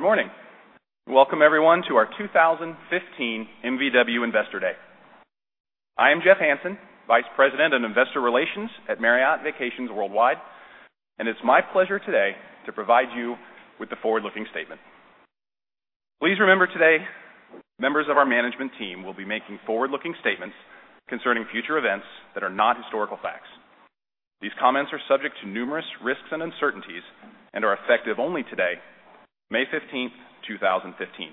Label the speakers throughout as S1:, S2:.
S1: Good morning. Welcome, everyone, to our 2015 MVW Investor Day. I am Jeff Hansen, Vice President of Investor Relations at Marriott Vacations Worldwide, and it's my pleasure today to provide you with the forward-looking statement. Please remember today, members of our management team will be making forward-looking statements concerning future events that are not historical facts. These comments are subject to numerous risks and uncertainties and are effective only today, May 15th, 2015.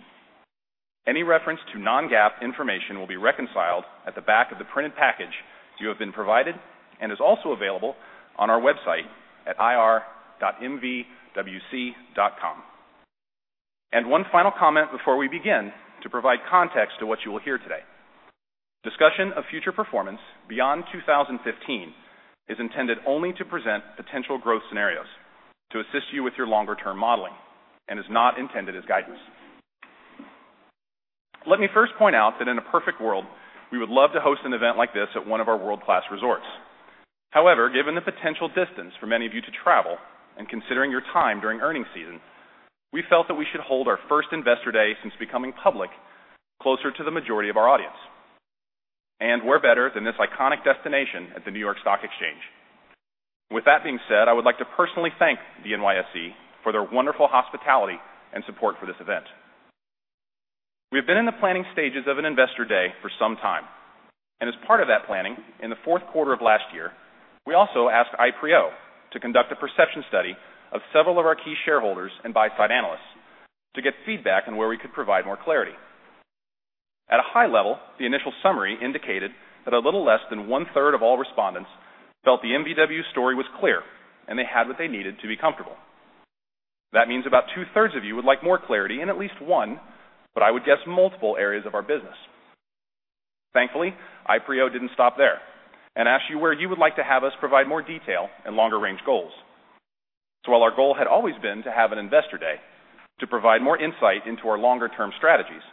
S1: Any reference to non-GAAP information will be reconciled at the back of the printed package you have been provided and is also available on our website at ir.mvwc.com. One final comment before we begin to provide context to what you will hear today. Discussion of future performance beyond 2015 is intended only to present potential growth scenarios to assist you with your longer-term modeling and is not intended as guidance. Let me first point out that in a perfect world, we would love to host an event like this at one of our world-class resorts. However, given the potential distance for many of you to travel and considering your time during earning season, we felt that we should hold our first Investor Day since becoming public closer to the majority of our audience. Where better than this iconic destination at the New York Stock Exchange? With that being said, I would like to personally thank the NYSE for their wonderful hospitality and support for this event. We have been in the planning stages of an Investor Day for some time. As part of that planning, in the fourth quarter of last year, we also asked Ipreo to conduct a perception study of several of our key shareholders and buy-side analysts to get feedback on where we could provide more clarity. At a high level, the initial summary indicated that a little less than one-third of all respondents felt the MVW story was clear and they had what they needed to be comfortable. That means about two-thirds of you would like more clarity in at least one, but I would guess, multiple areas of our business. Thankfully, Ipreo didn't stop there and asked you where you would like to have us provide more detail and longer-range goals. While our goal had always been to have an Investor Day to provide more insight into our longer-term strategies,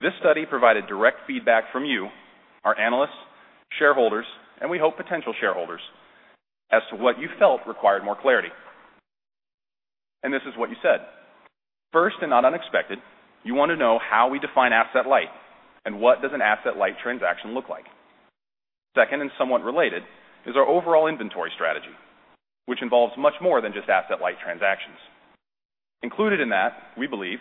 S1: this study provided direct feedback from you, our analysts, shareholders, and we hope potential shareholders, as to what you felt required more clarity. This is what you said. First, and not unexpected, you want to know how we define asset light and what does an asset-light transaction look like. Second, and somewhat related, is our overall inventory strategy, which involves much more than just asset-light transactions. Included in that, we believe,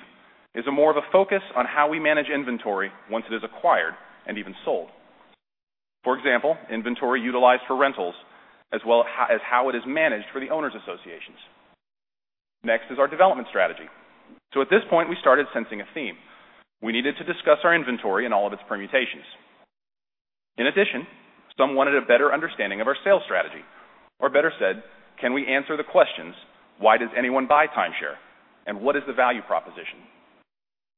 S1: is a more of a focus on how we manage inventory once it is acquired and even sold. For example, inventory utilized for rentals, as well as how it is managed for the owners associations. Next is our development strategy. At this point, we started sensing a theme. We needed to discuss our inventory and all of its permutations. In addition, some wanted a better understanding of our sales strategy, or better said, can we answer the questions: Why does anyone buy timeshare? What is the value proposition?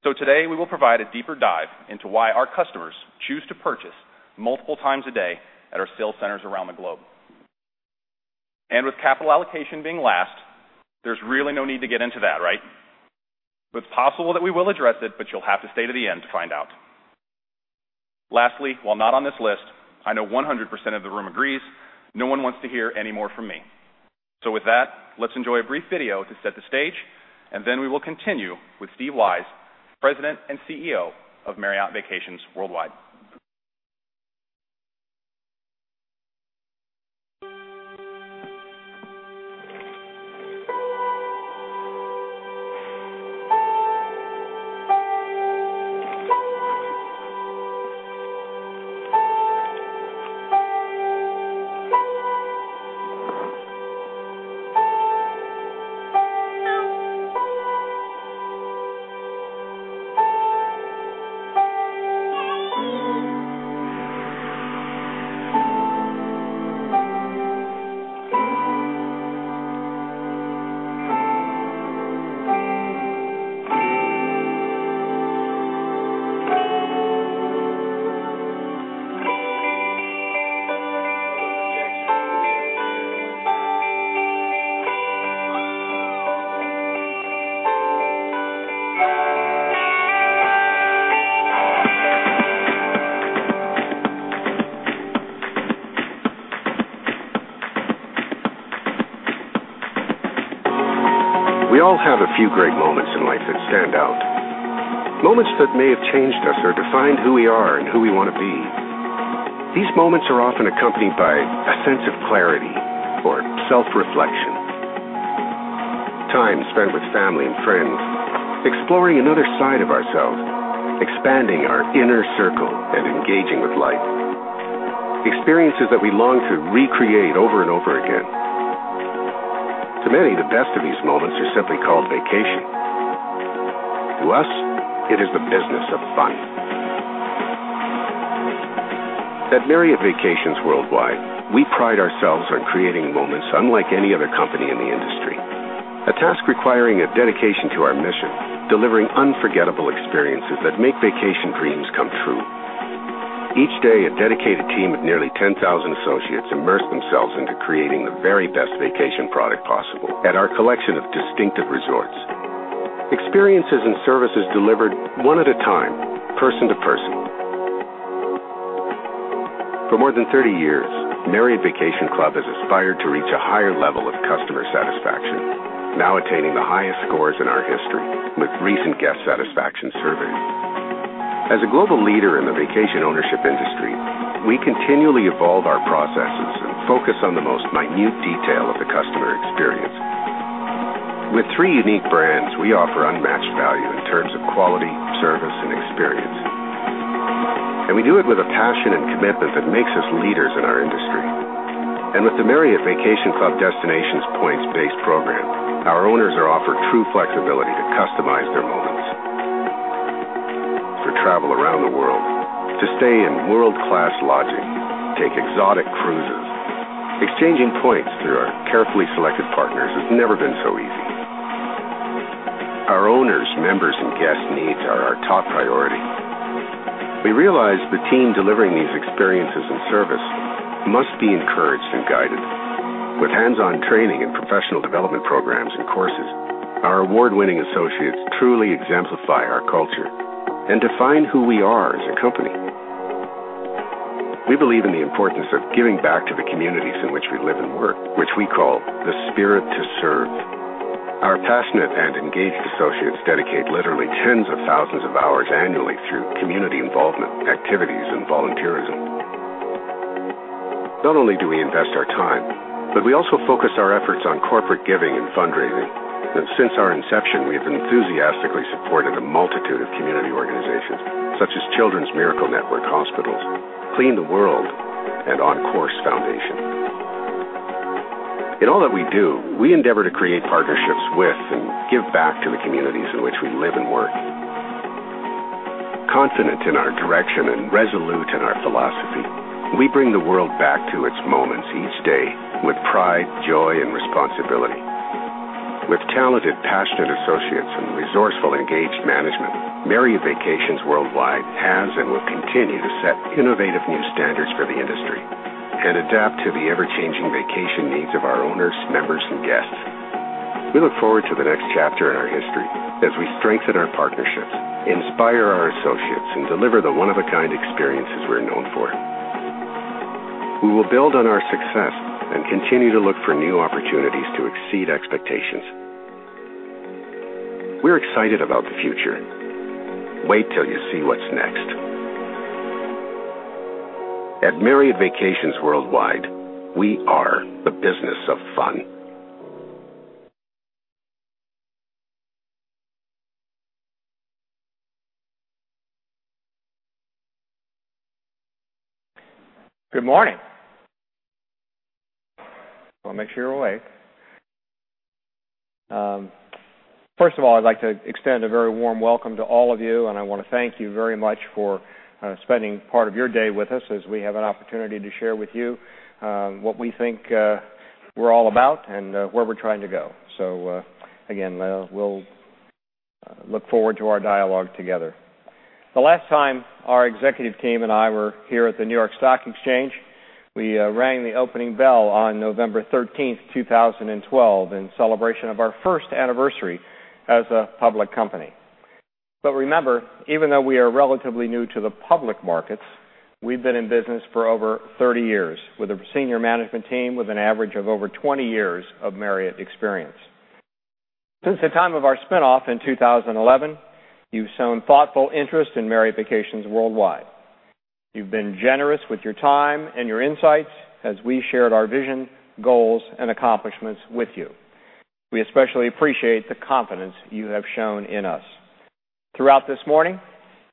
S1: Today, we will provide a deeper dive into why our customers choose to purchase multiple times a day at our sales centers around the globe. With capital allocation being last, there's really no need to get into that, right? It's possible that we will address it, but you'll have to stay to the end to find out. Lastly, while not on this list, I know 100% of the room agrees, no one wants to hear any more from me. With that, let's enjoy a brief video to set the stage, and then we will continue with Stephen Weisz, President and CEO of Marriott Vacations Worldwide.
S2: We all have a few great moments in life that stand out, moments that may have changed us or defined who we are and who we want to be. These moments are often accompanied by a sense of clarity or self-reflection, time spent with family and friends, exploring another side of ourselves, expanding our inner circle and engaging with life. Experiences that we long to recreate over and over again. To many, the best of these moments is simply called vacation. To us, it is the business of fun. At Marriott Vacations Worldwide, we pride ourselves on creating moments unlike any other company in the industry. A task requiring a dedication to our mission, delivering unforgettable experiences that make vacation dreams come true. Each day, a dedicated team of nearly 10,000 associates immerse themselves into creating the very best vacation product possible at our collection of distinctive resorts. Experiences and services delivered one at a time, person to person. For more than 30 years, Marriott Vacation Club has aspired to reach a higher level of customer satisfaction, now attaining the highest scores in our history with recent guest satisfaction surveys. As a global leader in the vacation ownership industry, we continually evolve our processes and focus on the most minute detail of the customer experience. With three unique brands, we offer unmatched value in terms of quality, service, and experience. We do it with a passion and commitment that makes us leaders in our industry. With the Marriott Vacation Club Destinations program, our owners are offered true flexibility to customize their moments for travel around the world, to stay in world-class lodging, take exotic cruises. Exchanging points through our carefully selected partners has never been so easy. Our owners, members, and guests' needs are our top priority. We realize the team delivering these experiences and service must be encouraged and guided. With hands-on training and professional development programs and courses, our award-winning associates truly exemplify our culture and define who we are as a company. We believe in the importance of giving back to the communities in which we live and work, which we call the spirit to serve. Our passionate and engaged associates dedicate literally tens of thousands of hours annually through community involvement, activities, and volunteerism. Not only do we invest our time, but we also focus our efforts on corporate giving and fundraising. Since our inception, we have enthusiastically supported a multitude of community organizations, such as Children's Miracle Network Hospitals, Clean the World, and On Course Foundation. In all that we do, we endeavor to create partnerships with and give back to the communities in which we live and work. Confident in our direction and resolute in our philosophy, we bring the world back to its moments each day with pride, joy, and responsibility. With talented, passionate associates and resourceful, engaged management, Marriott Vacations Worldwide has and will continue to set innovative new standards for the industry and adapt to the ever-changing vacation needs of our owners, members, and guests. We look forward to the next chapter in our history as we strengthen our partnerships, inspire our associates, and deliver the one-of-a-kind experiences we're known for. We will build on our success and continue to look for new opportunities to exceed expectations. We're excited about the future. Wait till you see what's next. At Marriott Vacations Worldwide, we are the business of fun.
S3: Good morning. Want to make sure you're awake. First of all, I'd like to extend a very warm welcome to all of you, and I want to thank you very much for spending part of your day with us as we have an opportunity to share with you what we think we're all about and where we're trying to go. Again, we'll look forward to our dialogue together. The last time our executive team and I were here at the New York Stock Exchange, we rang the opening bell on November 13th, 2012, in celebration of our first anniversary as a public company. Remember, even though we are relatively new to the public markets, we've been in business for over 30 years with a senior management team with an average of over 20 years of Marriott experience. Since the time of our spinoff in 2011, you've shown thoughtful interest in Marriott Vacations Worldwide. You've been generous with your time and your insights as we shared our vision, goals, and accomplishments with you. We especially appreciate the confidence you have shown in us. Throughout this morning,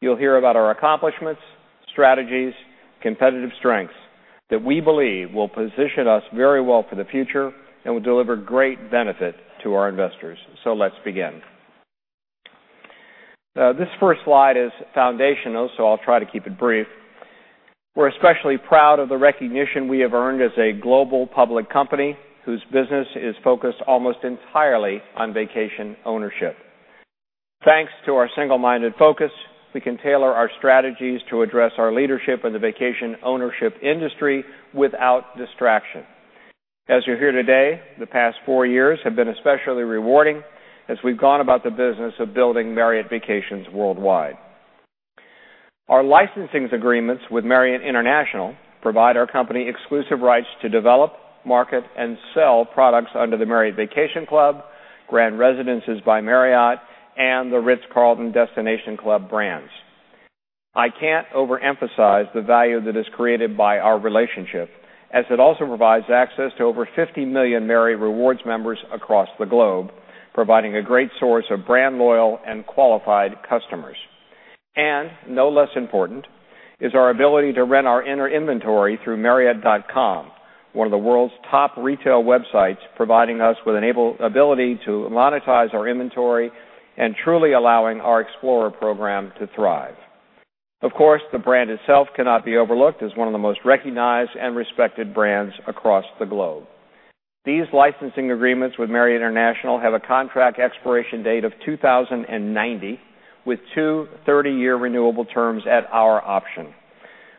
S3: you'll hear about our accomplishments, strategies, competitive strengths that we believe will position us very well for the future and will deliver great benefit to our investors. Let's begin. This first slide is foundational, so I'll try to keep it brief. We're especially proud of the recognition we have earned as a global public company whose business is focused almost entirely on vacation ownership. Thanks to our single-minded focus, we can tailor our strategies to address our leadership in the vacation ownership industry without distraction. As you're here today, the past four years have been especially rewarding as we've gone about the business of building Marriott Vacations Worldwide. Our licensing agreements with Marriott International provide our company exclusive rights to develop, market, and sell products under the Marriott Vacation Club, Grand Residences by Marriott, and the Ritz-Carlton Destination Club brands. I can't overemphasize the value that is created by our relationship, as it also provides access to over 50 million Marriott Rewards members across the globe, providing a great source of brand loyal and qualified customers. No less important, is our ability to rent our owner inventory through marriott.com, one of the world's top retail websites, providing us with an ability to monetize our inventory and truly allowing our Explorer Program to thrive. Of course, the brand itself cannot be overlooked as one of the most recognized and respected brands across the globe. These licensing agreements with Marriott International have a contract expiration date of 2090, with two 30-year renewable terms at our option.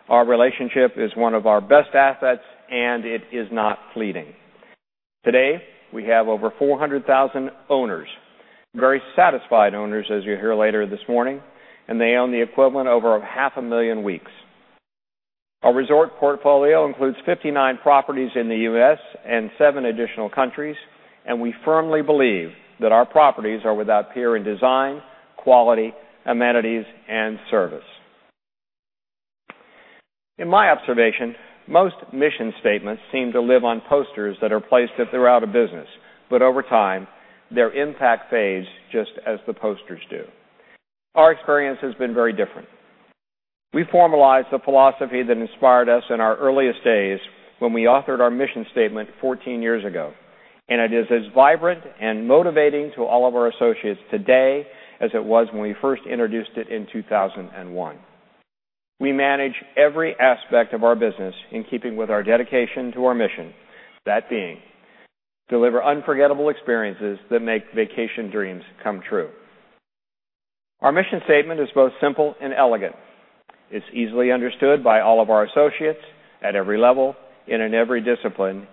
S3: Our relationship is one of our best assets, and it is not fleeting. Today, we have over 400,000 owners, very satisfied owners, as you'll hear later this morning, and they own the equivalent over half a million weeks. Our resort portfolio includes 59 properties in the U.S. and seven additional countries, and we firmly believe that our properties are without peer in design, quality, amenities, and service. In my observation, most mission statements seem to live on posters that are placed if they're out of business. Over time, their impact fades just as the posters do. Our experience has been very different. We formalized the philosophy that inspired us in our earliest days when we authored our mission statement 14 years ago. It is as vibrant and motivating to all of our associates today as it was when we first introduced it in 2001. We manage every aspect of our business in keeping with our dedication to our mission, that being, deliver unforgettable experiences that make vacation dreams come true. Our mission statement is both simple and elegant. It's easily understood by all of our associates at every level and in every discipline.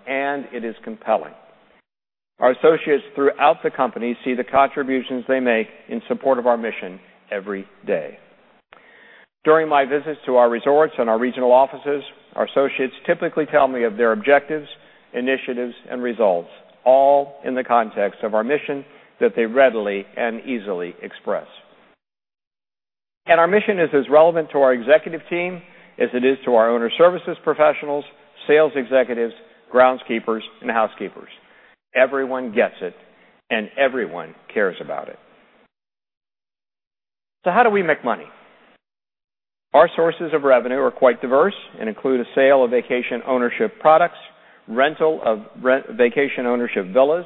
S3: It is compelling. Our associates throughout the company see the contributions they make in support of our mission every day. During my visits to our resorts and our regional offices, our associates typically tell me of their objectives, initiatives, and results, all in the context of our mission that they readily and easily express. Our mission is as relevant to our executive team as it is to our owner services professionals, sales executives, groundskeepers, and housekeepers. Everyone gets it and everyone cares about it. How do we make money? Our sources of revenue are quite diverse and include a sale of vacation ownership products, rental of vacation ownership villas,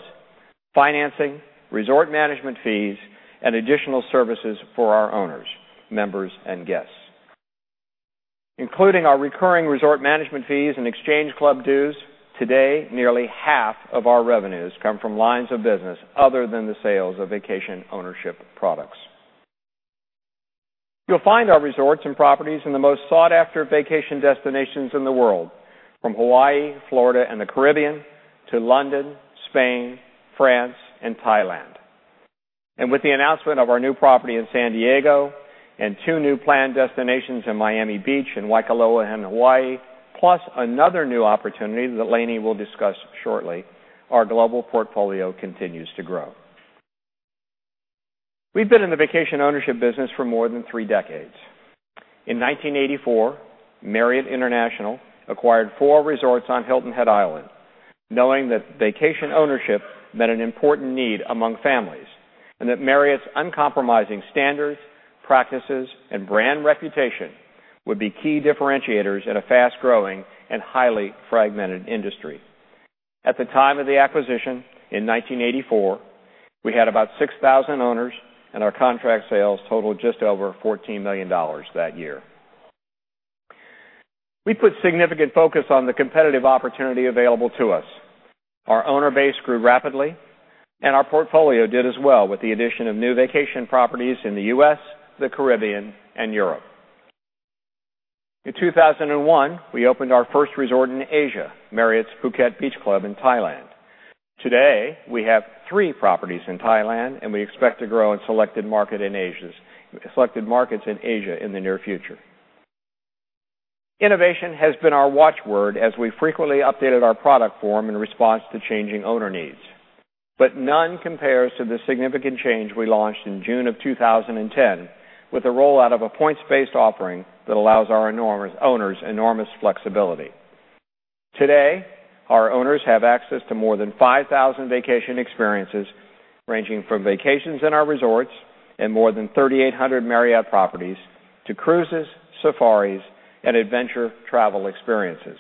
S3: financing, resort management fees, and additional services for our owners, members, and guests. Including our recurring resort management fees and exchange club dues, today, nearly half of our revenues come from lines of business other than the sales of vacation ownership products. You will find our resorts and properties in the most sought-after vacation destinations in the world, from Hawaii, Florida, and the Caribbean to London, Spain, France, and Thailand. With the announcement of our new property in San Diego and two new planned destinations in Miami Beach and Waikoloa in Hawaii, plus another new opportunity that Lani will discuss shortly, our global portfolio continues to grow. We've been in the vacation ownership business for more than three decades. In 1984, Marriott International acquired four resorts on Hilton Head Island, knowing that vacation ownership met an important need among families. That Marriott's uncompromising standards, practices, and brand reputation would be key differentiators in a fast-growing and highly fragmented industry. At the time of the acquisition in 1984, we had about 6,000 owners. Our contract sales totaled just over $14 million that year. We put significant focus on the competitive opportunity available to us. Our owner base grew rapidly and our portfolio did as well with the addition of new vacation properties in the U.S., the Caribbean, and Europe. In 2001, we opened our first resort in Asia, Marriott's Phuket Beach Club in Thailand. Today, we have three properties in Thailand, and we expect to grow in selected markets in Asia in the near future. Innovation has been our watchword as we frequently updated our product form in response to changing owner needs. None compares to the significant change we launched in June of 2010 with the rollout of a points-based offering that allows our owners enormous flexibility. Today, our owners have access to more than 5,000 vacation experiences ranging from vacations in our resorts and more than 3,800 Marriott properties to cruises, safaris, and adventure travel experiences.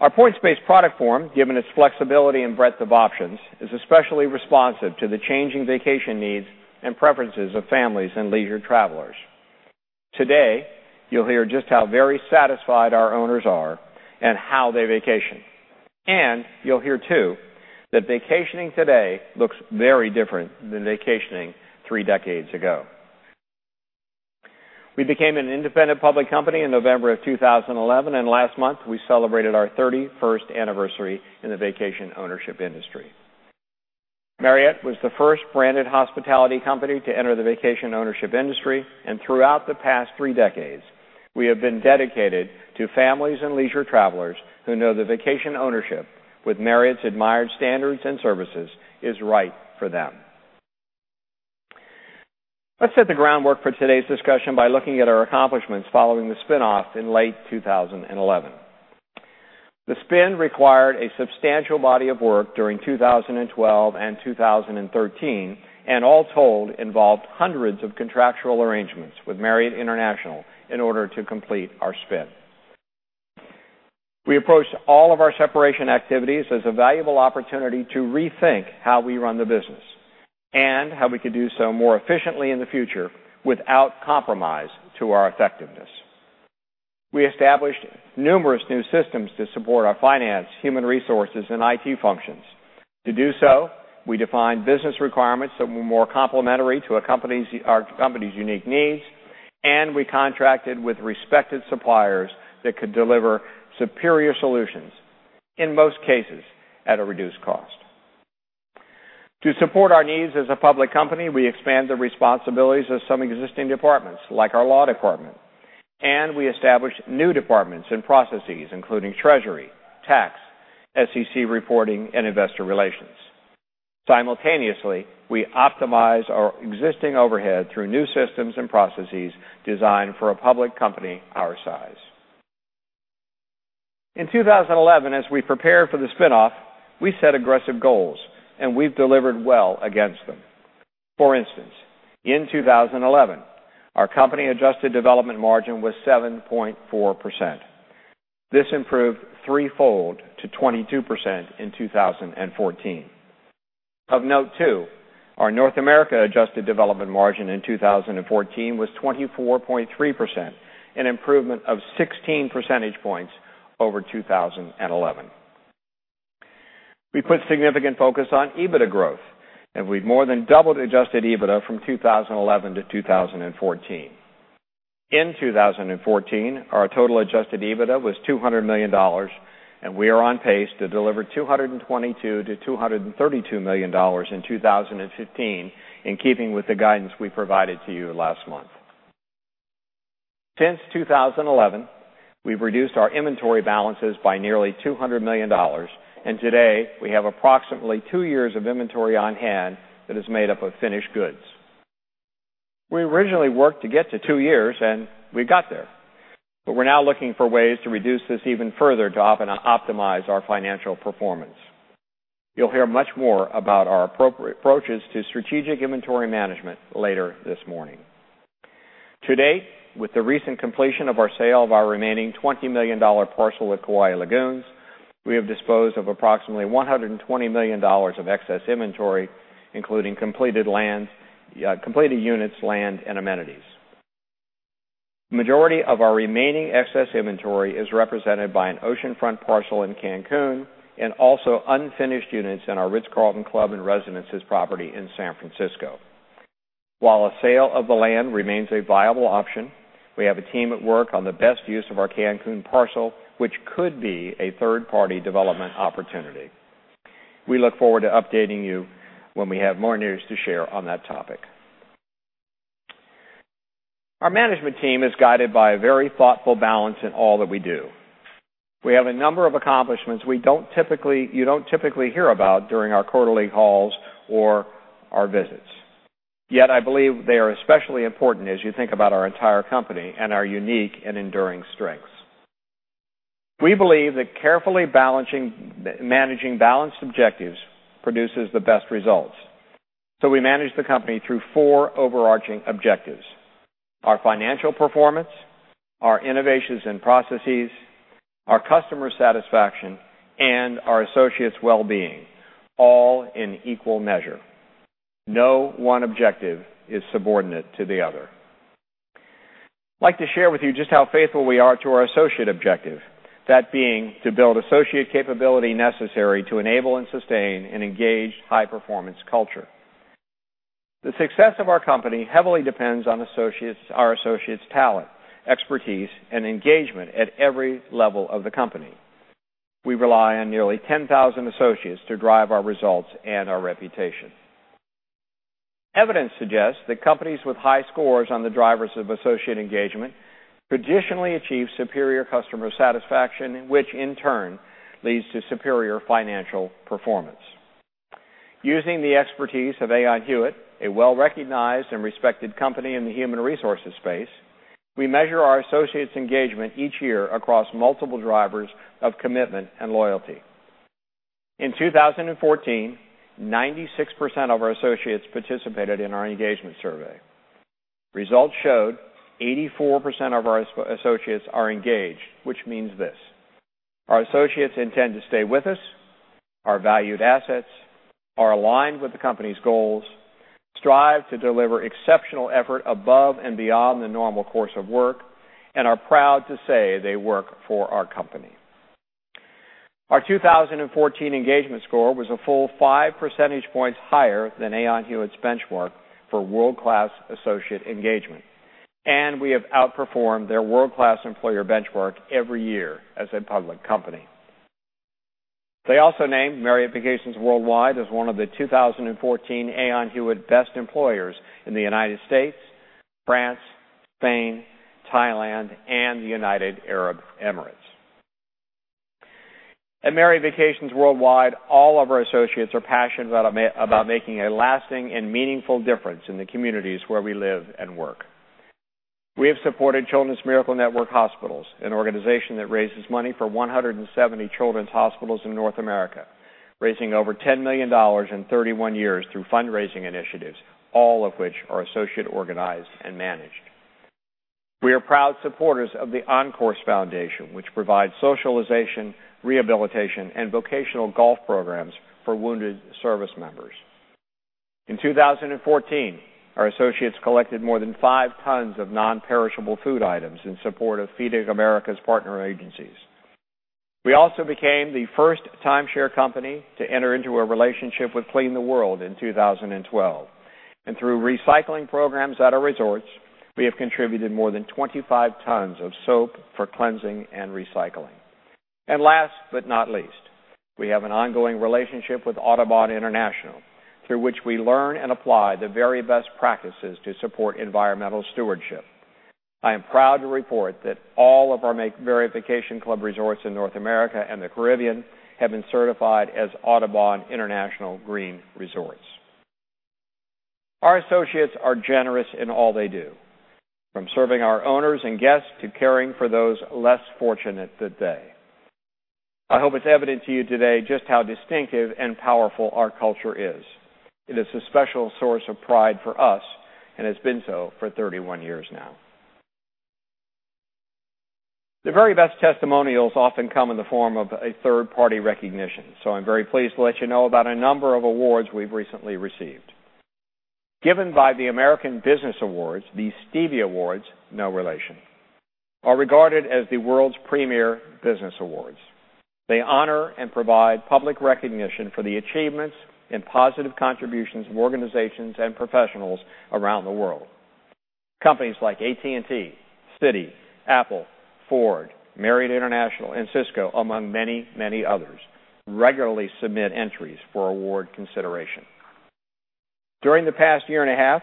S3: Our points-based product form, given its flexibility and breadth of options, is especially responsive to the changing vacation needs and preferences of families and leisure travelers. Today, you'll hear just how very satisfied our owners are and how they vacation. You'll hear too, that vacationing today looks very different than vacationing three decades ago. We became an independent public company in November of 2011, and last month we celebrated our 31st anniversary in the vacation ownership industry. Marriott was the first branded hospitality company to enter the vacation ownership industry, and throughout the past three decades, we have been dedicated to families and leisure travelers who know that vacation ownership with Marriott's admired standards and services is right for them. Let's set the groundwork for today's discussion by looking at our accomplishments following the spin-off in late 2011. The spin-off required a substantial body of work during 2012 and 2013, and all told, involved hundreds of contractual arrangements with Marriott International in order to complete our spin-off. We approached all of our separation activities as a valuable opportunity to rethink how we run the business and how we could do so more efficiently in the future without compromise to our effectiveness. We established numerous new systems to support our finance, human resources, and IT functions. To do so, we defined business requirements that were more complementary to our company's unique needs, and we contracted with respected suppliers that could deliver superior solutions, in most cases, at a reduced cost. To support our needs as a public company, we expand the responsibilities of some existing departments, like our law department, and we established new departments and processes, including treasury, tax, SEC reporting, and investor relations. Simultaneously, we optimize our existing overhead through new systems and processes designed for a public company our size. In 2011, as we prepared for the spin-off, we set aggressive goals, and we've delivered well against them. For instance, in 2011, our company adjusted development margin was 7.4%. This improved threefold to 22% in 2014. Of note too, our North America adjusted development margin in 2014 was 24.3%, an improvement of 16 percentage points over 2011. We put significant focus on EBITDA growth, and we've more than doubled adjusted EBITDA from 2011 to 2014. In 2014, our total adjusted EBITDA was $200 million, and we are on pace to deliver $222 million to $232 million in 2015, in keeping with the guidance we provided to you last month. Since 2011, we've reduced our inventory balances by nearly $200 million, and today we have approximately two years of inventory on hand that is made up of finished goods. We originally worked to get to two years, and we got there, but we're now looking for ways to reduce this even further to optimize our financial performance. You'll hear much more about our approaches to strategic inventory management later this morning. To date, with the recent completion of our sale of our remaining $20 million parcel at Kauai Lagoons, we have disposed of approximately $120 million of excess inventory, including completed units, land, and amenities. Majority of our remaining excess inventory is represented by an oceanfront parcel in Cancun and also unfinished units in our Ritz-Carlton Club and Residences property in San Francisco. While a sale of the land remains a viable option, we have a team at work on the best use of our Cancun parcel, which could be a third-party development opportunity. We look forward to updating you when we have more news to share on that topic. Our management team is guided by a very thoughtful balance in all that we do. We have a number of accomplishments you don't typically hear about during our quarterly calls or our visits, yet I believe they are especially important as you think about our entire company and our unique and enduring strengths. We believe that carefully managing balanced objectives produces the best results. We manage the company through four overarching objectives: Our financial performance, our innovations and processes, our customer satisfaction, and our associates' well-being, all in equal measure. No one objective is subordinate to the other. I'd like to share with you just how faithful we are to our associate objective. That being to build associate capability necessary to enable and sustain an engaged, high-performance culture. The success of our company heavily depends on our associates' talent, expertise, and engagement at every level of the company. We rely on nearly 10,000 associates to drive our results and our reputation. Evidence suggests that companies with high scores on the drivers of associate engagement traditionally achieve superior customer satisfaction, which in turn leads to superior financial performance. Using the expertise of Aon Hewitt, a well-recognized and respected company in the human resources space, we measure our associates' engagement each year across multiple drivers of commitment and loyalty. In 2014, 96% of our associates participated in our engagement survey. Results showed 84% of our associates are engaged, which means this: Our associates intend to stay with us, are valued assets, are aligned with the company's goals, strive to deliver exceptional effort above and beyond the normal course of work, and are proud to say they work for our company. Our 2014 engagement score was a full five percentage points higher than Aon Hewitt's benchmark for world-class associate engagement. We have outperformed their world-class employer benchmark every year as a public company. They also named Marriott Vacations Worldwide as one of the 2014 Aon Hewitt Best Employers in the United States, France, Spain, Thailand, and the United Arab Emirates. At Marriott Vacations Worldwide, all of our associates are passionate about making a lasting and meaningful difference in the communities where we live and work. We have supported Children's Miracle Network Hospitals, an organization that raises money for 170 children's hospitals in North America, raising over $10 million in 31 years through fundraising initiatives, all of which are associate organized and managed. We are proud supporters of the On Course Foundation, which provides socialization, rehabilitation, and vocational golf programs for wounded service members. In 2014, our associates collected more than five tons of non-perishable food items in support of Feeding America's partner agencies. We also became the first timeshare company to enter into a relationship with Clean the World in 2012. Through recycling programs at our resorts, we have contributed more than 25 tons of soap for cleansing and recycling. Last but not least, we have an ongoing relationship with Audubon International, through which we learn and apply the very best practices to support environmental stewardship. I am proud to report that all of our Marriott Vacation Club resorts in North America and the Caribbean have been certified as Audubon International Green Resorts. Our associates are generous in all they do, from serving our owners and guests to caring for those less fortunate than they. I hope it's evident to you today just how distinctive and powerful our culture is. It is a special source of pride for us, and has been so for 31 years now. The very best testimonials often come in the form of a third-party recognition, so I'm very pleased to let you know about a number of awards we've recently received. Given by the American Business Awards, the Stevie Awards, no relation, are regarded as the world's premier business awards. They honor and provide public recognition for the achievements and positive contributions of organizations and professionals around the world. Companies like AT&T, Citi, Apple, Ford, Marriott International, and Cisco, among many others, regularly submit entries for award consideration. During the past year and a half,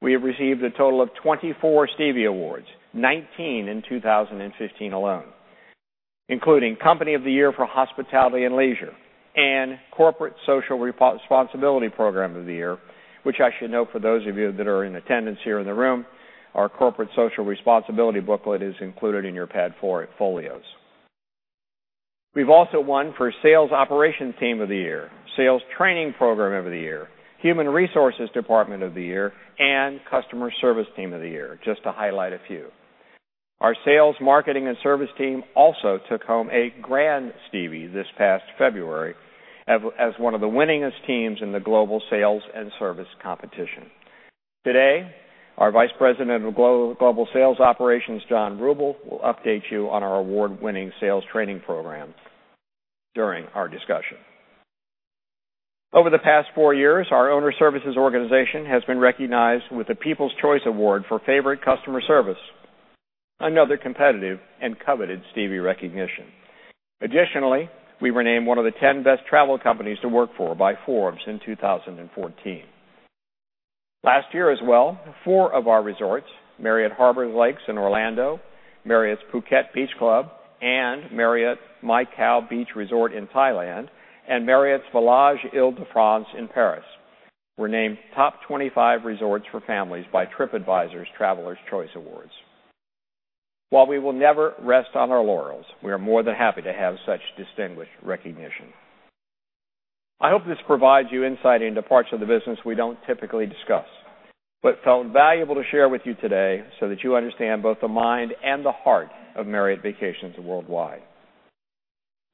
S3: we have received a total of 24 Stevie Awards, 19 in 2015 alone, including Company of the Year for Hospitality and Leisure and Corporate Social Responsibility Program of the Year, which I should note for those of you that are in attendance here in the room, our corporate social responsibility booklet is included in your pad folios. We've also won for Sales Operations Team of the Year, Sales Training Program of the Year, Human Resources Department of the Year, and Customer Service Team of the Year, just to highlight a few. Our sales, marketing, and service team also took home a Grand Stevie this past February as one of the winningest teams in the global sales and service competition. Today, our Vice President of Global Sales Operations, John Ruble, will update you on our award-winning sales training programs during our discussion. Over the past four years, our owner services organization has been recognized with the People's Choice Award for Favorite Customer Service, another competitive and coveted Stevie recognition. Additionally, we were named one of the 10 best travel companies to work for by Forbes in 2014. Last year as well, four of our resorts, Marriott's Harbour Lake in Orlando, Marriott Phuket Beach Club, and Marriott's Mai Khao Beach in Thailand, and Marriott's Village Ile-de-France in Paris, were named Top 25 Resorts for Families by Tripadvisor's Travellers' Choice Awards. While we will never rest on our laurels, we are more than happy to have such distinguished recognition. I hope this provides you insight into parts of the business we don't typically discuss but felt valuable to share with you today so that you understand both the mind and the heart of Marriott Vacations Worldwide.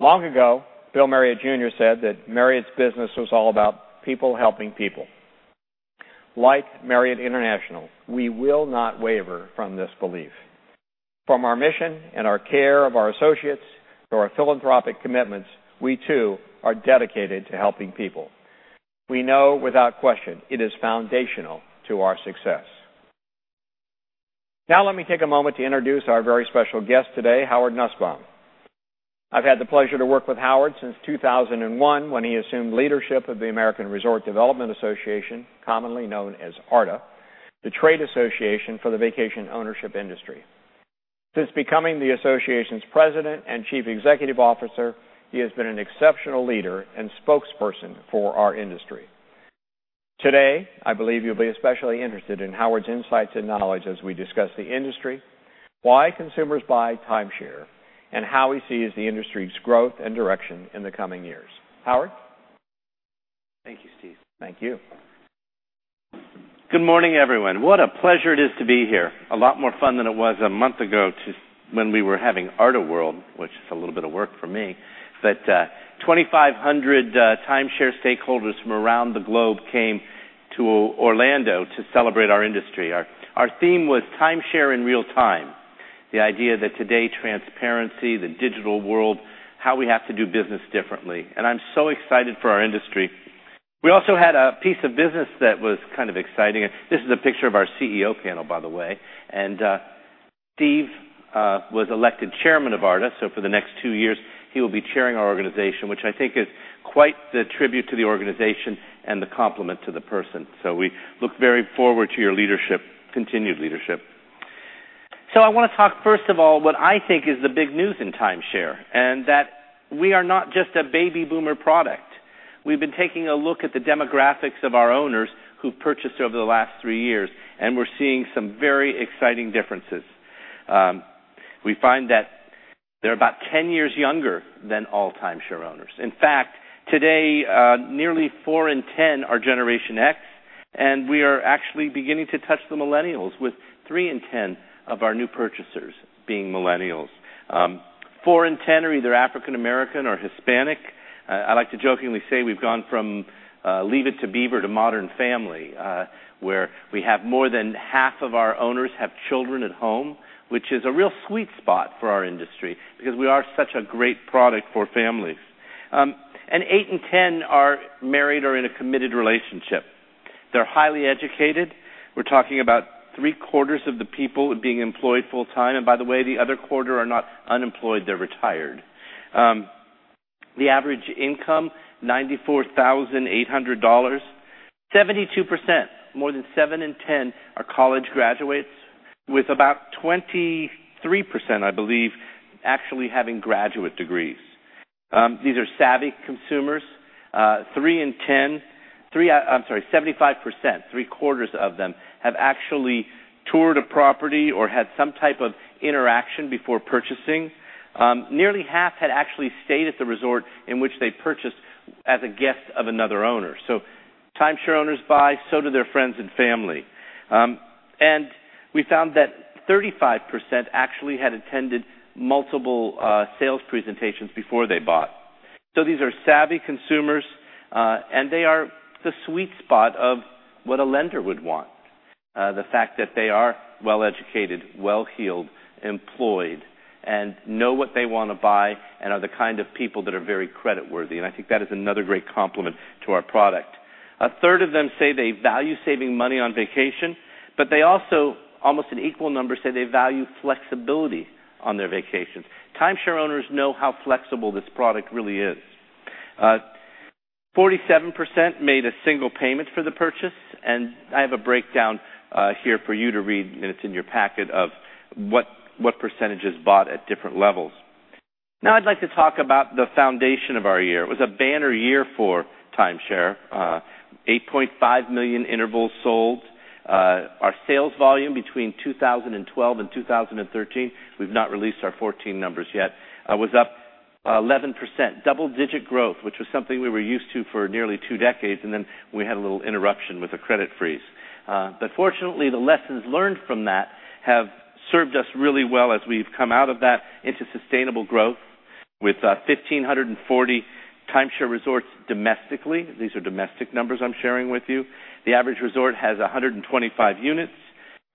S3: Long ago, Bill Marriott Jr. said that Marriott's business was all about people helping people. Like Marriott International, we will not waver from this belief. From our mission and our care of our associates to our philanthropic commitments, we too are dedicated to helping people. We know without question it is foundational to our success. Now let me take a moment to introduce our very special guest today, Howard Nusbaum. I've had the pleasure to work with Howard since 2001 when he assumed leadership of the American Resort Development Association, commonly known as ARDA, the trade association for the vacation ownership industry. Since becoming the association's president and chief executive officer, he has been an exceptional leader and spokesperson for our industry. Today, I believe you'll be especially interested in Howard's insights and knowledge as we discuss the industry, why consumers buy timeshare, and how we see as the industry's growth and direction in the coming years. Howard?
S4: Thank you, Steve.
S3: Thank you.
S4: Good morning, everyone. What a pleasure it is to be here. A lot more fun than it was a month ago when we were having ARDA World, which is a little bit of work for me. 2,500 timeshare stakeholders from around the globe came to Orlando to celebrate our industry. Our theme was Timeshare in Real Time, the idea that today transparency, the digital world, how we have to do business differently, and I'm so excited for our industry. We also had a piece of business that was kind of exciting. This is a picture of our CEO panel, by the way. Steve was elected chairman of ARDA, so for the next two years, he will be chairing our organization, which I think is quite the tribute to the organization and the compliment to the person. We look very forward to your leadership, continued leadership. I want to talk first of all, what I think is the big news in timeshare, and that we are not just a baby boomer product. We've been taking a look at the demographics of our owners who purchased over the last three years, and we're seeing some very exciting differences. We find that they're about 10 years younger than all timeshare owners. In fact, today, nearly four in 10 are Generation X, and we are actually beginning to touch the millennials with three in 10 of our new purchasers being millennials. Four in 10 are either African American or Hispanic. I like to jokingly say we've gone from "Leave It to Beaver" to "Modern Family," where we have more than half of our owners have children at home, which is a real sweet spot for our industry because we are such a great product for families. Eight in 10 are married or in a committed relationship. They're highly educated. We're talking about three-quarters of the people being employed full-time. By the way, the other quarter are not unemployed, they're retired. The average income, $94,800. 72%, more than seven in 10 are college graduates with about 23%, I believe, actually having graduate degrees. These are savvy consumers. 75%, three-quarters of them have actually toured a property or had some type of interaction before purchasing. Nearly half had actually stayed at the resort in which they purchased as a guest of another owner. Timeshare owners buy, so do their friends and family. We found that 35% actually had attended multiple sales presentations before they bought. These are savvy consumers, and they are the sweet spot of what a lender would want. The fact that they are well-educated, well-heeled, employed, and know what they want to buy, and are the kind of people that are very creditworthy. I think that is another great complement to our product. A third of them say they value saving money on vacation, but they also, almost an equal number, say they value flexibility on their vacations. Timeshare owners know how flexible this product really is. 47% made a single payment for the purchase, and I have a breakdown here for you to read, and it's in your packet of what percentages bought at different levels. Now I'd like to talk about the foundation of our year. It was a banner year for timeshare. 8.5 million intervals sold. Our sales volume between 2012 and 2013, we've not released our 2014 numbers yet, was up 11%, double-digit growth, which was something we were used to for nearly two decades, then we had a little interruption with the credit freeze. Fortunately, the lessons learned from that have served us really well as we've come out of that into sustainable growth with 1,540 timeshare resorts domestically. These are domestic numbers I'm sharing with you. The average resort has 125 units,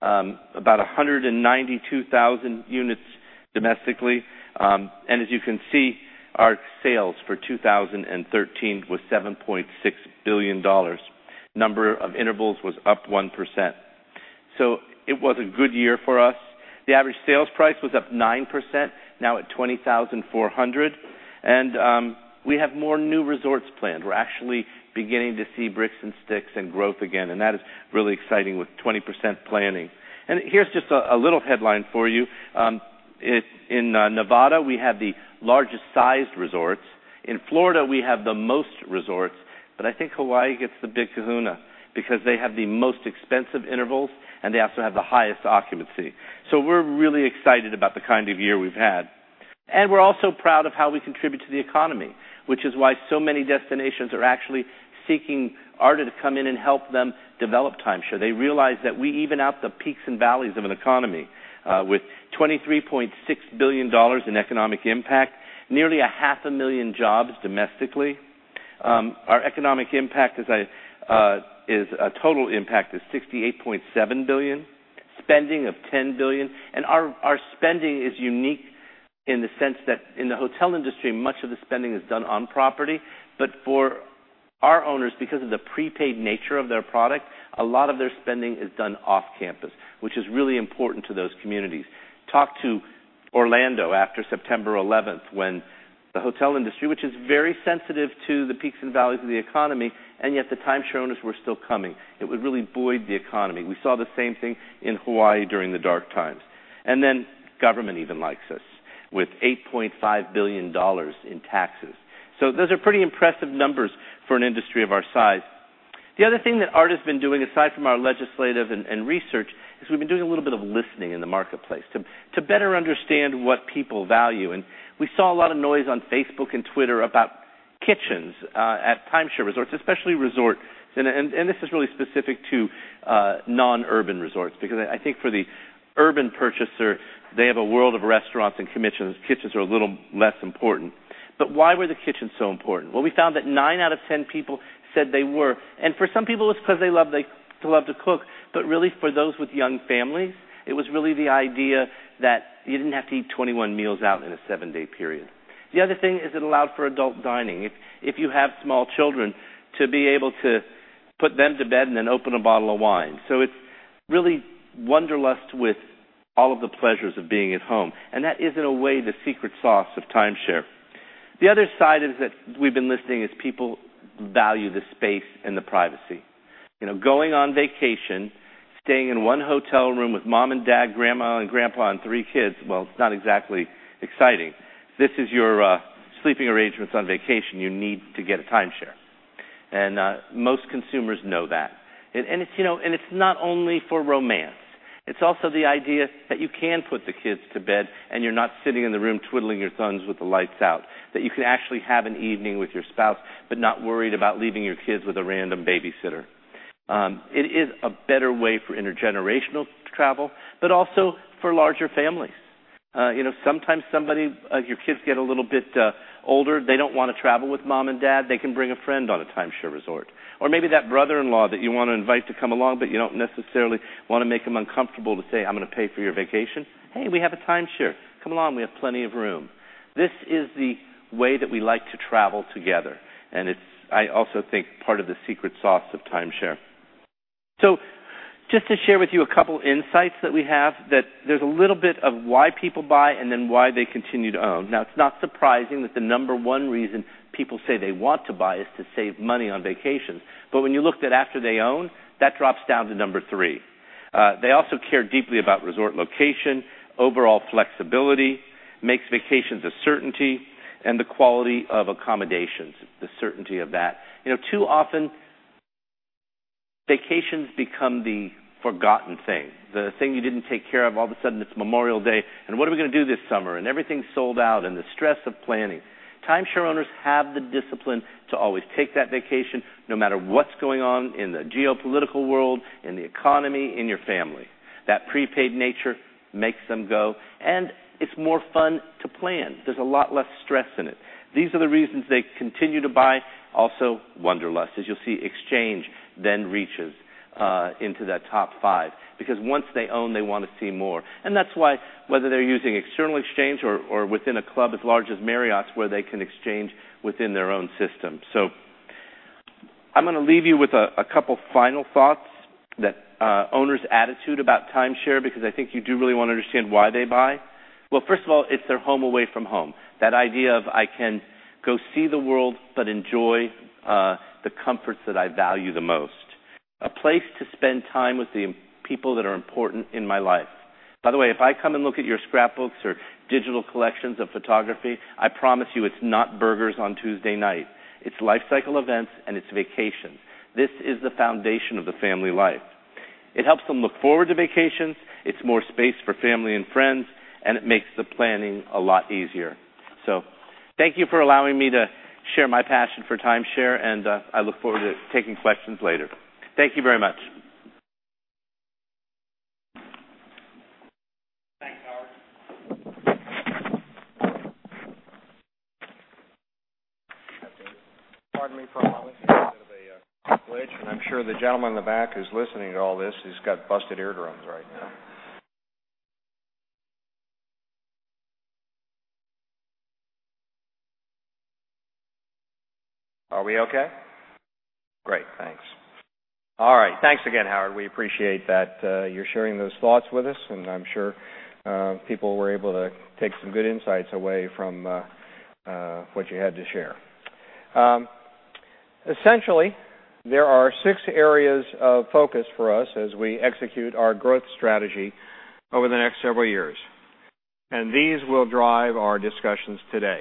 S4: about 192,000 units domestically. As you can see, our sales for 2013 was $7.6 billion. Number of intervals was up 1%. It was a good year for us. The average sales price was up 9%, now at $20,400. We have more new resorts planned. We're actually beginning to see bricks and sticks and growth again, and that is really exciting with 20% planning. Here's just a little headline for you. In Nevada, we have the largest sized resorts. In Florida, we have the most resorts, but I think Hawaii gets the big kahuna because they have the most expensive intervals and they also have the highest occupancy. We're really excited about the kind of year we've had. We're also proud of how we contribute to the economy, which is why so many destinations are actually seeking ARDA to come in and help them develop timeshare. They realize that we even out the peaks and valleys of an economy with $23.6 billion in economic impact, nearly a half a million jobs domestically. Our economic impact is a total impact is $68.7 billion, spending of $10 billion. Our spending is unique in the sense that in the hotel industry, much of the spending is done on property. For our owners, because of the prepaid nature of their product, a lot of their spending is done off-campus, which is really important to those communities. Talk to Orlando after September 11th when the hotel industry, which is very sensitive to the peaks and valleys of the economy, and yet the timeshare owners were still coming. It would really buoy the economy. We saw the same thing in Hawaii during the dark times. Government even likes us with $8.5 billion in taxes. Those are pretty impressive numbers for an industry of our size. The other thing that ARDA's been doing, aside from our legislative and research, is we've been doing a little bit of listening in the marketplace to better understand what people value. We saw a lot of noise on Facebook and Twitter about kitchens at timeshare resorts, especially resort. This is really specific to non-urban resorts, because I think for the urban purchaser, they have a world of restaurants and commissions. Kitchens are a little less important. Why were the kitchens so important? We found that nine out of 10 people said they were. For some people, it's because they love to cook. Really for those with young families, it was really the idea that you didn't have to eat 21 meals out in a seven-day period. The other thing is it allowed for adult dining. If you have small children, to be able to put them to bed and then open a bottle of wine. It's really wanderlust with all of the pleasures of being at home, and that is, in a way, the secret sauce of timeshare. The other side is that we've been listening is people value the space and the privacy. Going on vacation, staying in one hotel room with mom and dad, grandma and grandpa, and three kids, well, it's not exactly exciting. If this is your sleeping arrangements on vacation, you need to get a timeshare. Most consumers know that. It's not only for romance. It's also the idea that you can put the kids to bed and you're not sitting in the room twiddling your thumbs with the lights out, that you can actually have an evening with your spouse but not worried about leaving your kids with a random babysitter. It is a better way for intergenerational travel, but also for larger families. Sometimes your kids get a little bit older, they don't want to travel with mom and dad, they can bring a friend on a timeshare resort. Maybe that brother-in-law that you want to invite to come along, but you don't necessarily want to make him uncomfortable to say, "I'm going to pay for your vacation." "Hey, we have a timeshare. Come along, we have plenty of room." This is the way that we like to travel together, and it's, I also think, part of the secret sauce of timeshare. Just to share with you a couple insights that we have, that there's a little bit of why people buy and then why they continue to own. It's not surprising that the number one reason people say they want to buy is to save money on vacations. When you looked at after they own, that drops down to number three. They also care deeply about resort location, overall flexibility, makes vacations a certainty, and the quality of accommodations, the certainty of that. Too often vacations become the forgotten thing, the thing you didn't take care of. All of a sudden it's Memorial Day, what are we going to do this summer? Everything's sold out, and the stress of planning. Timeshare owners have the discipline to always take that vacation, no matter what's going on in the geopolitical world, in the economy, in your family. That prepaid nature makes them go, and it's more fun to plan. There's a lot less stress in it. These are the reasons they continue to buy. Wanderlust. As you'll see, exchange then reaches into that top five because once they own, they want to see more. That's why whether they're using external exchange or within a club as large as Marriott's, where they can exchange within their own system. I'm going to leave you with a couple final thoughts that owners' attitude about timeshare, because I think you do really want to understand why they buy. Well, first of all, it's their home away from home. That idea of I can go see the world but enjoy the comforts that I value the most. A place to spend time with the people that are important in my life. By the way, if I come and look at your scrapbooks or digital collections of photography, I promise you it's not burgers on Tuesday night. It's life cycle events and it's vacations. This is the foundation of the family life. It helps them look forward to vacations, it's more space for family and friends, and it makes the planning a lot easier. Thank you for allowing me to share my passion for timeshare, and I look forward to taking questions later. Thank you very much.
S3: Thanks, Howard. Pardon me for a moment. We have a bit of a glitch, and I'm sure the gentleman in the back who's listening to all this has got busted eardrums right now. Are we okay? Great, thanks. All right. Thanks again, Howard. We appreciate that you're sharing those thoughts with us, and I'm sure people were able to take some good insights away from what you had to share. Essentially, there are six areas of focus for us as we execute our growth strategy over the next several years, and these will drive our discussions today.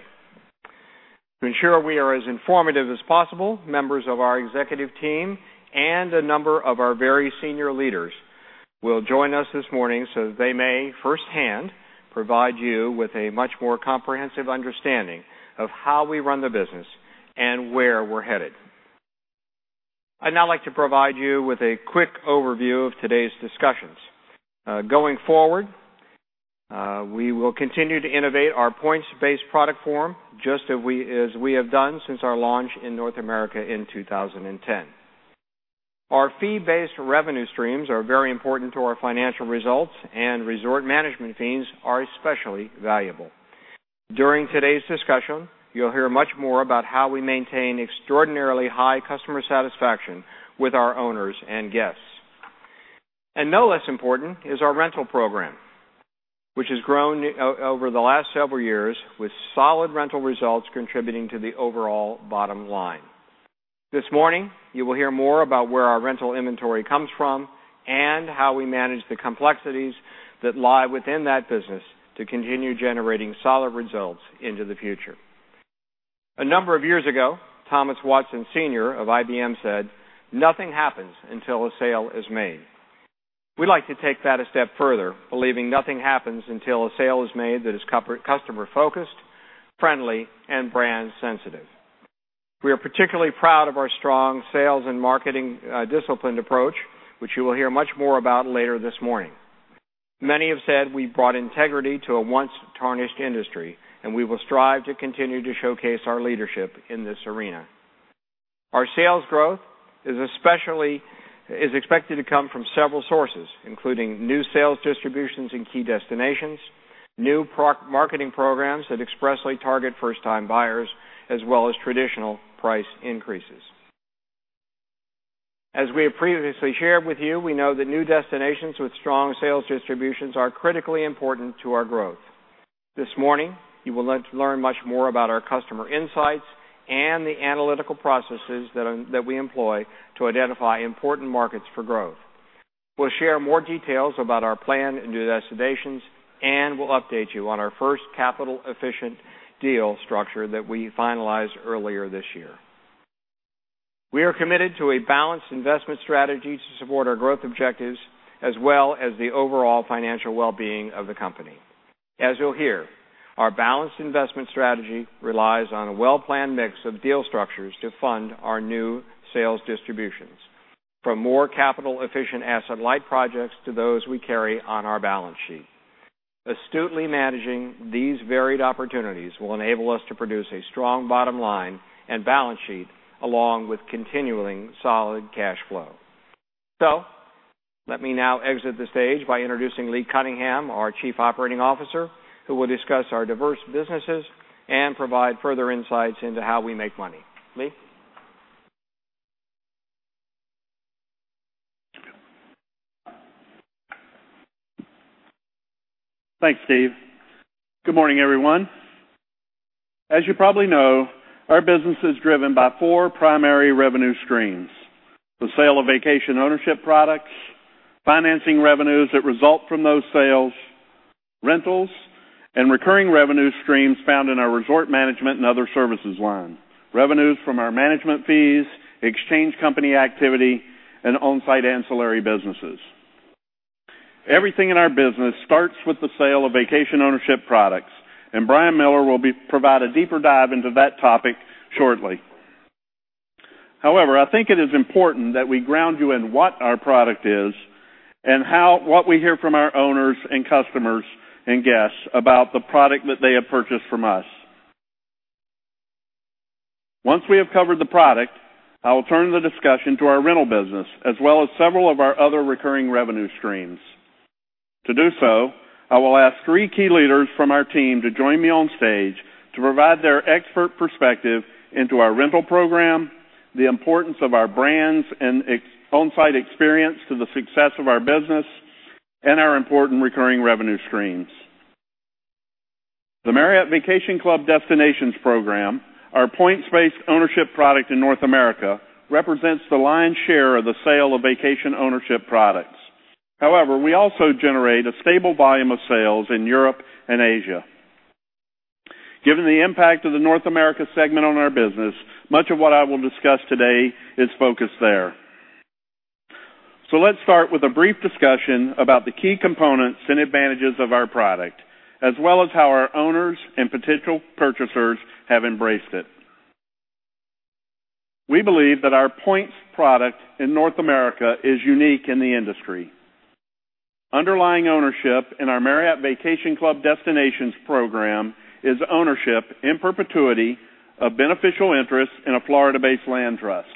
S3: To ensure we are as informative as possible, members of our executive team and a number of our very senior leaders will join us this morning so that they may firsthand provide you with a much more comprehensive understanding of how we run the business and where we're headed. I'd now like to provide you with a quick overview of today's discussions. Going forward, we will continue to innovate our points-based product form just as we have done since our launch in North America in 2010. Our fee-based revenue streams are very important to our financial results, and resort management fees are especially valuable. During today's discussion, you'll hear much more about how we maintain extraordinarily high customer satisfaction with our owners and guests. No less important is our rental program, which has grown over the last several years with solid rental results contributing to the overall bottom line. This morning, you will hear more about where our rental inventory comes from and how we manage the complexities that lie within that business to continue generating solid results into the future. A number of years ago, Thomas Watson Sr. of IBM said, "Nothing happens until a sale is made." We like to take that a step further, believing nothing happens until a sale is made that is customer-focused, friendly, and brand sensitive. We are particularly proud of our strong sales and marketing disciplined approach, which you will hear much more about later this morning. Many have said we've brought integrity to a once tarnished industry, and we will strive to continue to showcase our leadership in this arena. Our sales growth is expected to come from several sources, including new sales distributions in key destinations, new marketing programs that expressly target first-time buyers, as well as traditional price increases. As we have previously shared with you, we know that new destinations with strong sales distributions are critically important to our growth. This morning, you will learn much more about our customer insights and the analytical processes that we employ to identify important markets for growth. We'll share more details about our plan and new destinations, we'll update you on our first capital efficient deal structure that we finalized earlier this year. We are committed to a balanced investment strategy to support our growth objectives as well as the overall financial well-being of the company. As you'll hear, our balanced investment strategy relies on a well-planned mix of deal structures to fund our new sales distributions, from more capital-efficient asset-light projects to those we carry on our balance sheet. Astutely managing these varied opportunities will enable us to produce a strong bottom line and balance sheet, along with continuing solid cash flow. Let me now exit the stage by introducing R. Lee Cunningham, our Chief Operating Officer, who will discuss our diverse businesses and provide further insights into how we make money. Lee?
S5: Thanks, Steve. Good morning, everyone. As you probably know, our business is driven by four primary revenue streams: the sale of vacation ownership products, financing revenues that result from those sales, rentals, and recurring revenue streams found in our resort management and other services line, revenues from our management fees, exchange company activity, and on-site ancillary businesses. Everything in our business starts with the sale of vacation ownership products, Brian Miller will provide a deeper dive into that topic shortly. I think it is important that we ground you in what our product is and what we hear from our owners and customers and guests about the product that they have purchased from us. Once we have covered the product, I will turn the discussion to our rental business, as well as several of our other recurring revenue streams. To do so, I will ask three key leaders from our team to join me on stage to provide their expert perspective into our rental program, the importance of our brands and on-site experience to the success of our business, and our important recurring revenue streams. The Marriott Vacation Club Destinations program, our points-based ownership product in North America, represents the lion's share of the sale of vacation ownership products. We also generate a stable volume of sales in Europe and Asia. Given the impact of the North America segment on our business, much of what I will discuss today is focused there. Let's start with a brief discussion about the key components and advantages of our product, as well as how our owners and potential purchasers have embraced it. We believe that our points product in North America is unique in the industry. Underlying ownership in our Marriott Vacation Club Destinations program is ownership, in perpetuity, of beneficial interests in a Florida Land Trust.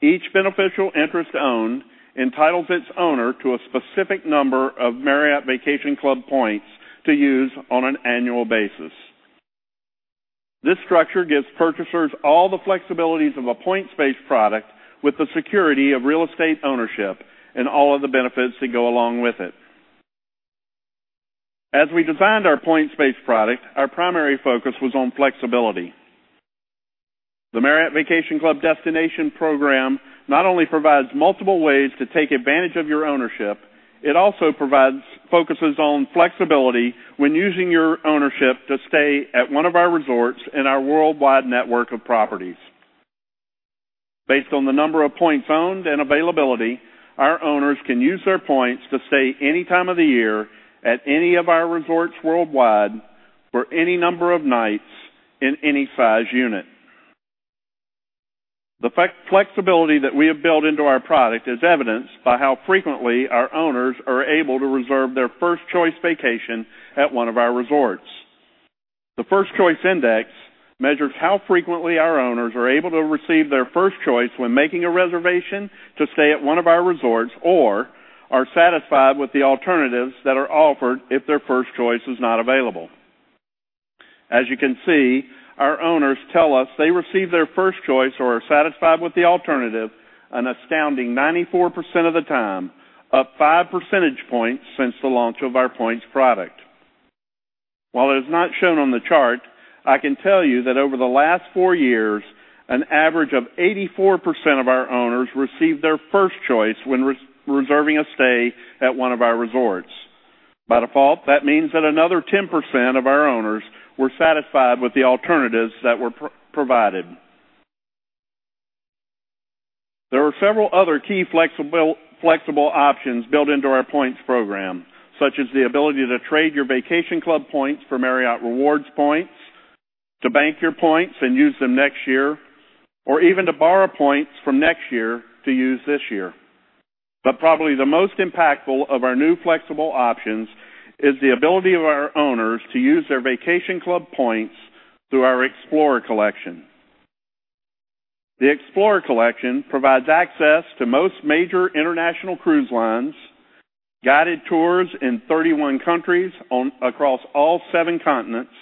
S5: Each beneficial interest owned entitles its owner to a specific number of Marriott Vacation Club points to use on an annual basis. This structure gives purchasers all the flexibilities of a points-based product with the security of real estate ownership and all of the benefits that go along with it. As we designed our points-based product, our primary focus was on flexibility. The Marriott Vacation Club Destinations program not only provides multiple ways to take advantage of your ownership, it also focuses on flexibility when using your ownership to stay at one of our resorts in our worldwide network of properties. Based on the number of points owned and availability, our owners can use their points to stay any time of the year at any of our resorts worldwide for any number of nights in any size unit. The flexibility that we have built into our product is evidenced by how frequently our owners are able to reserve their first-choice vacation at one of our resorts. The First Choice Index measures how frequently our owners are able to receive their first choice when making a reservation to stay at one of our resorts or are satisfied with the alternatives that are offered if their first choice is not available. As you can see, our owners tell us they receive their first choice or are satisfied with the alternative an astounding 94% of the time, up five percentage points since the launch of our points product. While it is not shown on the chart, I can tell you that over the last four years, an average of 84% of our owners received their first choice when reserving a stay at one of our resorts. By default, that means that another 10% of our owners were satisfied with the alternatives that were provided. There are several other key flexible options built into our points program, such as the ability to trade your vacation club points for Marriott Rewards points, to bank your points and use them next year, or even to borrow points from next year to use this year. Probably the most impactful of our new flexible options is the ability of our owners to use their vacation club points through our Explorer Collection. The Explorer Collection provides access to most major international cruise lines, guided tours in 31 countries across all seven continents,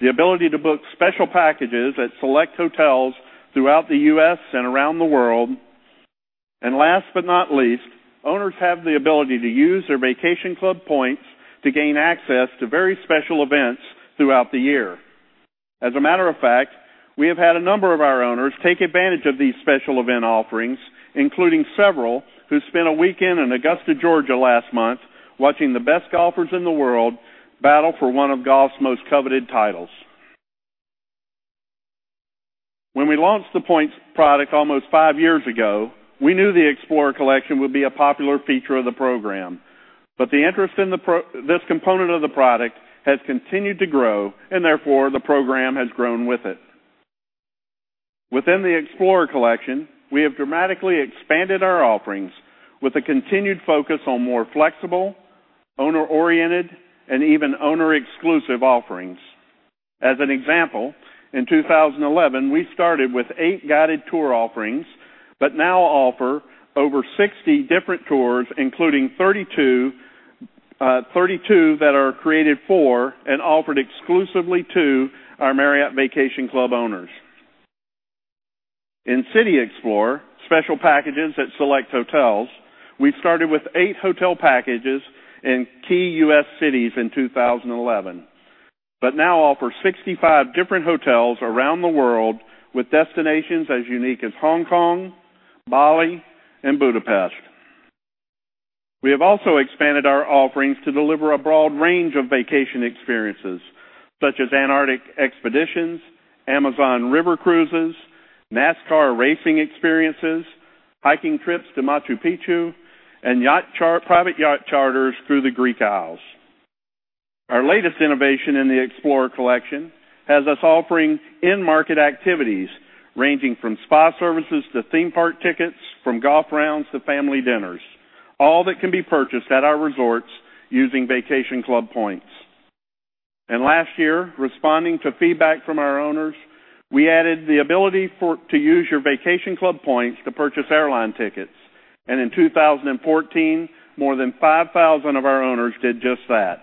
S5: the ability to book special packages at select hotels throughout the U.S. and around the world, and last but not least, owners have the ability to use their vacation club points to gain access to very special events throughout the year. As a matter of fact, we have had a number of our owners take advantage of these special event offerings, including several who spent a weekend in Augusta, Georgia, last month watching the best golfers in the world battle for one of golf's most coveted titles. When we launched the points product almost five years ago, we knew the Explorer Collection would be a popular feature of the program. The interest in this component of the product has continued to grow, and therefore, the program has grown with it. Within the Explorer Collection, we have dramatically expanded our offerings with a continued focus on more flexible, owner-oriented, and even owner-exclusive offerings. As an example, in 2011, we started with eight guided tour offerings, but now offer over 60 different tours, including 32 that are created for and offered exclusively to our Marriott Vacation Club owners. In City Explorer, special packages at select hotels, we started with eight hotel packages in key U.S. cities in 2011 but now offer 65 different hotels around the world, with destinations as unique as Hong Kong, Bali, and Budapest. We have also expanded our offerings to deliver a broad range of vacation experiences, such as Antarctic expeditions, Amazon River cruises, NASCAR racing experiences, hiking trips to Machu Picchu, and private yacht charters through the Greek Isles. Our latest innovation in the Explorer Collection has us offering in-market activities ranging from spa services to theme park tickets, from golf rounds to family dinners, all that can be purchased at our resorts using Vacation Club points. Last year, responding to feedback from our owners, we added the ability to use your Vacation Club points to purchase airline tickets. In 2014, more than 5,000 of our owners did just that.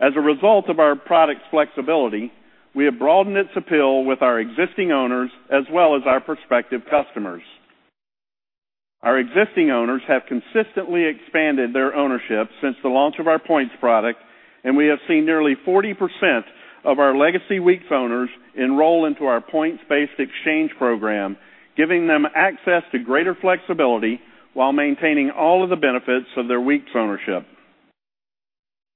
S5: As a result of our product's flexibility, we have broadened its appeal with our existing owners as well as our prospective customers. Our existing owners have consistently expanded their ownership since the launch of our points product, and we have seen nearly 40% of our legacy weeks owners enroll into our points-based exchange program, giving them access to greater flexibility while maintaining all of the benefits of their weeks ownership.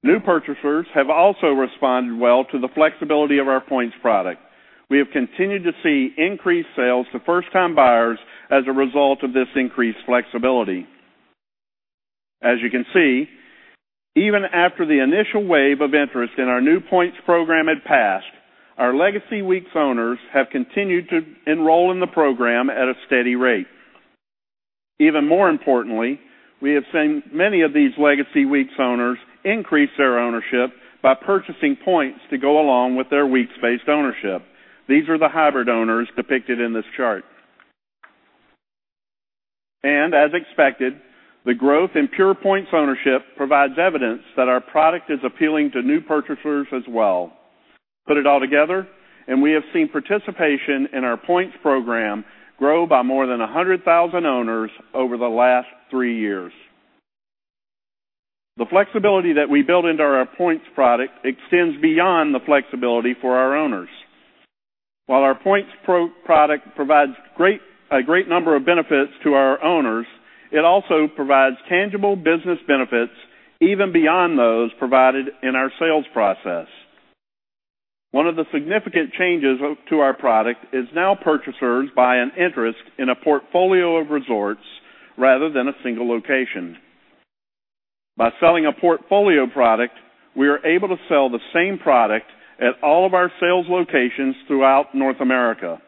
S5: New purchasers have also responded well to the flexibility of our points product. We have continued to see increased sales to first-time buyers as a result of this increased flexibility. As you can see, even after the initial wave of interest in our new points program had passed, our legacy weeks owners have continued to enroll in the program at a steady rate. More importantly, we have seen many of these legacy weeks owners increase their ownership by purchasing points to go along with their weeks-based ownership. These are the hybrid owners depicted in this chart. As expected, the growth in pure points ownership provides evidence that our product is appealing to new purchasers as well. Put it all together, and we have seen participation in our points program grow by more than 100,000 owners over the last three years. The flexibility that we built into our points product extends beyond the flexibility for our owners. While our points product provides a great number of benefits to our owners, it also provides tangible business benefits even beyond those provided in our sales process. One of the significant changes to our product is now purchasers buy an interest in a portfolio of resorts rather than a single location. By selling a portfolio product, we are able to sell the same product at all of our sales locations throughout North America.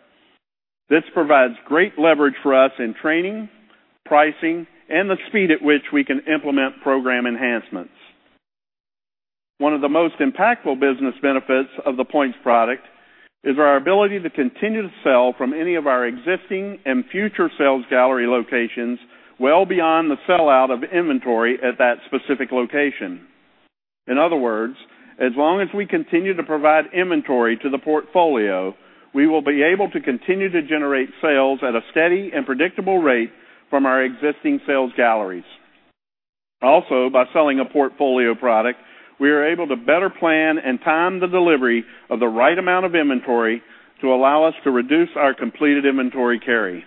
S5: This provides great leverage for us in training, pricing, and the speed at which we can implement program enhancements. One of the most impactful business benefits of the points product is our ability to continue to sell from any of our existing and future sales gallery locations well beyond the sell-out of inventory at that specific location. In other words, as long as we continue to provide inventory to the portfolio, we will be able to continue to generate sales at a steady and predictable rate from our existing sales galleries. By selling a portfolio product, we are able to better plan and time the delivery of the right amount of inventory to allow us to reduce our completed inventory carry.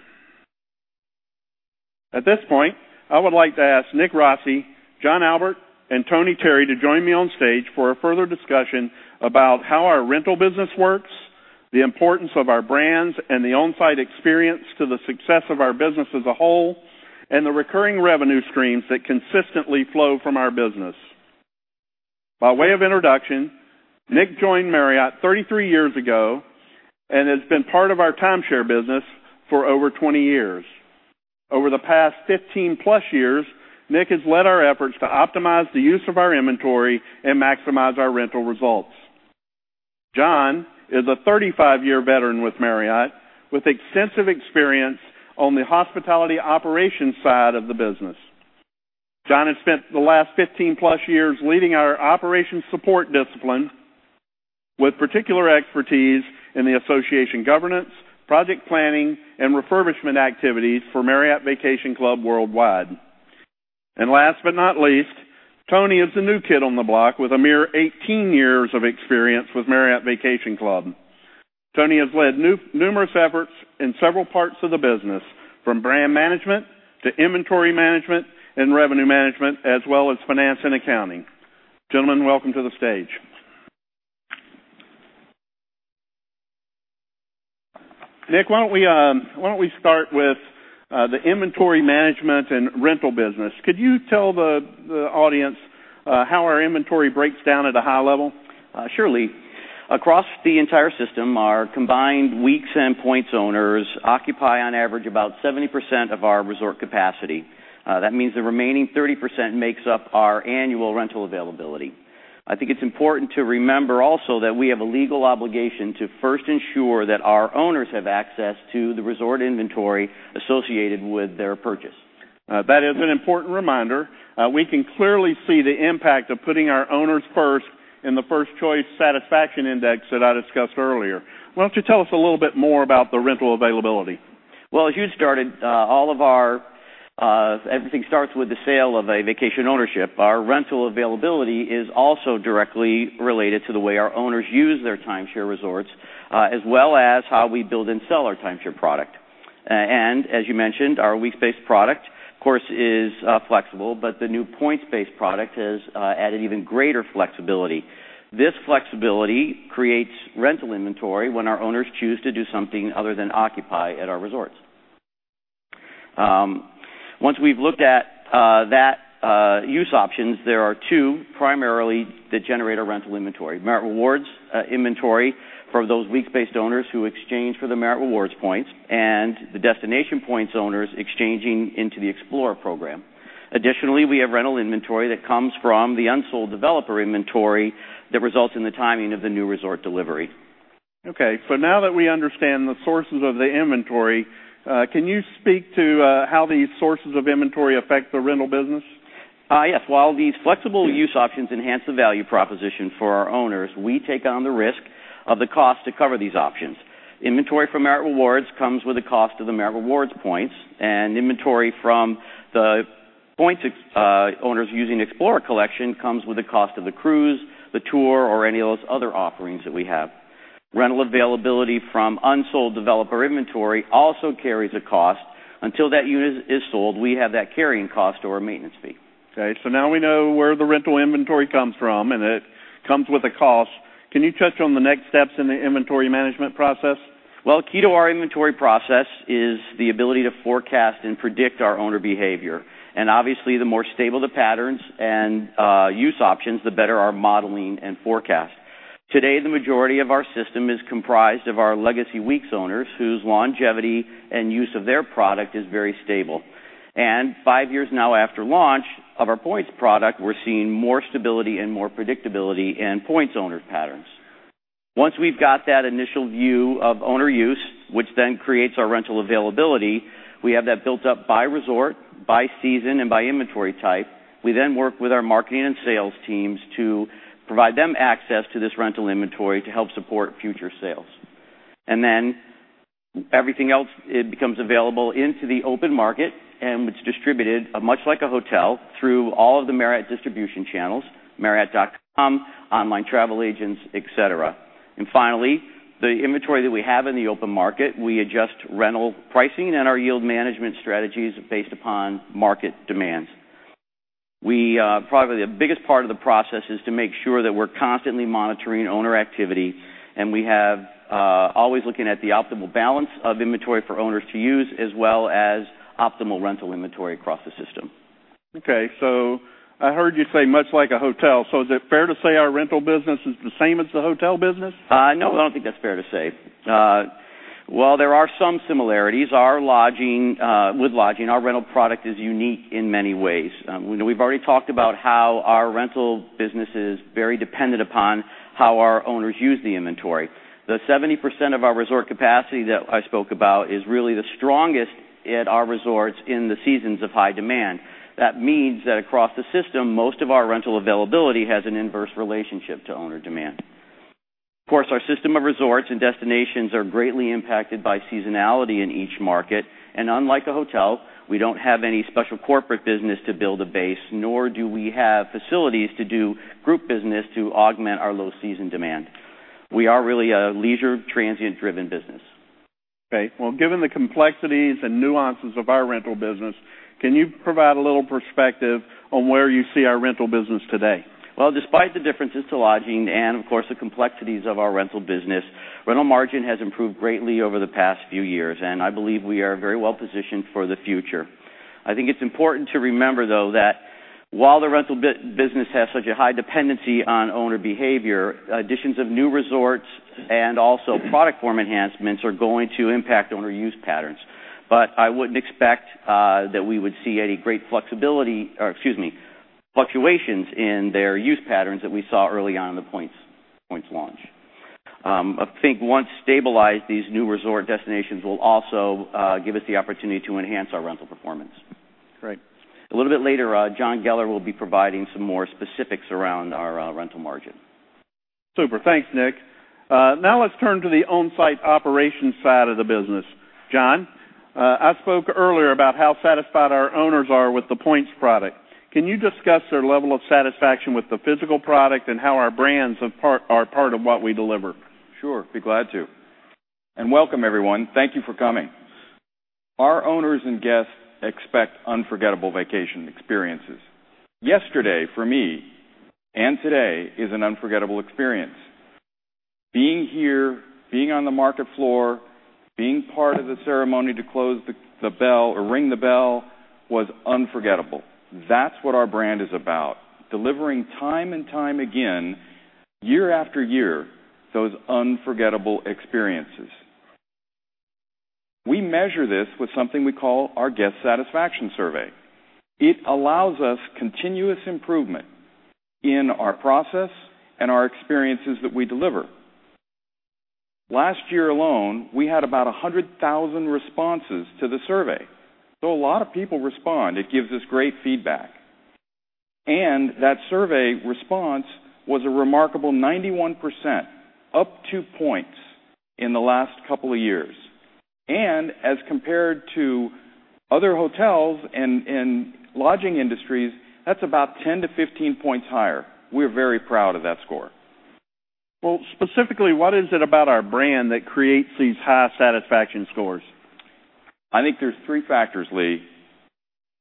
S5: At this point, I would like to ask Nick Rossi, John Albaugh, and Anthony Terry to join me on stage for a further discussion about how our rental business works, the importance of our brands and the on-site experience to the success of our business as a whole, and the recurring revenue streams that consistently flow from our business. By way of introduction, Nick joined Marriott 33 years ago and has been part of our timeshare business for over 20 years. Over the past 15-plus years, Nick has led our efforts to optimize the use of our inventory and maximize our rental results. John is a 35-year veteran with Marriott, with extensive experience on the hospitality operations side of the business. John has spent the last 15-plus years leading our operations support discipline with particular expertise in the association governance, project planning, and refurbishment activities for Marriott Vacation Club worldwide. Last but not least, Tony is the new kid on the block with a mere 18 years of experience with Marriott Vacation Club. Tony has led numerous efforts in several parts of the business, from brand management to inventory management and revenue management, as well as finance and accounting. Gentlemen, welcome to the stage. Nick, why don't we start with the inventory management and rental business? Could you tell the audience how our inventory breaks down at a high level?
S6: Surely. Across the entire system, our combined weeks and points owners occupy on average about 70% of our resort capacity. That means the remaining 30% makes up our annual rental availability. I think it's important to remember also that we have a legal obligation to first ensure that our owners have access to the resort inventory associated with their purchase.
S5: That is an important reminder. We can clearly see the impact of putting our owners first in the First Choice Satisfaction Index that I discussed earlier. Why don't you tell us a little bit more about the rental availability?
S6: As you started, everything starts with the sale of a vacation ownership. Our rental availability is also directly related to the way our owners use their timeshare resorts, as well as how we build and sell our timeshare product. As you mentioned, our weeks-based product, of course, is flexible, but the new points-based product has added even greater flexibility. This flexibility creates rental inventory when our owners choose to do something other than occupy at our resorts. Once we've looked at that use options, there are two primarily that generate our rental inventory, Marriott Rewards inventory for those weeks-based owners who exchange for the Marriott Rewards points, and the destination points owners exchanging into the Explorer Program. Additionally, we have rental inventory that comes from the unsold developer inventory that results in the timing of the new resort delivery.
S5: Okay. Now that we understand the sources of the inventory, can you speak to how these sources of inventory affect the rental business?
S6: Yes. While these flexible use options enhance the value proposition for our owners, we take on the risk of the cost to cover these options. Inventory from Marriott Rewards comes with a cost of the Marriott Rewards points, and inventory from the points owners using Explorer Collection comes with a cost of the cruise, the tour, or any of those other offerings that we have. Rental availability from unsold developer inventory also carries a cost. Until that unit is sold, we have that carrying cost or a maintenance fee.
S5: Okay, now we know where the rental inventory comes from, and it comes with a cost. Can you touch on the next steps in the inventory management process?
S6: Well, key to our inventory process is the ability to forecast and predict our owner behavior. Obviously, the more stable the patterns and use options, the better our modeling and forecast. Today, the majority of our system is comprised of our legacy weeks owners, whose longevity and use of their product is very stable. 5 years now after launch of our points product, we're seeing more stability and more predictability in points owner patterns. Once we've got that initial view of owner use, which then creates our rental availability, we have that built up by resort, by season, and by inventory type. We then work with our marketing and sales teams to provide them access to this rental inventory to help support future sales. Everything else, it becomes available into the open market, and it's distributed, much like a hotel, through all of the Marriott distribution channels, marriott.com, online travel agents, et cetera. Finally, the inventory that we have in the open market, we adjust rental pricing and our yield management strategies based upon market demands. Probably the biggest part of the process is to make sure that we're constantly monitoring owner activity, and we have always looking at the optimal balance of inventory for owners to use, as well as optimal rental inventory across the system.
S5: Okay. I heard you say much like a hotel. Is it fair to say our rental business is the same as the hotel business?
S6: No, I don't think that's fair to say. While there are some similarities with lodging, our rental product is unique in many ways. We've already talked about how our rental business is very dependent upon how our owners use the inventory. The 70% of our resort capacity that I spoke about is really the strongest at our resorts in the seasons of high demand. That means that across the system, most of our rental availability has an inverse relationship to owner demand. Of course, our system of resorts and destinations are greatly impacted by seasonality in each market. Unlike a hotel, we don't have any special corporate business to build a base, nor do we have facilities to do group business to augment our low season demand. We are really a leisure, transient-driven business.
S5: Okay. Well, given the complexities and nuances of our rental business, can you provide a little perspective on where you see our rental business today?
S6: Well, despite the differences to lodging and of course, the complexities of our rental business, rental margin has improved greatly over the past few years, and I believe we are very well-positioned for the future. I think it's important to remember, though, that while the rental business has such a high dependency on owner behavior, additions of new resorts and also product form enhancements are going to impact owner use patterns. I wouldn't expect that we would see any great fluctuations in their use patterns that we saw early on in the points launch. I think once stabilized, these new resort destinations will also give us the opportunity to enhance our rental performance.
S5: Great.
S6: A little bit later, John Geller will be providing some more specifics around our rental margin.
S5: Super. Thanks, Nick. Let's turn to the on-site operations side of the business. John, I spoke earlier about how satisfied our owners are with the points product. Can you discuss their level of satisfaction with the physical product and how our brands are part of what we deliver?
S7: Sure, be glad to. Welcome, everyone. Thank you for coming. Our owners and guests expect unforgettable vacation experiences. Yesterday, for me, today is an unforgettable experience. Being here, being on the market floor, being part of the ceremony to close the bell or ring the bell was unforgettable. That's what our brand is about, delivering time and time again, year after year, those unforgettable experiences. We measure this with something we call our guest satisfaction survey. It allows us continuous improvement in our process and our experiences that we deliver. Last year alone, we had about 100,000 responses to the survey. A lot of people respond. It gives us great feedback. That survey response was a remarkable 91%, up two points in the last couple of years. As compared to other hotels and lodging industries, that's about 10 to 15 points higher. We're very proud of that score.
S5: Well, specifically, what is it about our brand that creates these high satisfaction scores?
S7: I think there's three factors, Lee.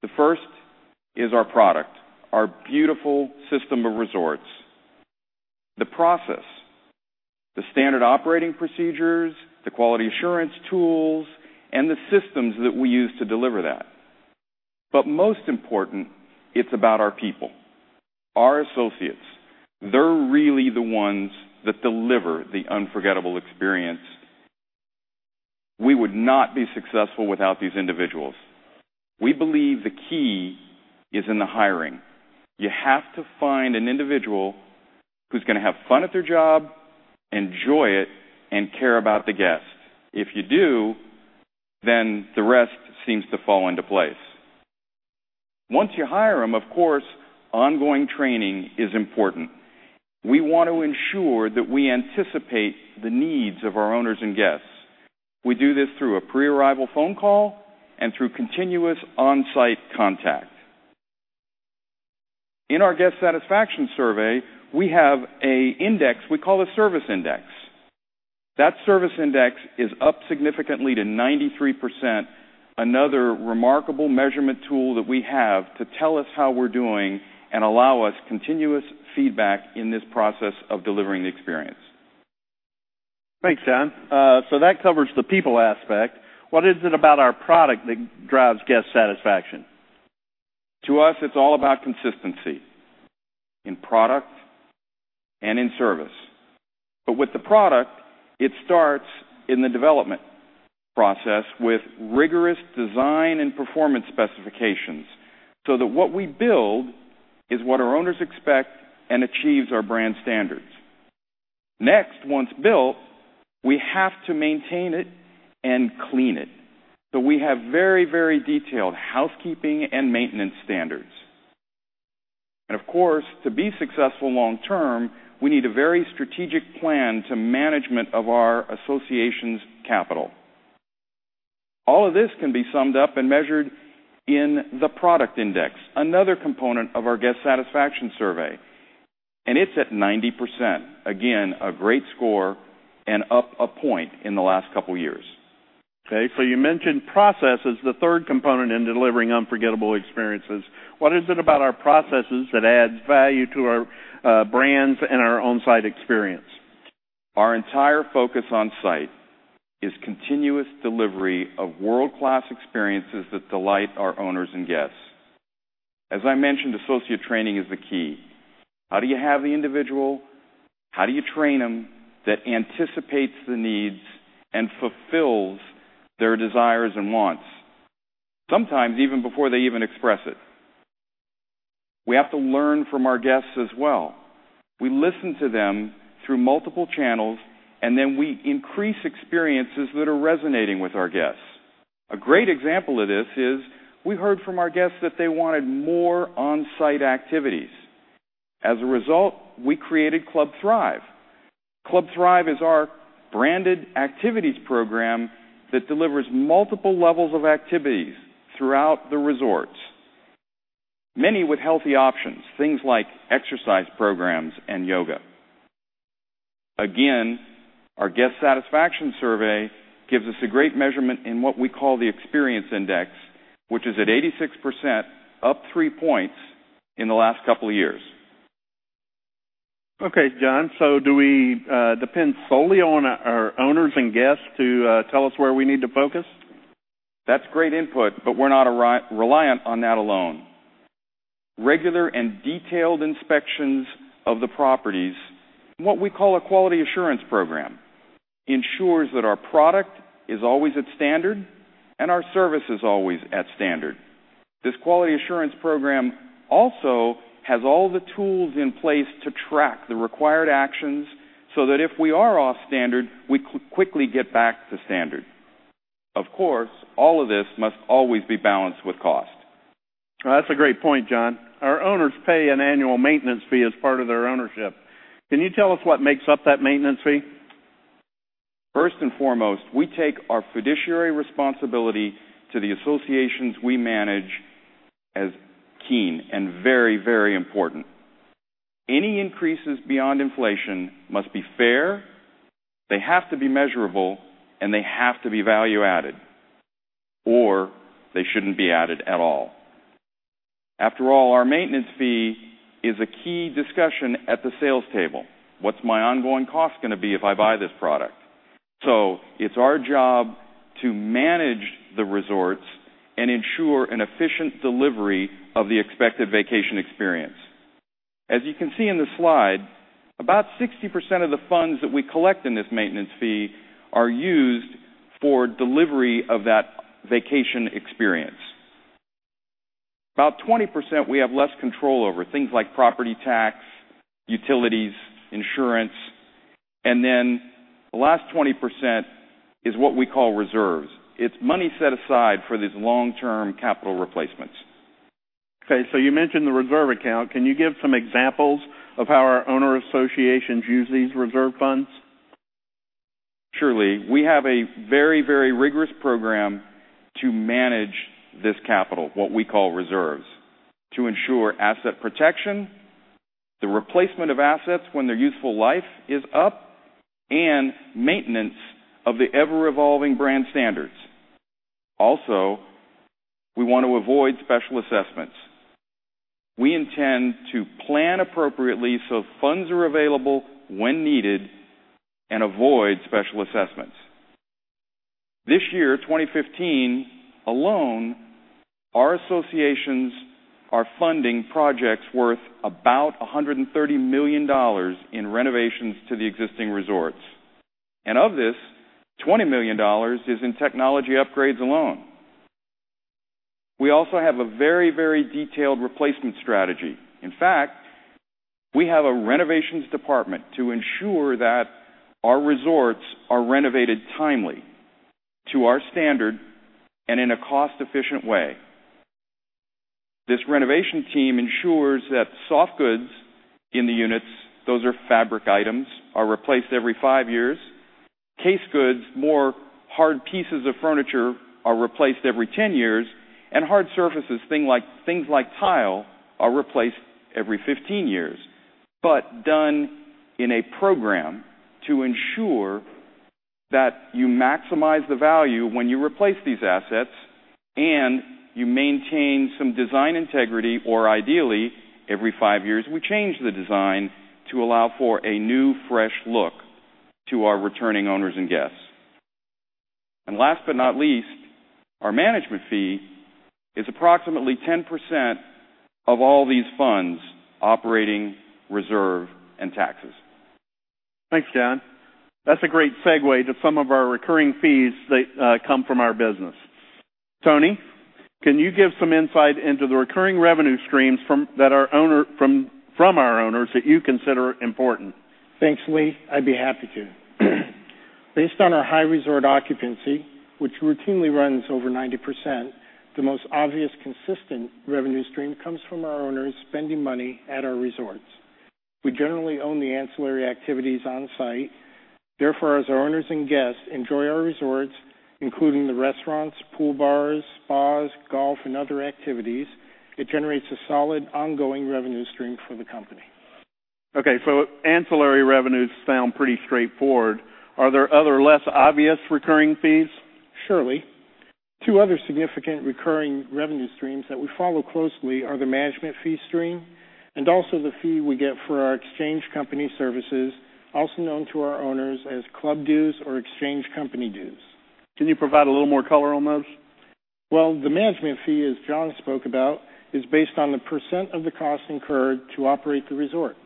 S7: The first is our product, our beautiful system of resorts. The process, the standard operating procedures, the quality assurance tools, and the systems that we use to deliver that. Most important, it's about our people, our associates. They're really the ones that deliver the unforgettable experience. We would not be successful without these individuals. We believe the key is in the hiring. You have to find an individual who's going to have fun at their job, enjoy it, and care about the guests. If you do, the rest seems to fall into place. Once you hire them, of course, ongoing training is important. We want to ensure that we anticipate the needs of our owners and guests. We do this through a pre-arrival phone call and through continuous on-site contact. In our guest satisfaction survey, we have an index we call a service index. That service index is up significantly to 93%, another remarkable measurement tool that we have to tell us how we're doing and allow us continuous feedback in this process of delivering the experience.
S5: Thanks, John. That covers the people aspect. What is it about our product that drives guest satisfaction?
S7: To us, it's all about consistency in product and in service. With the product, it starts in the development process with rigorous design and performance specifications so that what we build is what our owners expect and achieves our brand standards. Next, once built, we have to maintain it and clean it. We have very detailed housekeeping and maintenance standards. Of course, to be successful long term, we need a very strategic plan to management of our association's capital. All of this can be summed up and measured in the product index, another component of our guest satisfaction survey, and it's at 90%. Again, a great score and up one point in the last couple of years.
S5: Okay, you mentioned process as the third component in delivering unforgettable experiences. What is it about our processes that adds value to our brands and our on-site experience?
S7: Our entire focus on-site is continuous delivery of world-class experiences that delight our owners and guests. As I mentioned, associate training is the key. How do you have the individual? How do you train them that anticipates the needs and fulfills their desires and wants, sometimes even before they even express it? We have to learn from our guests as well. We listen to them through multiple channels. Then we increase experiences that are resonating with our guests. A great example of this is we heard from our guests that they wanted more on-site activities. As a result, we created Club Thrive. Club Thrive is our branded activities program that delivers multiple levels of activities throughout the resorts, many with healthy options, things like exercise programs and yoga. Again, our guest satisfaction survey gives us a great measurement in what we call the experience index, which is at 86%, up three points in the last couple of years.
S5: Okay, John. Do we depend solely on our owners and guests to tell us where we need to focus?
S7: That's great input. We're not reliant on that alone. Regular and detailed inspections of the properties, what we call a quality assurance program, ensures that our product is always at standard and our service is always at standard. This quality assurance program also has all the tools in place to track the required actions so that if we are off standard, we quickly get back to standard. Of course, all of this must always be balanced with cost.
S5: That's a great point, John. Our owners pay an annual maintenance fee as part of their ownership. Can you tell us what makes up that maintenance fee?
S7: First and foremost, we take our fiduciary responsibility to the associations we manage as keen and very important. Any increases beyond inflation must be fair, they have to be measurable, and they have to be value-added, or they shouldn't be added at all. After all, our maintenance fee is a key discussion at the sales table. What's my ongoing cost going to be if I buy this product? It's our job to manage the resorts and ensure an efficient delivery of the expected vacation experience. As you can see in the slide, about 60% of the funds that we collect in this maintenance fee are used for delivery of that vacation experience. About 20% we have less control over, things like property tax, utilities, insurance. The last 20% is what we call reserves. It's money set aside for these long-term capital replacements.
S5: Okay, you mentioned the reserve account. Can you give some examples of how our owner associations use these reserve funds?
S7: Surely. We have a very rigorous program to manage this capital, what we call reserves, to ensure asset protection, the replacement of assets when their useful life is up, and maintenance of the ever-evolving brand standards. We want to avoid special assessments. We intend to plan appropriately so funds are available when needed and avoid special assessments. This year, 2015 alone, our associations are funding projects worth about $130 million in renovations to the existing resorts. Of this, $20 million is in technology upgrades alone. We also have a very detailed replacement strategy. In fact, we have a renovations department to ensure that our resorts are renovated timely, to our standard, and in a cost-efficient way. This renovation team ensures that soft goods in the units, those are fabric items, are replaced every five years, case goods, more hard pieces of furniture, are replaced every 10 years, and hard surfaces, things like tile, are replaced every 15 years, but done in a program to ensure that you maximize the value when you replace these assets, and you maintain some design integrity, or ideally, every five years, we change the design to allow for a new, fresh look to our returning owners and guests. Last but not least, our management fee is approximately 10% of all these funds, operating, reserve, and taxes.
S5: Thanks, John. That's a great segue to some of our recurring fees that come from our business. Tony, can you give some insight into the recurring revenue streams from our owners that you consider important?
S8: Thanks, Lee. I'd be happy to. Based on our high resort occupancy, which routinely runs over 90%, the most obvious consistent revenue stream comes from our owners spending money at our resorts. We generally own the ancillary activities on-site. As our owners and guests enjoy our resorts, including the restaurants, pool bars, spas, golf, and other activities, it generates a solid ongoing revenue stream for the company.
S5: Okay, ancillary revenues sound pretty straightforward. Are there other less obvious recurring fees?
S8: Surely. Two other significant recurring revenue streams that we follow closely are the management fee stream and also the fee we get for our exchange company services, also known to our owners as club dues or exchange company dues.
S5: Can you provide a little more color on those?
S8: Well, the management fee, as John spoke about, is based on the % of the cost incurred to operate the resort.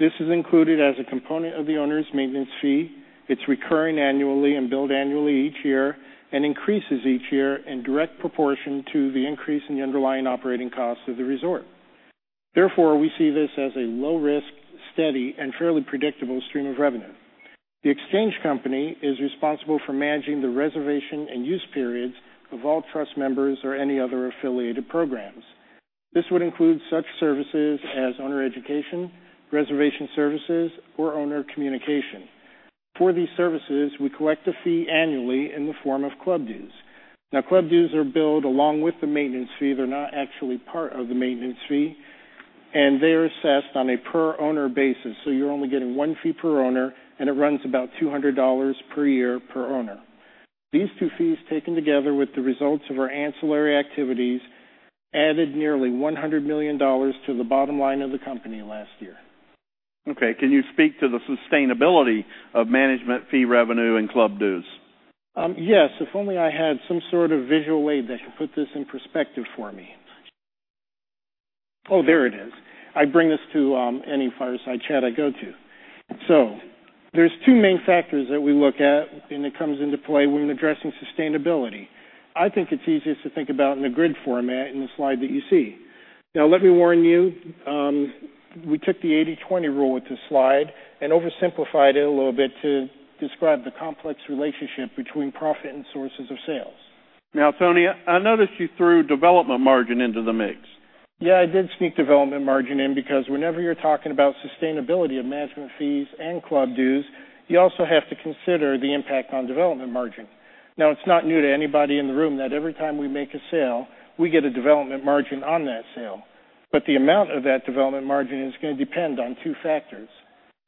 S8: This is included as a component of the owner's maintenance fee. It's recurring annually and billed annually each year and increases each year in direct proportion to the increase in the underlying operating cost of the resort. Therefore, we see this as a low-risk, steady, and fairly predictable stream of revenue. The exchange company is responsible for managing the reservation and use periods of all trust members or any other affiliated programs. This would include such services as owner education, reservation services, or owner communication. For these services, we collect a fee annually in the form of club dues. Club dues are billed along with the maintenance fee. They're not actually part of the maintenance fee, and they're assessed on a per-owner basis. You're only getting one fee per owner, and it runs about $200 per year per owner. These two fees, taken together with the results of our ancillary activities, added nearly $100 million to the bottom line of the company last year.
S5: Can you speak to the sustainability of management fee revenue and club dues?
S8: Yes, if only I had some sort of visual aid that could put this in perspective for me. There it is. I bring this to any fireside chat I go to. There's two main factors that we look at, and it comes into play when addressing sustainability. I think it's easiest to think about in a grid format in the slide that you see. Let me warn you, we took the 80/20 rule with this slide and oversimplified it a little bit to describe the complex relationship between profit and sources of sales.
S5: Tony, I noticed you threw development margin into the mix.
S8: Yeah, I did sneak development margin in because whenever you're talking about sustainability of management fees and club dues, you also have to consider the impact on development margin. Now, it's not new to anybody in the room that every time we make a sale, we get a development margin on that sale. The amount of that development margin is going to depend on two factors.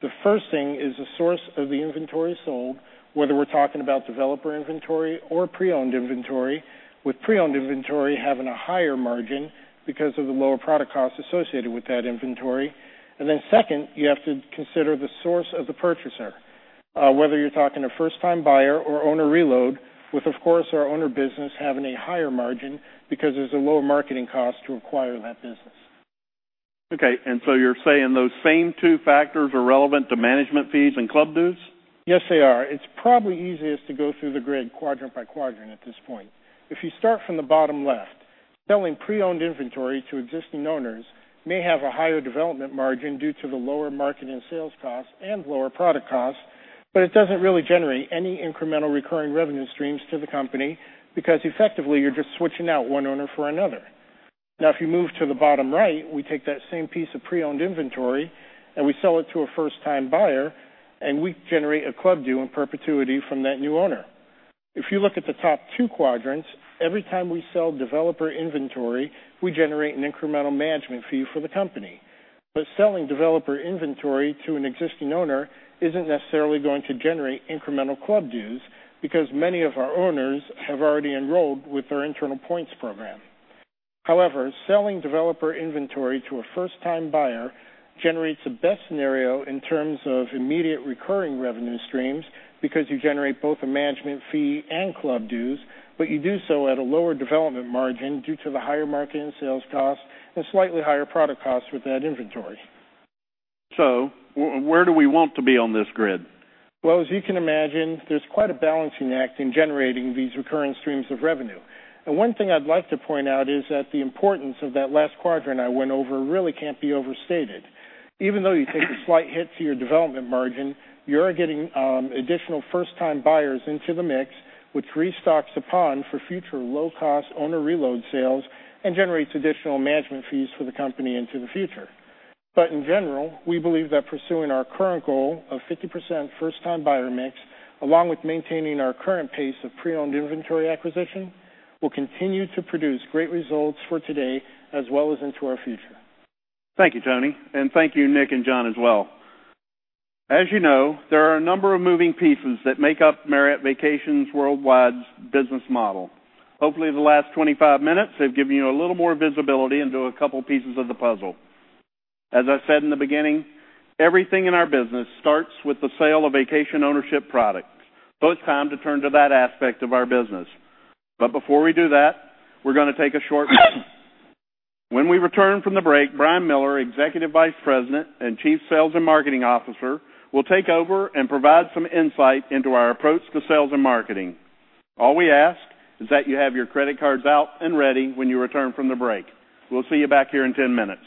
S8: The first thing is the source of the inventory sold, whether we're talking about developer inventory or pre-owned inventory, with pre-owned inventory having a higher margin because of the lower product cost associated with that inventory. Second, you have to consider the source of the purchaser, whether you're talking a first-time buyer or owner reload, with, of course, our owner business having a higher margin because there's a lower marketing cost to acquire that business.
S5: Okay. You're saying those same two factors are relevant to management fees and club dues?
S8: Yes, they are. It's probably easiest to go through the grid quadrant by quadrant at this point. If you start from the bottom left, selling pre-owned inventory to existing owners may have a higher development margin due to the lower marketing and sales costs and lower product costs, but it doesn't really generate any incremental recurring revenue streams to the company because effectively you're just switching out one owner for another. Now, if you move to the bottom right, we take that same piece of pre-owned inventory and we sell it to a first-time buyer, and we generate a club due in perpetuity from that new owner. If you look at the top two quadrants, every time we sell developer inventory, we generate an incremental management fee for the company. Selling developer inventory to an existing owner isn't necessarily going to generate incremental club dues because many of our owners have already enrolled with our internal points program. However, selling developer inventory to a first-time buyer generates the best scenario in terms of immediate recurring revenue streams because you generate both a management fee and club dues, but you do so at a lower development margin due to the higher marketing and sales costs and slightly higher product costs with that inventory.
S5: Where do we want to be on this grid?
S8: As you can imagine, there's quite a balancing act in generating these recurring streams of revenue. One thing I'd like to point out is that the importance of that last quadrant I went over really can't be overstated. Even though you take a slight hit to your development margin, you're getting additional first-time buyers into the mix, which restocks the pond for future low-cost owner reload sales and generates additional management fees for the company into the future. In general, we believe that pursuing our current goal of 50% first-time buyer mix, along with maintaining our current pace of pre-owned inventory acquisition, will continue to produce great results for today as well as into our future.
S5: Thank you, Tony, and thank you, Nick and John as well. As you know, there are a number of moving pieces that make up Marriott Vacations Worldwide's business model. Hopefully, the last 25 minutes have given you a little more visibility into a couple pieces of the puzzle. As I said in the beginning, everything in our business starts with the sale of vacation ownership products. It's time to turn to that aspect of our business. Before we do that, we're going to take a short break. When we return from the break, Brian Miller, Executive Vice President and Chief Sales and Marketing Officer, will take over and provide some insight into our approach to sales and marketing. All we ask is that you have your credit cards out and ready when you return from the break. We'll see you back here in 10 minutes.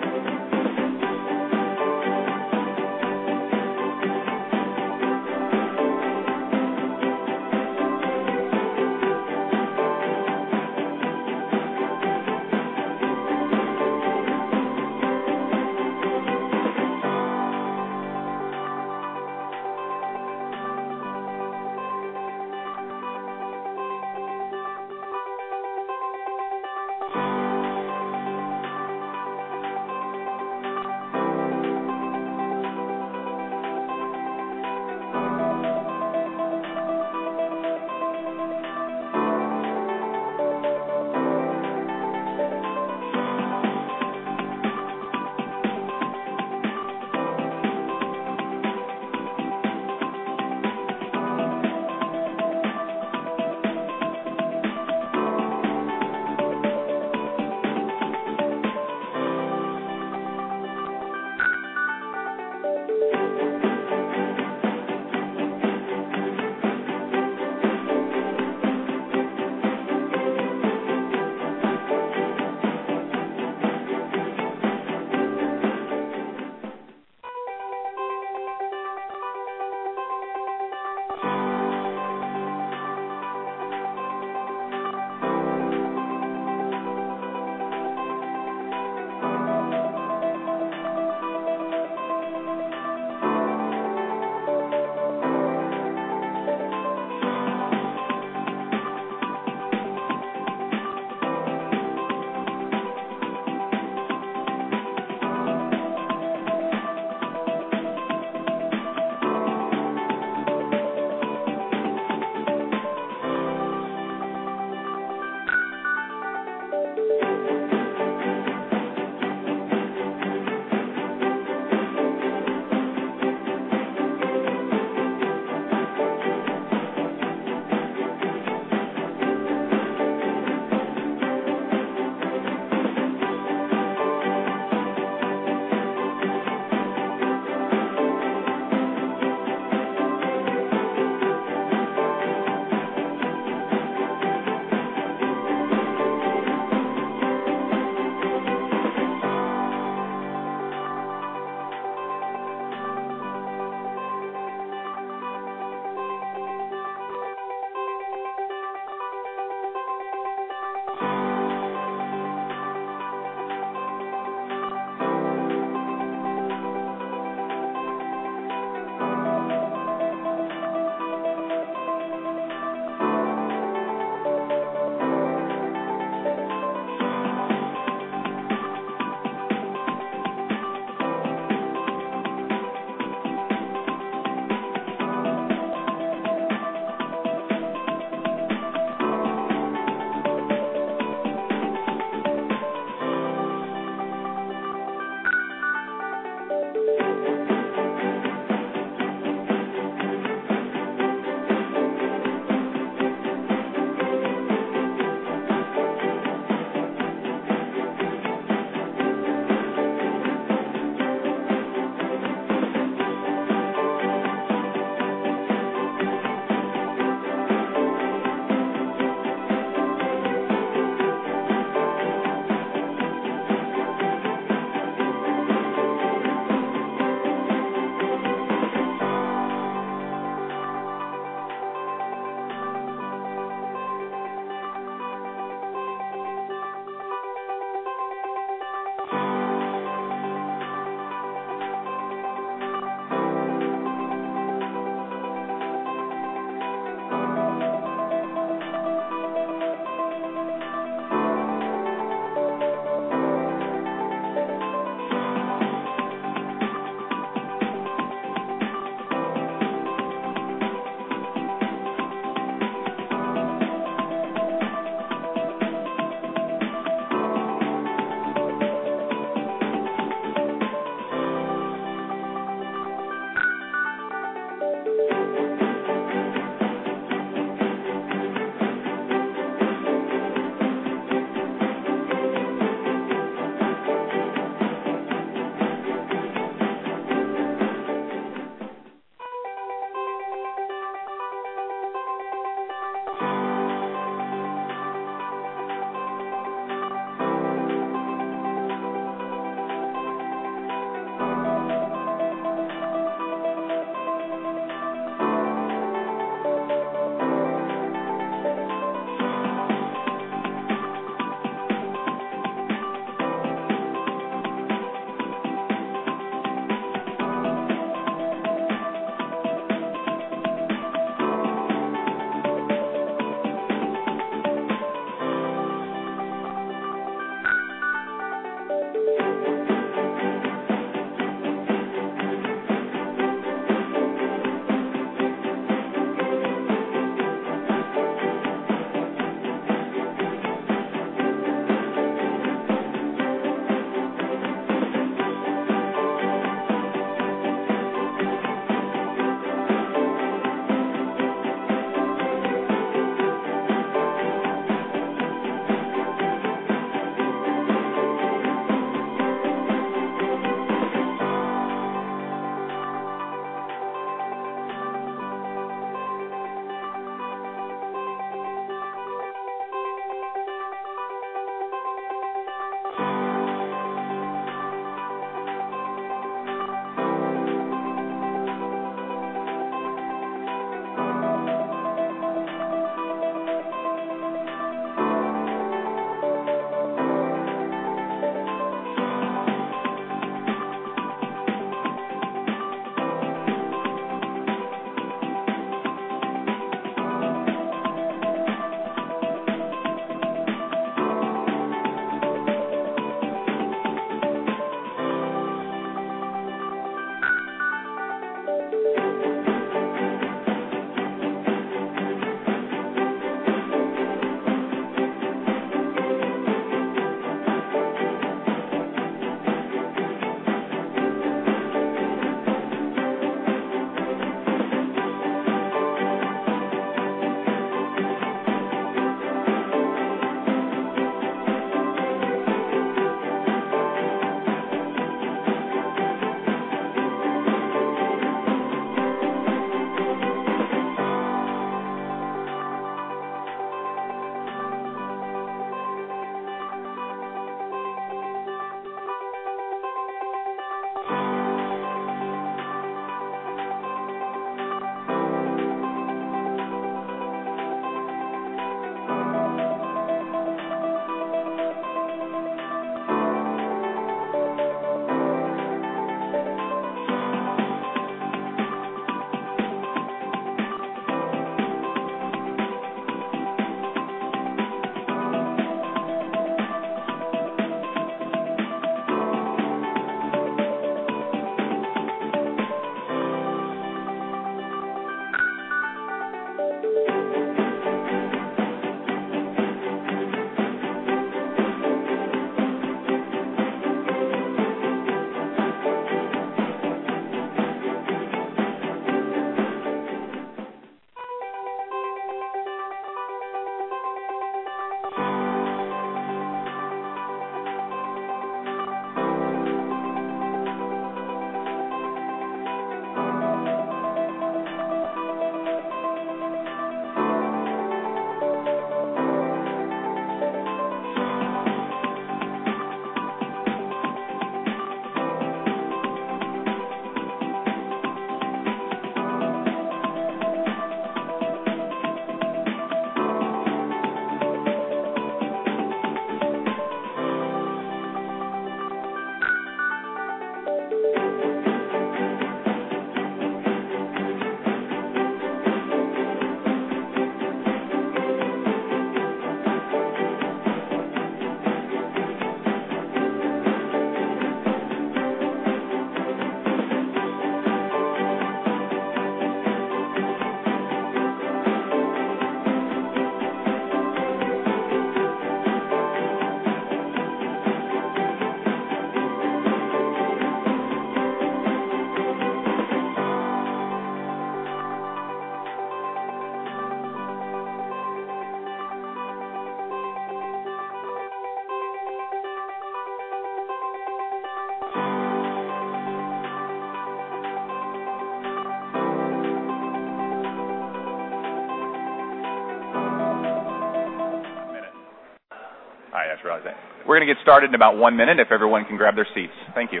S9: We're going to get started in about one minute if everyone can grab their seats. Thank you.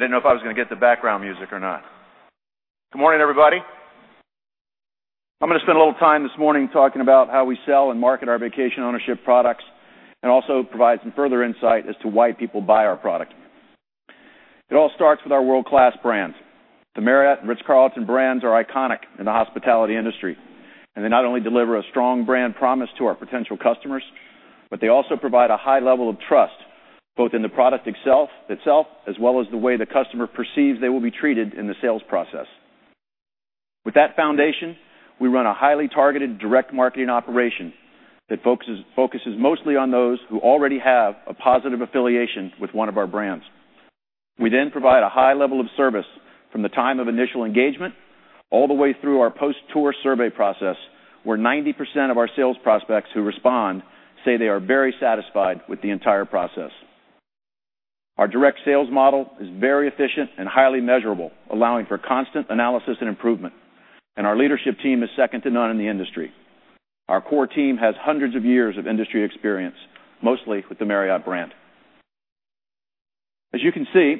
S9: I didn't know if I was going to get the background music or not. I'm going to spend a little time this morning talking about how we sell and market our vacation ownership products, also provide some further insight as to why people buy our product. It all starts with our world-class brands. The Marriott and The Ritz-Carlton brands are iconic in the hospitality industry, they not only deliver a strong brand promise to our potential customers, they also provide a high level of trust, both in the product itself, as well as the way the customer perceives they will be treated in the sales process. With that foundation, we run a highly targeted direct marketing operation that focuses mostly on those who already have a positive affiliation with one of our brands. We then provide a high level of service from the time of initial engagement all the way through our post-tour survey process, where 90% of our sales prospects who respond say they are very satisfied with the entire process. Our direct sales model is very efficient and highly measurable, allowing for constant analysis and improvement, our leadership team is second to none in the industry. Our core team has hundreds of years of industry experience, mostly with the Marriott brand. As you can see,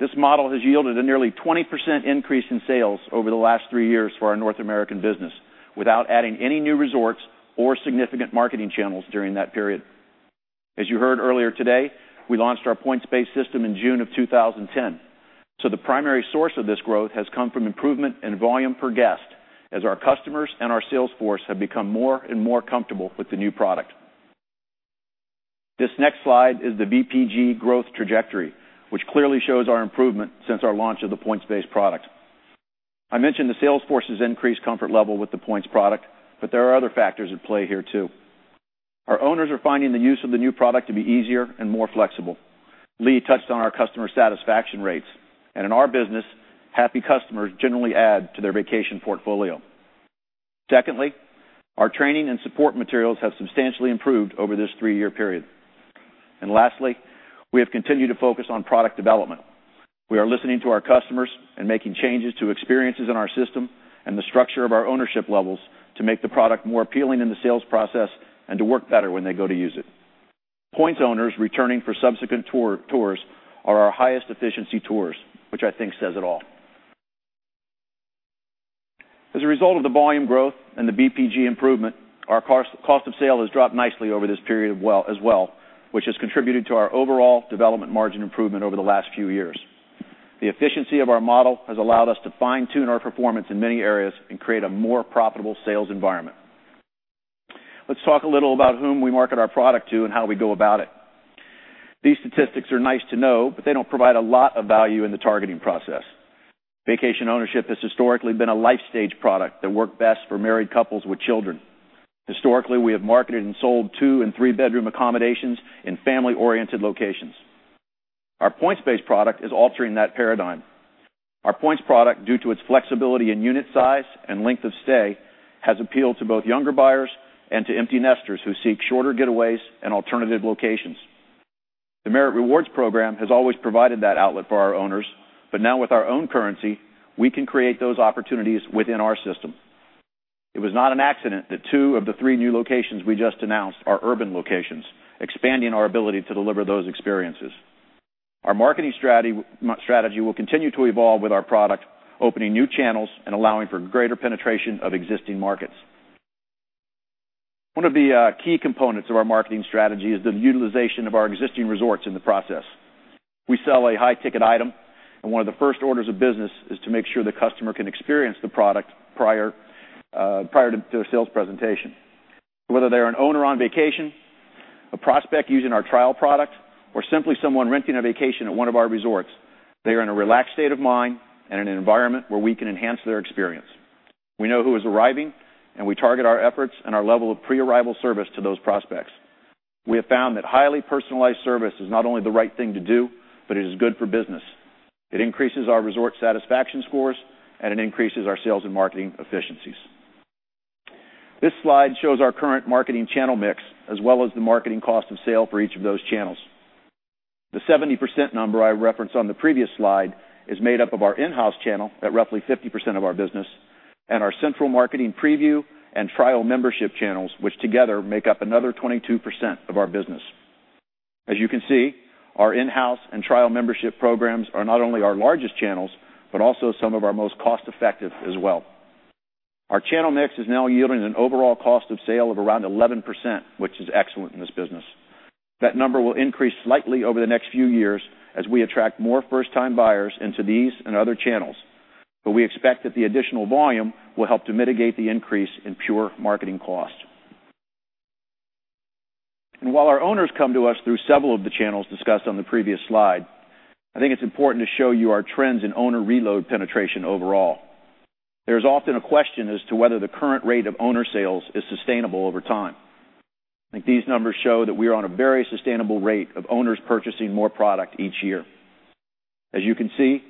S9: this model has yielded a nearly 20% increase in sales over the last three years for our North American business without adding any new resorts or significant marketing channels during that period. As you heard earlier today, we launched our points-based system in June of 2010, the primary source of this growth has come from improvement in volume per guest as our customers and our sales force have become more and more comfortable with the new product. This next slide is the VPG growth trajectory, which clearly shows our improvement since our launch of the points-based product. I mentioned the sales force's increased comfort level with the points product, there are other factors at play here, too. Our owners are finding the use of the new product to be easier and more flexible. Lee touched on our customer satisfaction rates, and in our business, happy customers generally add to their vacation portfolio. Secondly, our training and support materials have substantially improved over this three-year period. Lastly, we have continued to focus on product development. We are listening to our customers and making changes to experiences in our system and the structure of our ownership levels to make the product more appealing in the sales process and to work better when they go to use it. Points owners returning for subsequent tours are our highest efficiency tours, which I think says it all. As a result of the volume growth and the VPG improvement, our cost of sale has dropped nicely over this period as well, which has contributed to our overall development margin improvement over the last few years. The efficiency of our model has allowed us to fine-tune our performance in many areas and create a more profitable sales environment. Let's talk a little about whom we market our product to and how we go about it. These statistics are nice to know, they don't provide a lot of value in the targeting process. Vacation ownership has historically been a life stage product that worked best for married couples with children. Historically, we have marketed and sold two- and three-bedroom accommodations in family-oriented locations. Our points-based product is altering that paradigm. Our points product, due to its flexibility in unit size and length of stay, has appealed to both younger buyers and to empty nesters who seek shorter getaways and alternative locations. The Marriott Rewards program has always provided that outlet for our owners, now with our own currency, we can create those opportunities within our system. It was not an accident that two of the three new locations we just announced are urban locations, expanding our ability to deliver those experiences. Our marketing strategy will continue to evolve with our product, opening new channels and allowing for greater penetration of existing markets. One of the key components of our marketing strategy is the utilization of our existing resorts in the process. We sell a high-ticket item, one of the first orders of business is to make sure the customer can experience the product prior to a sales presentation. Whether they're an owner on vacation, a prospect using our trial product, or simply someone renting a vacation at one of our resorts, they are in a relaxed state of mind and in an environment where we can enhance their experience. We know who is arriving, we target our efforts and our level of pre-arrival service to those prospects. We have found that highly personalized service is not only the right thing to do, it is good for business. It increases our resort satisfaction scores, it increases our sales and marketing efficiencies. This slide shows our current marketing channel mix as well as the marketing cost of sale for each of those channels. The 70% number I referenced on the previous slide is made up of our in-house channel at roughly 50% of our business and our central marketing preview and trial membership channels, which together make up another 22% of our business. As you can see, our in-house and trial membership programs are not only our largest channels but also some of our most cost-effective as well. Our channel mix is now yielding an overall cost of sale of around 11%, which is excellent in this business. That number will increase slightly over the next few years as we attract more first-time buyers into these and other channels. We expect that the additional volume will help to mitigate the increase in pure marketing cost. While our owners come to us through several of the channels discussed on the previous slide, I think it's important to show you our trends in owner reload penetration overall. There's often a question as to whether the current rate of owner sales is sustainable over time. I think these numbers show that we are on a very sustainable rate of owners purchasing more product each year. As you can see,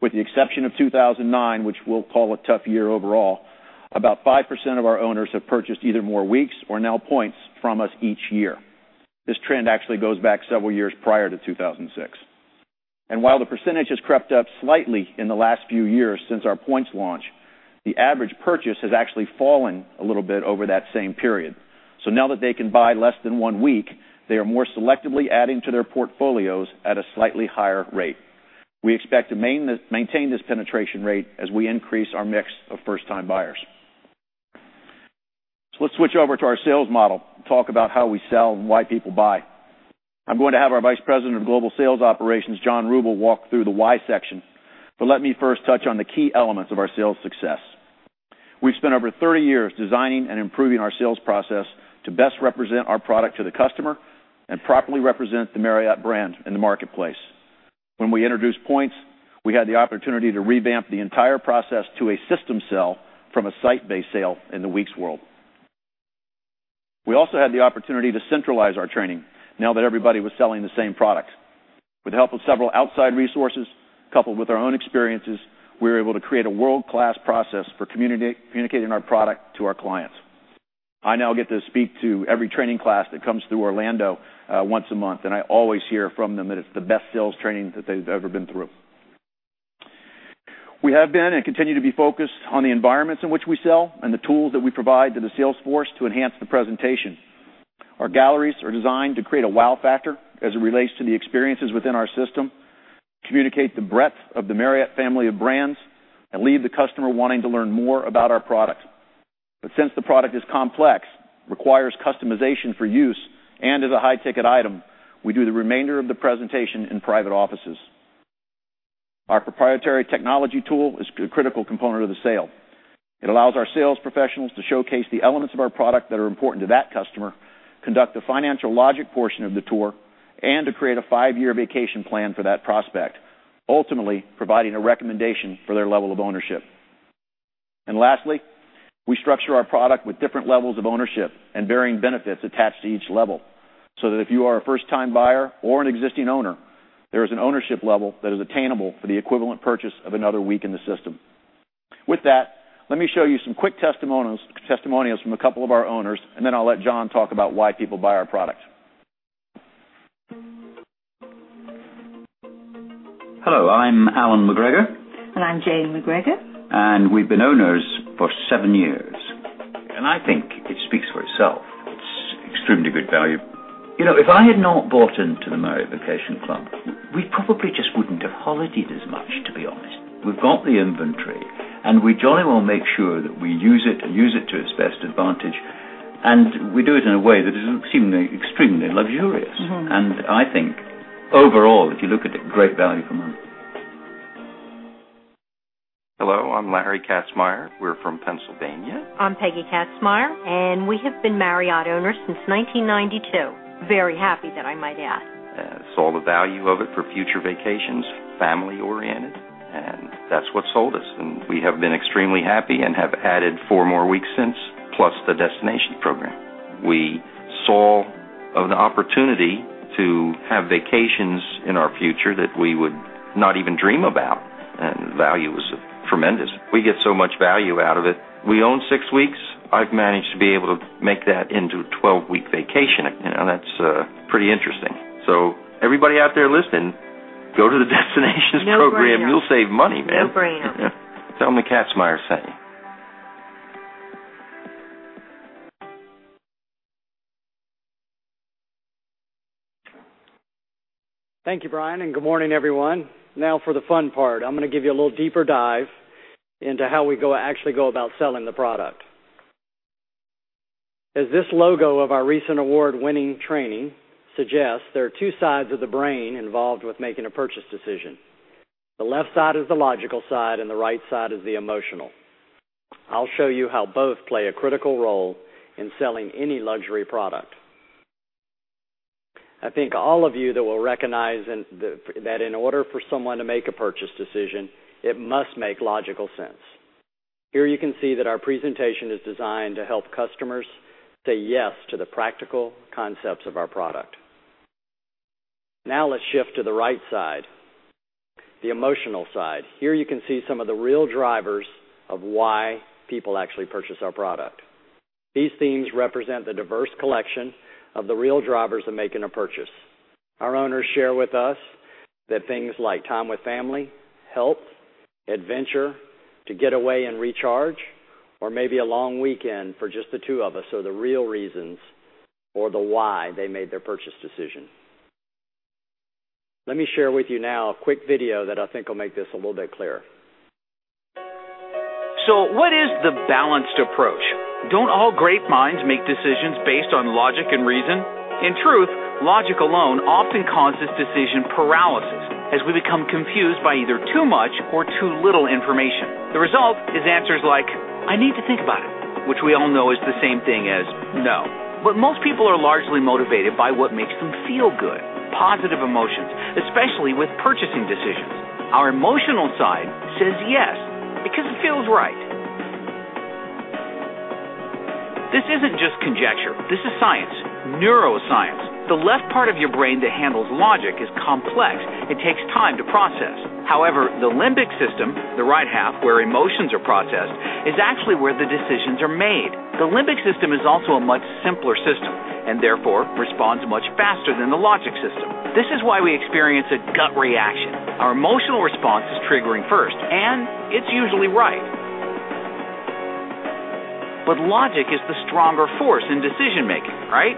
S9: with the exception of 2009, which we'll call a tough year overall, about 5% of our owners have purchased either more weeks or now points from us each year. This trend actually goes back several years prior to 2006. While the percentage has crept up slightly in the last few years since our points launch, the average purchase has actually fallen a little bit over that same period. Now that they can buy less than one week, they are more selectively adding to their portfolios at a slightly higher rate. We expect to maintain this penetration rate as we increase our mix of first-time buyers. Let's switch over to our sales model and talk about how we sell and why people buy. I'm going to have our Vice President of Global Sales Operations, John Ruble, walk through the why section, let me first touch on the key elements of our sales success. We've spent over 30 years designing and improving our sales process to best represent our product to the customer and properly represent the Marriott brand in the marketplace. When we introduced points, we had the opportunity to revamp the entire process to a system sale from a site-based sale in the weeks world. We also had the opportunity to centralize our training now that everybody was selling the same product. With the help of several outside resources, coupled with our own experiences, we were able to create a world-class process for communicating our product to our clients. I now get to speak to every training class that comes through Orlando once a month, and I always hear from them that it's the best sales training that they've ever been through. We have been and continue to be focused on the environments in which we sell and the tools that we provide to the sales force to enhance the presentation. Our galleries are designed to create a wow factor as it relates to the experiences within our system, communicate the breadth of the Marriott family of brands, and leave the customer wanting to learn more about our product. Since the product is complex, requires customization for use, and is a high-ticket item, we do the remainder of the presentation in private offices. Our proprietary technology tool is a critical component of the sale. It allows our sales professionals to showcase the elements of our product that are important to that customer, conduct the financial logic portion of the tour, and to create a five-year vacation plan for that prospect, ultimately providing a recommendation for their level of ownership. Lastly, we structure our product with different levels of ownership and varying benefits attached to each level so that if you are a first-time buyer or an existing owner, there is an ownership level that is attainable for the equivalent purchase of another week in the system.
S10: With that, let me show you some quick testimonials from a couple of our owners, and then I'll let John talk about why people buy our product.
S2: Hello, I'm Alan McGregor. I'm Jane McGregor. We've been owners for seven years. I think it speaks for itself. It's extremely good value. If I had not bought into the Marriott Vacation Club, we probably just wouldn't have holidayed as much, to be honest. We've got the inventory, and we jolly well make sure that we use it and use it to its best advantage, and we do it in a way that is extremely luxurious. I think overall, if you look at it, great value for money. Hello, I'm Larry Katzmaier. We're from Pennsylvania. I'm Peggy Katzmaier, and we have been Marriott owners since 1992. Very happy, that I might add. Yeah. Saw the value of it for future vacations, family-oriented, and that's what sold us, and we have been extremely happy and have added four more weeks since, plus the Destinations Program. We saw an opportunity to have vacations in our future that we would not even dream about, and the value was tremendous. We get so much value out of it. We own six weeks. I've managed to be able to make that into a 12-week vacation. That's pretty interesting. Everybody out there listening, go to the Destinations Program. No-brainer. You'll save money, man. No-brainer. Tell them the Katzmaiers sent you.
S10: Thank you, Brian. Good morning, everyone. Now for the fun part. I'm going to give you a little deeper dive into how we actually go about selling the product. As this logo of our recent award-winning training suggests, there are two sides of the brain involved with making a purchase decision. The left side is the logical side. The right side is the emotional. I'll show you how both play a critical role in selling any luxury product. I think all of you that will recognize that in order for someone to make a purchase decision, it must make logical sense. Here, you can see that our presentation is designed to help customers say yes to the practical concepts of our product. Let's shift to the right side, the emotional side. Here, you can see some of the real drivers of why people actually purchase our product. These themes represent the diverse collection of the real drivers of making a purchase. Our owners share with us that things like time with family, health, adventure, to get away and recharge, or maybe a long weekend for just the two of us are the real reasons or the why they made their purchase decision. Let me share with you now a quick video that I think will make this a little bit clearer.
S2: What is the balanced approach? Don't all great minds make decisions based on logic and reason? In truth, logic alone often causes decision paralysis as we become confused by either too much or too little information. The result is answers like, "I need to think about it," which we all know is the same thing as "No." Most people are largely motivated by what makes them feel good, positive emotions, especially with purchasing decisions. Our emotional side says yes because it feels right. This isn't just conjecture. This is science, neuroscience. The left part of your brain that handles logic is complex. It takes time to process. However, the limbic system, the right half, where emotions are processed, is actually where the decisions are made. The limbic system is also a much simpler system and therefore responds much faster than the logic system. This is why we experience a gut reaction. Our emotional response is triggering first, and it's usually right. Logic is the stronger force in decision-making, right?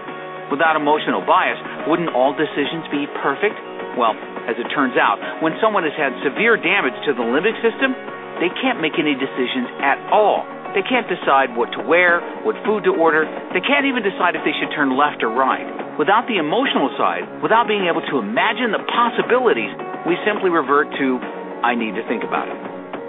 S2: Without emotional bias, wouldn't all decisions be perfect? As it turns out, when someone has had severe damage to the limbic system, they can't make any decisions at all. They can't decide what to wear, what food to order. They can't even decide if they should turn left or right. Without the emotional side, without being able to imagine the possibilities, we simply revert to, "I need to think about it."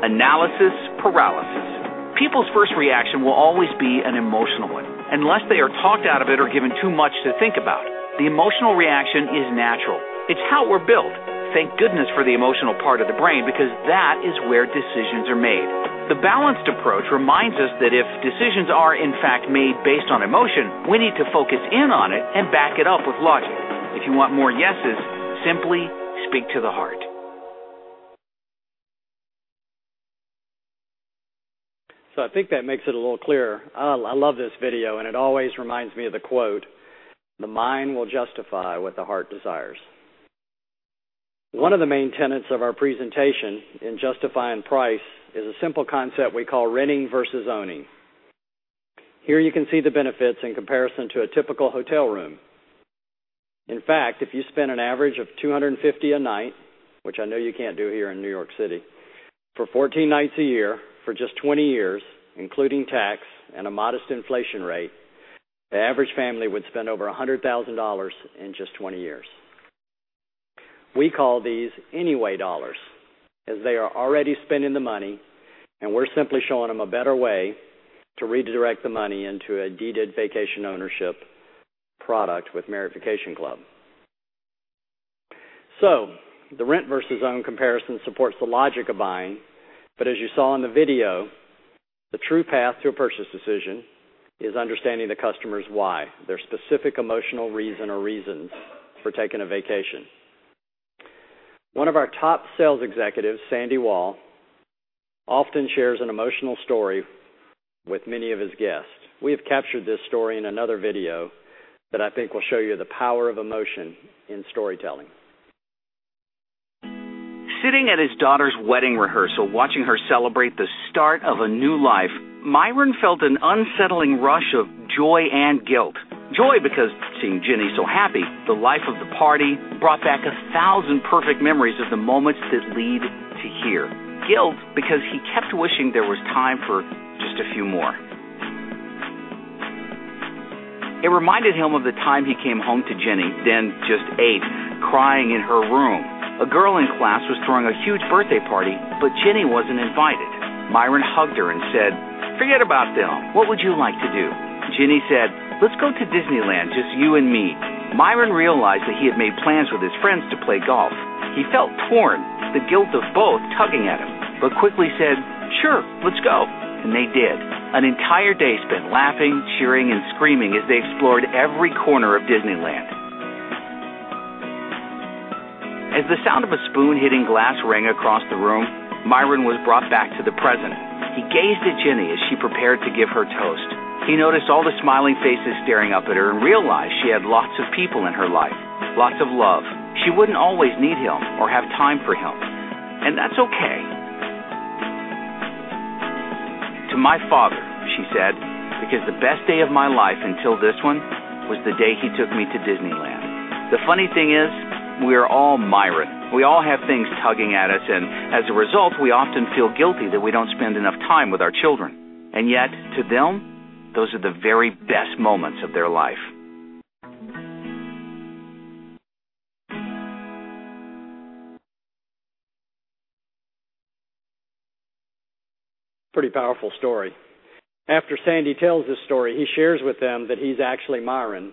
S2: Analysis paralysis. People's first reaction will always be an emotional one, unless they are talked out of it or given too much to think about. The emotional reaction is natural. It's how we're built. Thank goodness for the emotional part of the brain because that is where decisions are made. The balanced approach reminds us that if decisions are in fact made based on emotion, we need to focus in on it and back it up with logic. If you want more yeses, simply speak to the heart.
S10: I think that makes it a little clearer. I love this video, and it always reminds me of the quote, "The mind will justify what the heart desires." One of the main tenets of our presentation in justifying price is a simple concept we call renting versus owning. Here you can see the benefits in comparison to a typical hotel room. In fact, if you spend an average of $250 a night, which I know you can't do here in New York City, for 14 nights a year for just 20 years, including tax and a modest inflation rate, the average family would spend over $100,000 in just 20 years. We call these anyway dollars, as they are already spending the money, and we're simply showing them a better way to redirect the money into a deeded vacation ownership product with Marriott Vacation Club. The rent versus own comparison supports the logic of buying. As you saw in the video, the true path to a purchase decision is understanding the customer's why, their specific emotional reason or reasons for taking a vacation. One of our top sales executives, Sandy Wall, often shares an emotional story with many of his guests. We have captured this story in another video that I think will show you the power of emotion in storytelling.
S2: Sitting at his daughter's wedding rehearsal, watching her celebrate the start of a new life, Myron felt an unsettling rush of joy and guilt. Joy because seeing Jenny so happy, the life of the party, brought back a thousand perfect memories of the moments that lead to here. Guilt because he kept wishing there was time for just a few more. It reminded him of the time he came home to Jenny, then just eight, crying in her room. A girl in class was throwing a huge birthday party, but Jenny wasn't invited. Myron hugged her and said, "Forget about them. What would you like to do?" Jenny said, "Let's go to Disneyland, just you and me." Myron realized that he had made plans with his friends to play golf. He felt torn, the guilt of both tugging at him, but quickly said, "Sure. Let's go." And they did. An entire day spent laughing, cheering, and screaming as they explored every corner of Disneyland. As the sound of a spoon hitting glass rang across the room, Myron was brought back to the present. He gazed at Jenny as she prepared to give her toast. He noticed all the smiling faces staring up at her and realized she had lots of people in her life, lots of love. She wouldn't always need him or have time for him, and that's okay. "To my father," she said, "because the best day of my life until this one was the day he took me to Disneyland." The funny thing is, we are all Myron. We all have things tugging at us, and as a result, we often feel guilty that we don't spend enough time with our children. Yet, to them, those are the very best moments of their life.
S10: Pretty powerful story. After Sandy tells this story, he shares with them that he's actually Myron,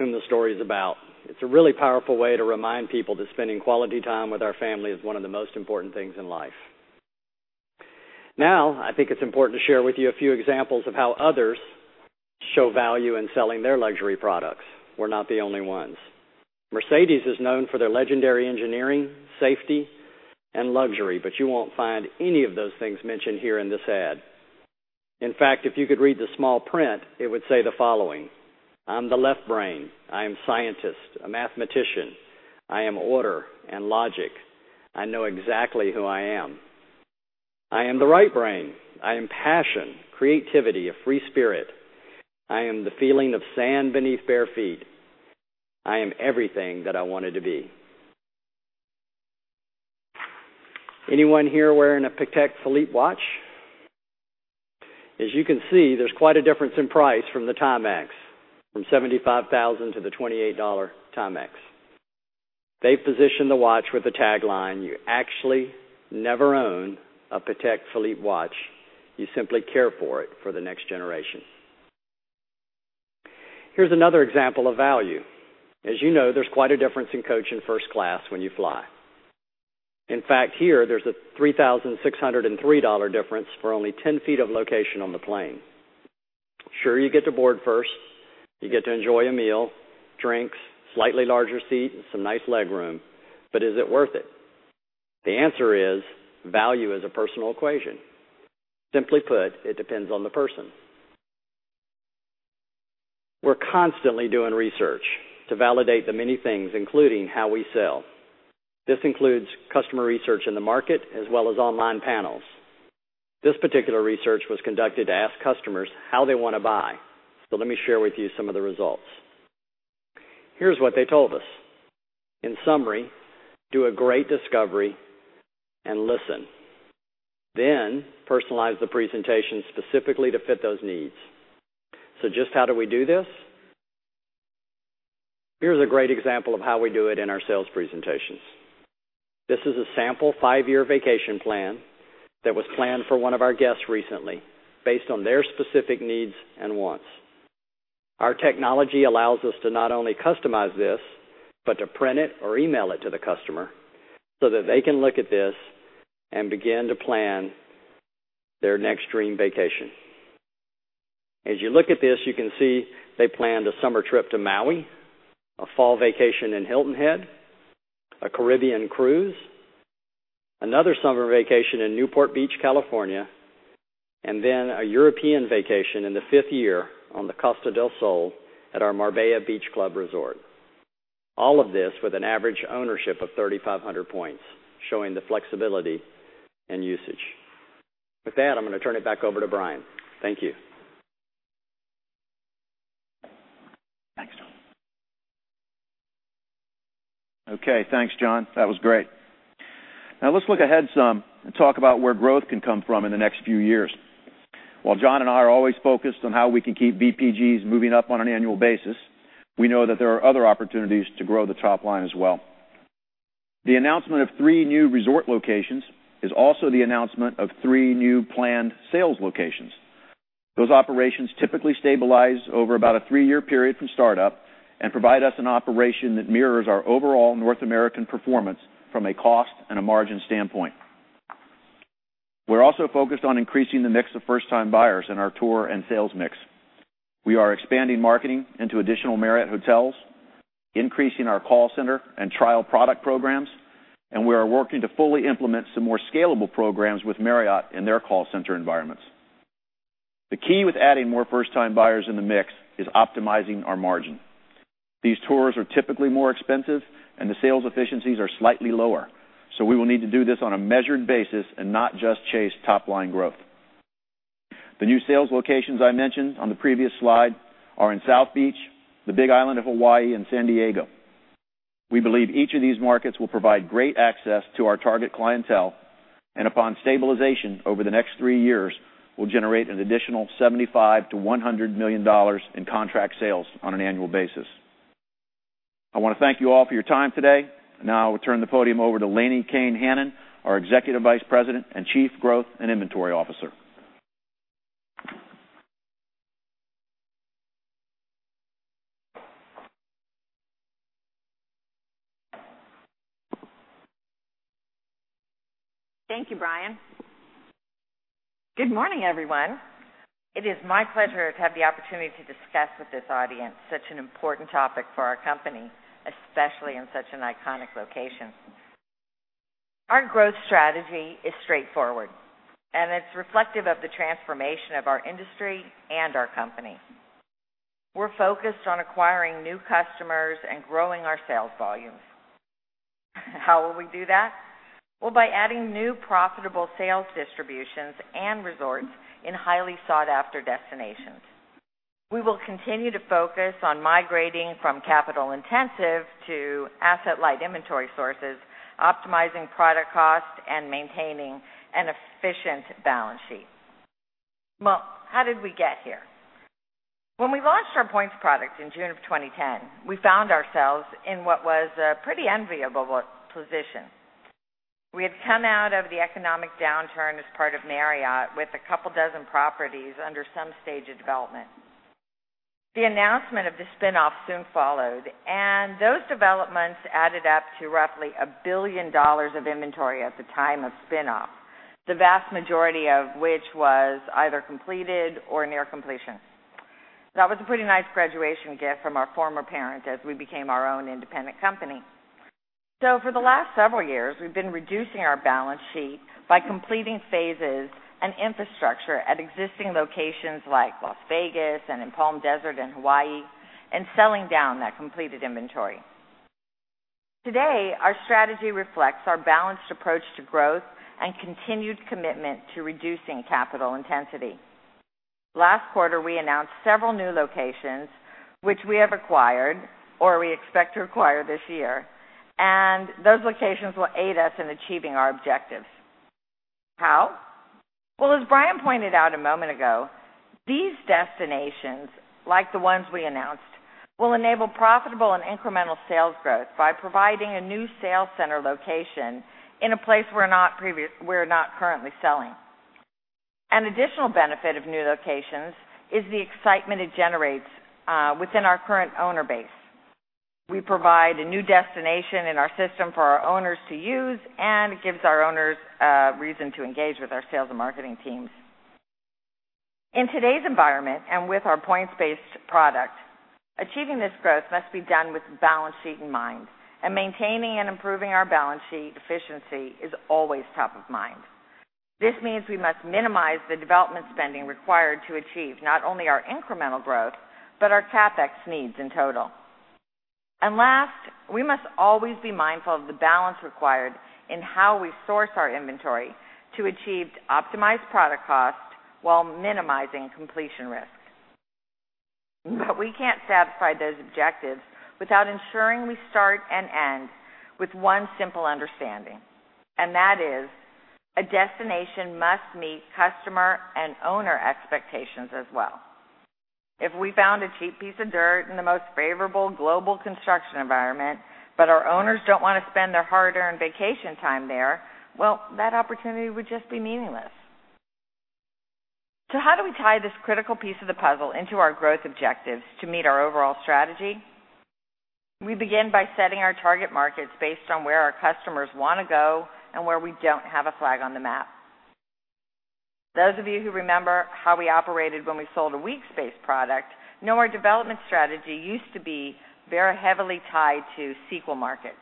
S10: whom the story's about. It's a really powerful way to remind people that spending quality time with our family is one of the most important things in life. Now, I think it's important to share with you a few examples of how others show value in selling their luxury products. We're not the only ones. Mercedes-Benz is known for their legendary engineering, safety, and luxury, but you won't find any of those things mentioned here in this ad. In fact, if you could read the small print, it would say the following: "I'm the left brain. I am scientist, a mathematician. I am order and logic. I know exactly who I am." "I am the right brain. I am passion, creativity, a free spirit. I am the feeling of sand beneath bare feet. I am everything that I wanted to be." Anyone here wearing a Patek Philippe watch? As you can see, there's quite a difference in price from the Timex, from $75,000 to the $28 Timex. They position the watch with the tagline, "You actually never own a Patek Philippe watch. You simply care for it for the next generation." Here's another example of value. As you know, there's quite a difference in coach and first class when you fly. In fact, here there's a $3,603 difference for only 10 feet of location on the plane. Sure, you get to board first, you get to enjoy a meal, drinks, slightly larger seat, and some nice leg room. Is it worth it? The answer is value is a personal equation. Simply put, it depends on the person. We're constantly doing research to validate the many things, including how we sell. This includes customer research in the market as well as online panels. This particular research was conducted to ask customers how they want to buy. Let me share with you some of the results. Here's what they told us. In summary, do a great discovery and listen. Personalize the presentation specifically to fit those needs. Just how do we do this? Here's a great example of how we do it in our sales presentations. This is a sample five-year vacation plan that was planned for one of our guests recently based on their specific needs and wants. Our technology allows us to not only customize this, but to print it or email it to the customer so that they can look at this and begin to plan their next dream vacation. As you look at this, you can see they planned a summer trip to Maui, a fall vacation in Hilton Head, a Caribbean cruise, another summer vacation in Newport Beach, California, and then a European vacation in the fifth year on the Costa del Sol at our Marriott's Marbella Beach Resort. All of this with an average ownership of 3,500 points, showing the flexibility and usage. With that, I'm going to turn it back over to Brian. Thank you.
S9: Thanks, John. Thanks, John. That was great. Now let's look ahead some and talk about where growth can come from in the next few years. While John and I are always focused on how we can keep VPGs moving up on an annual basis, we know that there are other opportunities to grow the top line as well. The announcement of three new resort locations is also the announcement of three new planned sales locations. Those operations typically stabilize over about a three-year period from startup and provide us an operation that mirrors our overall North American performance from a cost and a margin standpoint. We're also focused on increasing the mix of first-time buyers in our tour and sales mix. We are expanding marketing into additional Marriott hotels, increasing our call center and trial product programs, and we are working to fully implement some more scalable programs with Marriott in their call center environments. The key with adding more first-time buyers in the mix is optimizing our margin. These tours are typically more expensive and the sales efficiencies are slightly lower. We will need to do this on a measured basis and not just chase top-line growth. The new sales locations I mentioned on the previous slide are in South Beach, the Big Island of Hawaii, and San Diego. We believe each of these markets will provide great access to our target clientele, and upon stabilization over the next three years, will generate an additional $75 million-$100 million in contract sales on an annual basis. I want to thank you all for your time today. I will turn the podium over to Lani Kane-Hanan, our Executive Vice President and Chief Growth and Inventory Officer.
S11: Thank you, Brian. Good morning, everyone. It is my pleasure to have the opportunity to discuss with this audience such an important topic for our company, especially in such an iconic location. Our growth strategy is straightforward, and it's reflective of the transformation of our industry and our company. We're focused on acquiring new customers and growing our sales volumes. How will we do that? By adding new profitable sales distributions and resorts in highly sought-after destinations. We will continue to focus on migrating from capital intensive to asset-light inventory sources, optimizing product cost, and maintaining an efficient balance sheet. How did we get here? When we launched our points product in June of 2010, we found ourselves in what was a pretty enviable position. We had come out of the economic downturn as part of Marriott with a couple dozen properties under some stage of development. The announcement of the spinoff soon followed. Those developments added up to roughly $1 billion of inventory at the time of spinoff, the vast majority of which was either completed or near completion. That was a pretty nice graduation gift from our former parent as we became our own independent company. For the last several years, we've been reducing our balance sheet by completing phases and infrastructure at existing locations like Las Vegas and in Palm Desert and Hawaii, and selling down that completed inventory. Today, our strategy reflects our balanced approach to growth and continued commitment to reducing capital intensity. Last quarter, we announced several new locations which we have acquired or we expect to acquire this year. Those locations will aid us in achieving our objectives. How? Well, as Brian Miller pointed out a moment ago, these destinations, like the ones we announced, will enable profitable and incremental sales growth by providing a new sales center location in a place we're not currently selling. An additional benefit of new locations is the excitement it generates within our current owner base. We provide a new destination in our system for our owners to use, and it gives our owners a reason to engage with our sales and marketing teams. In today's environment, and with our points-based product, achieving this growth must be done with balance sheet in mind, and maintaining and improving our balance sheet efficiency is always top of mind. This means we must minimize the development spending required to achieve not only our incremental growth, but our CapEx needs in total. Last, we must always be mindful of the balance required in how we source our inventory to achieve optimized product cost while minimizing completion risk. We can't satisfy those objectives without ensuring we start and end with one simple understanding, and that is a destination must meet customer and owner expectations as well. If we found a cheap piece of dirt in the most favorable global construction environment, but our owners don't want to spend their hard-earned vacation time there, well, that opportunity would just be meaningless. How do we tie this critical piece of the puzzle into our growth objectives to meet our overall strategy? We begin by setting our target markets based on where our customers want to go and where we don't have a flag on the map. Those of you who remember how we operated when we sold a weeks-based product know our development strategy used to be very heavily tied to sequel markets.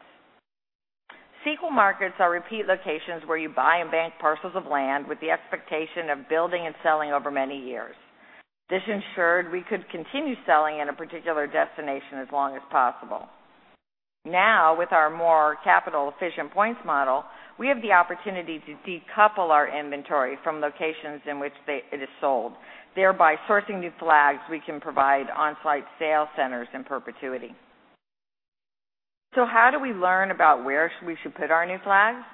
S11: Sequel markets are repeat locations where you buy and bank parcels of land with the expectation of building and selling over many years. This ensured we could continue selling in a particular destination as long as possible. Now, with our more capital-efficient points model, we have the opportunity to decouple our inventory from locations in which it is sold, thereby sourcing new flags we can provide on-site sales centers in perpetuity. How do we learn about where we should put our new flags?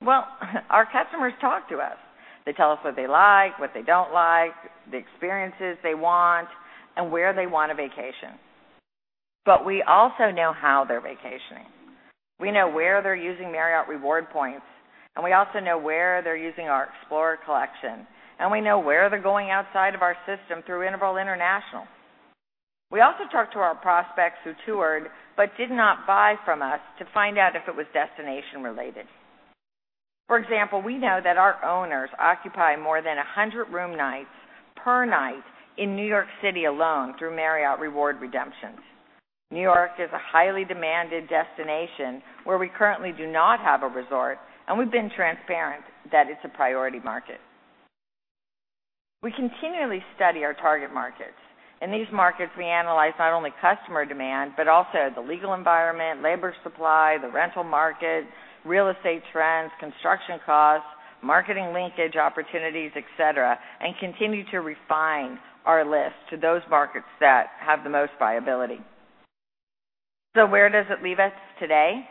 S11: Well, our customers talk to us. They tell us what they like, what they don't like, the experiences they want, and where they want to vacation. We also know how they're vacationing. We know where they're using Marriott Rewards points, we also know where they're using our Explorer Collection, we know where they're going outside of our system through Interval International. We also talked to our prospects who toured but did not buy from us to find out if it was destination related. For example, we know that our owners occupy more than 100 room nights per night in New York City alone through Marriott Rewards redemptions. New York is a highly demanded destination where we currently do not have a resort, we've been transparent that it's a priority market. We continually study our target markets. In these markets, we analyze not only customer demand, but also the legal environment, labor supply, the rental market, real estate trends, construction costs, marketing linkage opportunities, et cetera, continue to refine our list to those markets that have the most viability. Where does it leave us today?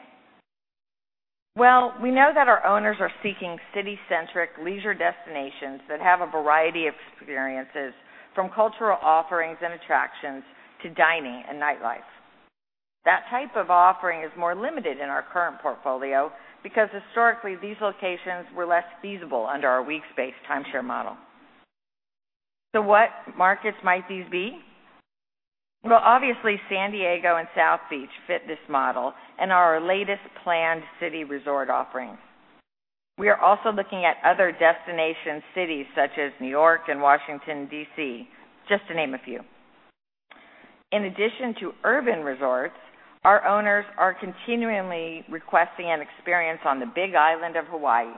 S11: We know that our owners are seeking city-centric leisure destinations that have a variety of experiences, from cultural offerings and attractions to dining and nightlife. That type of offering is more limited in our current portfolio because historically these locations were less feasible under our weeks-based timeshare model. What markets might these be? San Diego and South Beach fit this model and are our latest planned city resort offerings. We are also looking at other destination cities such as New York and Washington, D.C., just to name a few. In addition to urban resorts, our owners are continually requesting an experience on the Big Island of Hawaii.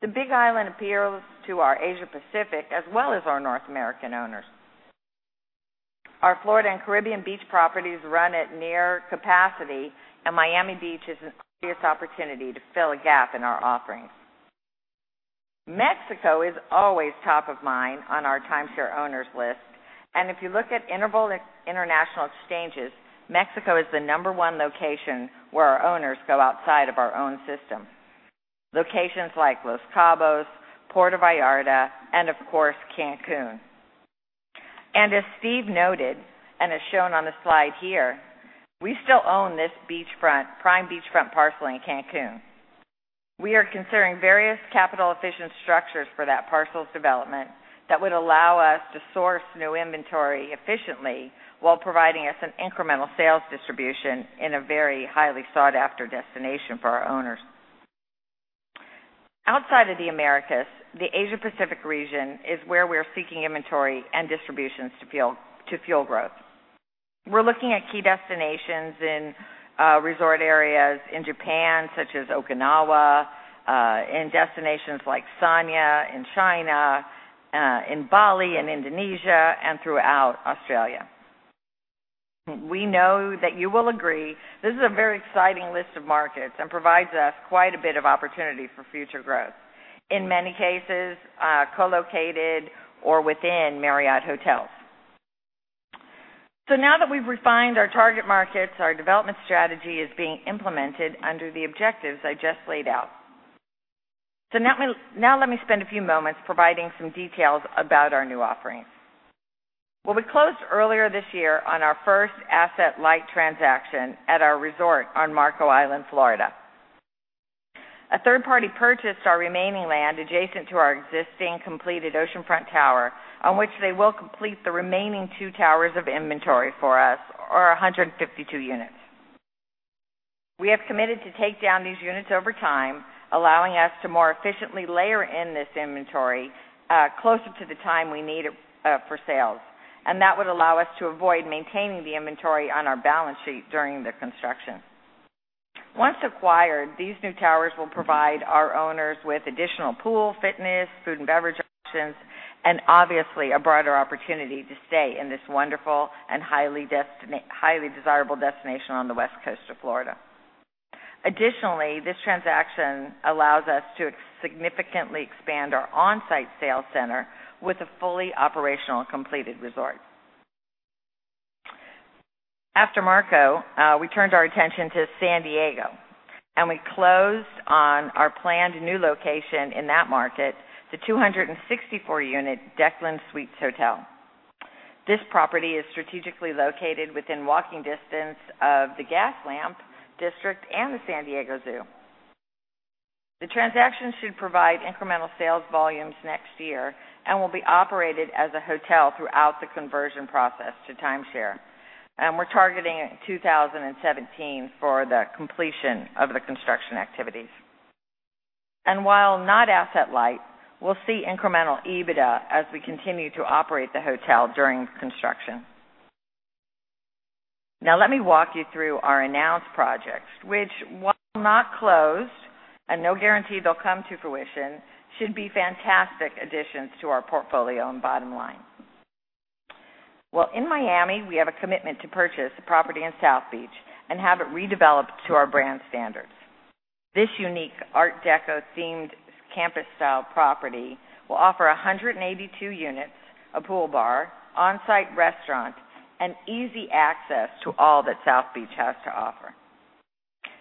S11: The Big Island appeals to our Asia Pacific as well as our North American owners. Our Florida and Caribbean beach properties run at near capacity, and Miami Beach is an obvious opportunity to fill a gap in our offerings. Mexico is always top of mind on our timeshare owners list, and if you look at Interval International exchanges, Mexico is the number one location where our owners go outside of our own system. Locations like Los Cabos, Puerto Vallarta, and of course, Cancun. As Steve noted, and as shown on the slide here, we still own this prime beachfront parcel in Cancun. We are considering various capital-efficient structures for that parcel's development that would allow us to source new inventory efficiently while providing us an incremental sales distribution in a very highly sought-after destination for our owners. Outside of the Americas, the Asia Pacific region is where we are seeking inventory and distributions to fuel growth. We're looking at key destinations in resort areas in Japan, such as Okinawa, in destinations like Sanya in China, in Bali and Indonesia, and throughout Australia. We know that you will agree this is a very exciting list of markets and provides us quite a bit of opportunity for future growth, in many cases co-located or within Marriott hotels. Now that we've refined our target markets, our development strategy is being implemented under the objectives I just laid out. Now let me spend a few moments providing some details about our new offerings. We closed earlier this year on our first asset-light transaction at our resort on Marco Island, Florida. A third party purchased our remaining land adjacent to our existing completed oceanfront tower, on which they will complete the remaining two towers of inventory for us, or 152 units. We have committed to take down these units over time, allowing us to more efficiently layer in this inventory closer to the time we need it for sales. That would allow us to avoid maintaining the inventory on our balance sheet during the construction. Once acquired, these new towers will provide our owners with additional pool, fitness, food and beverage options, and obviously a broader opportunity to stay in this wonderful and highly desirable destination on the west coast of Florida. Additionally, this transaction allows us to significantly expand our on-site sales center with a fully operational completed resort. After Marco, we turned our attention to San Diego, we closed on our planned new location in that market, the 264-unit The Declan Suites Hotel. This property is strategically located within walking distance of the Gaslamp District and the San Diego Zoo. The transaction should provide incremental sales volumes next year and will be operated as a hotel throughout the conversion process to timeshare. We're targeting 2017 for the completion of the construction activities. While not asset-light, we'll see incremental EBITDA as we continue to operate the hotel during construction. Now let me walk you through our announced projects, which while not closed, and no guarantee they'll come to fruition, should be fantastic additions to our portfolio and bottom line. Well, in Miami, we have a commitment to purchase a property in South Beach and have it redeveloped to our brand standards. This unique Art Deco themed campus style property will offer 182 units, a pool bar, on-site restaurant, and easy access to all that South Beach has to offer.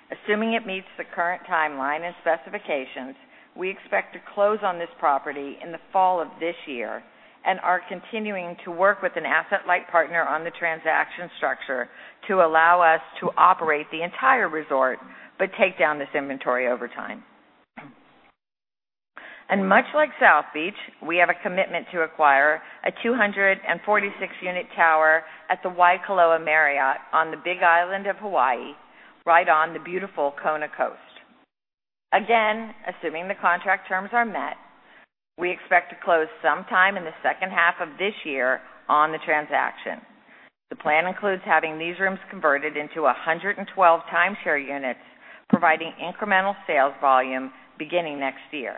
S11: Assuming it meets the current timeline and specifications, we expect to close on this property in the fall of this year and are continuing to work with an asset-light partner on the transaction structure to allow us to operate the entire resort but take down this inventory over time. Much like South Beach, we have a commitment to acquire a 246-unit tower at the Waikoloa Marriott on the Big Island of Hawaii, right on the beautiful Kona Coast. Again, assuming the contract terms are met, we expect to close sometime in the second half of this year on the transaction. The plan includes having these rooms converted into 112 timeshare units, providing incremental sales volume beginning next year.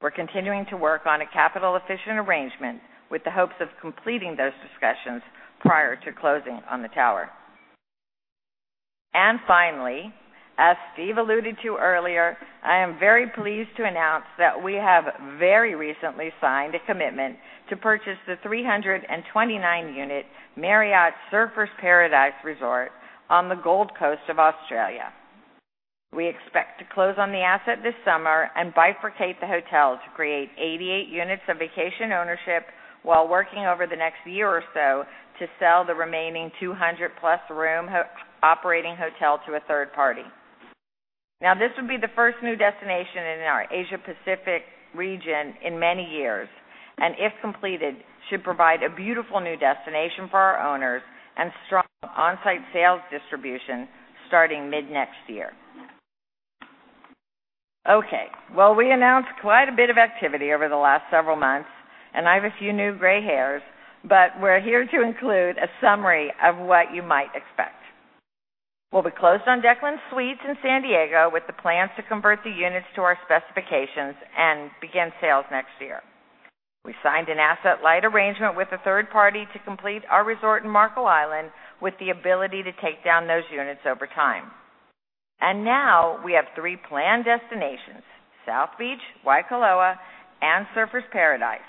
S11: We're continuing to work on a capital-efficient arrangement with the hopes of completing those discussions prior to closing on the tower. Finally, as Steve alluded to earlier, I am very pleased to announce that we have very recently signed a commitment to purchase the 329-unit Marriott Surfers Paradise Resort on the Gold Coast of Australia. We expect to close on the asset this summer and bifurcate the hotel to create 88 units of vacation ownership while working over the next year or so to sell the remaining 200-plus room operating hotel to a third party. Now, this would be the first new destination in our Asia Pacific region in many years. If completed, should provide a beautiful new destination for our owners and strong on-site sales distribution starting mid-next year. Okay, well, we announced quite a bit of activity over the last several months. I have a few new gray hairs, but we're here to include a summary of what you might expect. We'll be closed on Declan Suites in San Diego with the plans to convert the units to our specifications and begin sales next year. We signed an asset-light arrangement with a third party to complete our resort in Marco Island with the ability to take down those units over time. Now we have three planned destinations, South Beach, Waikoloa, and Surfers Paradise.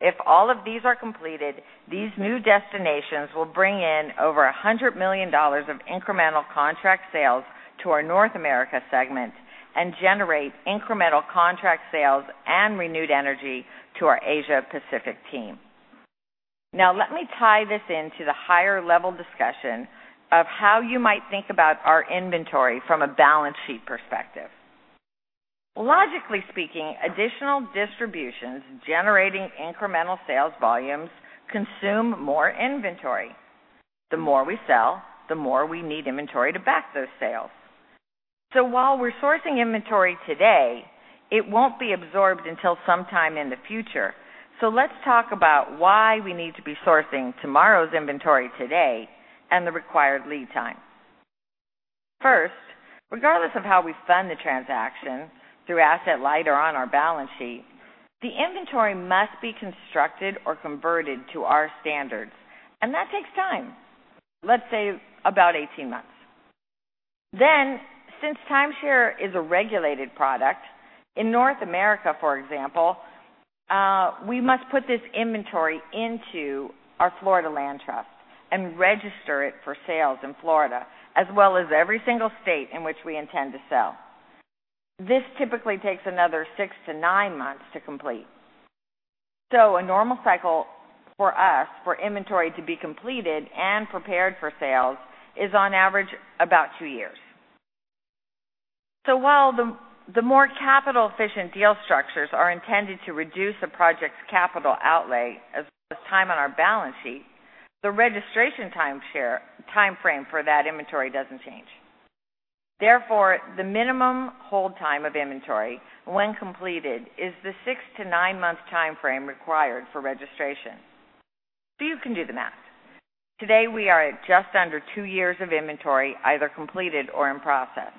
S11: If all of these are completed, these new destinations will bring in over $100 million of incremental contract sales to our North America segment and generate incremental contract sales and renewed energy to our Asia Pacific team. Now, let me tie this into the higher-level discussion of how you might think about our inventory from a balance sheet perspective. Logically speaking, additional distributions generating incremental sales volumes consume more inventory. The more we sell, the more we need inventory to back those sales. While we're sourcing inventory today, it won't be absorbed until sometime in the future. Let's talk about why we need to be sourcing tomorrow's inventory today and the required lead time. First, regardless of how we fund the transaction, through asset-light or on our balance sheet, the inventory must be constructed or converted to our standards, and that takes time. Let's say about 18 months. Since timeshare is a regulated product, in North America, for example, we must put this inventory into our Florida Land Trust and register it for sales in Florida, as well as every single state in which we intend to sell. This typically takes another six to nine months to complete. A normal cycle for us for inventory to be completed and prepared for sales is on average about two years. While the more capital-efficient deal structures are intended to reduce a project's capital outlay as well as time on our balance sheet, the registration timeframe for that inventory doesn't change. Therefore, the minimum hold time of inventory when completed is the six to nine-month timeframe required for registration. You can do the math. Today, we are at just under two years of inventory, either completed or in process.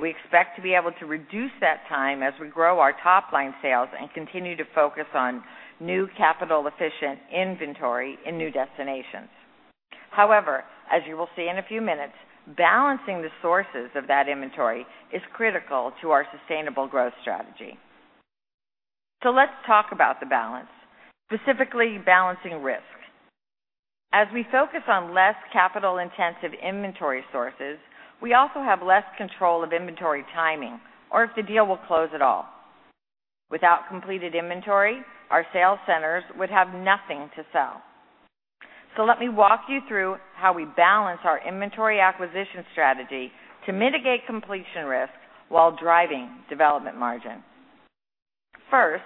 S11: We expect to be able to reduce that time as we grow our top-line sales and continue to focus on new capital-efficient inventory in new destinations. However, as you will see in a few minutes, balancing the sources of that inventory is critical to our sustainable growth strategy. Let's talk about the balance, specifically balancing risk. As we focus on less capital-intensive inventory sources, we also have less control of inventory timing or if the deal will close at all. Without completed inventory, our sales centers would have nothing to sell. Let me walk you through how we balance our inventory acquisition strategy to mitigate completion risk while driving development margin. First,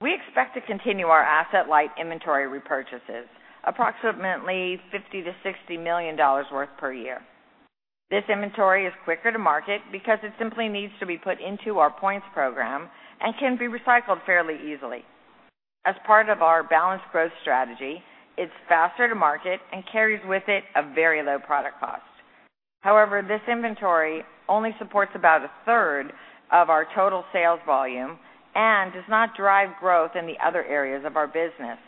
S11: we expect to continue our asset-light inventory repurchases, approximately $50 million to $60 million worth per year. This inventory is quicker to market because it simply needs to be put into our points program and can be recycled fairly easily. As part of our balanced growth strategy, it's faster to market and carries with it a very low product cost. However, this inventory only supports about a third of our total sales volume and does not drive growth in the other areas of our business.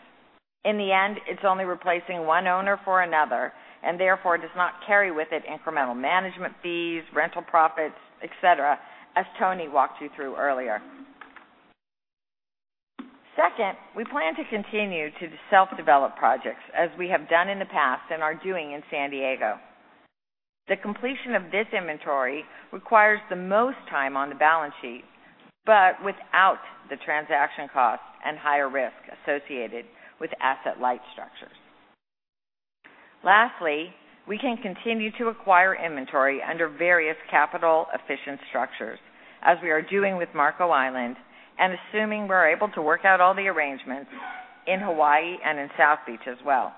S11: In the end, it's only replacing one owner for another and therefore does not carry with it incremental management fees, rental profits, et cetera, as Tony walked you through earlier. Second, we plan to continue to self-develop projects as we have done in the past and are doing in San Diego. The completion of this inventory requires the most time on the balance sheet, but without the transaction cost and higher risk associated with asset-light structures. Lastly, we can continue to acquire inventory under various capital-efficient structures, as we are doing with Marco Island, and assuming we're able to work out all the arrangements in Hawaii and in South Beach as well.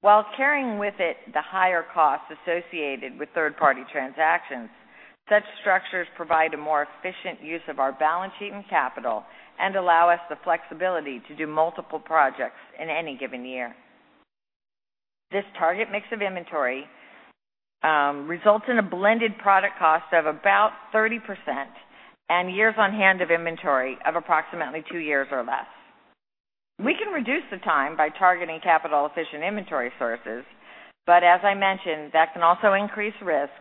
S11: While carrying with it the higher costs associated with third-party transactions, such structures provide a more efficient use of our balance sheet and capital and allow us the flexibility to do multiple projects in any given year. This target mix of inventory results in a blended product cost of about 30% and years on hand of inventory of approximately two years or less. We can reduce the time by targeting capital-efficient inventory sources, but as I mentioned, that can also increase risk,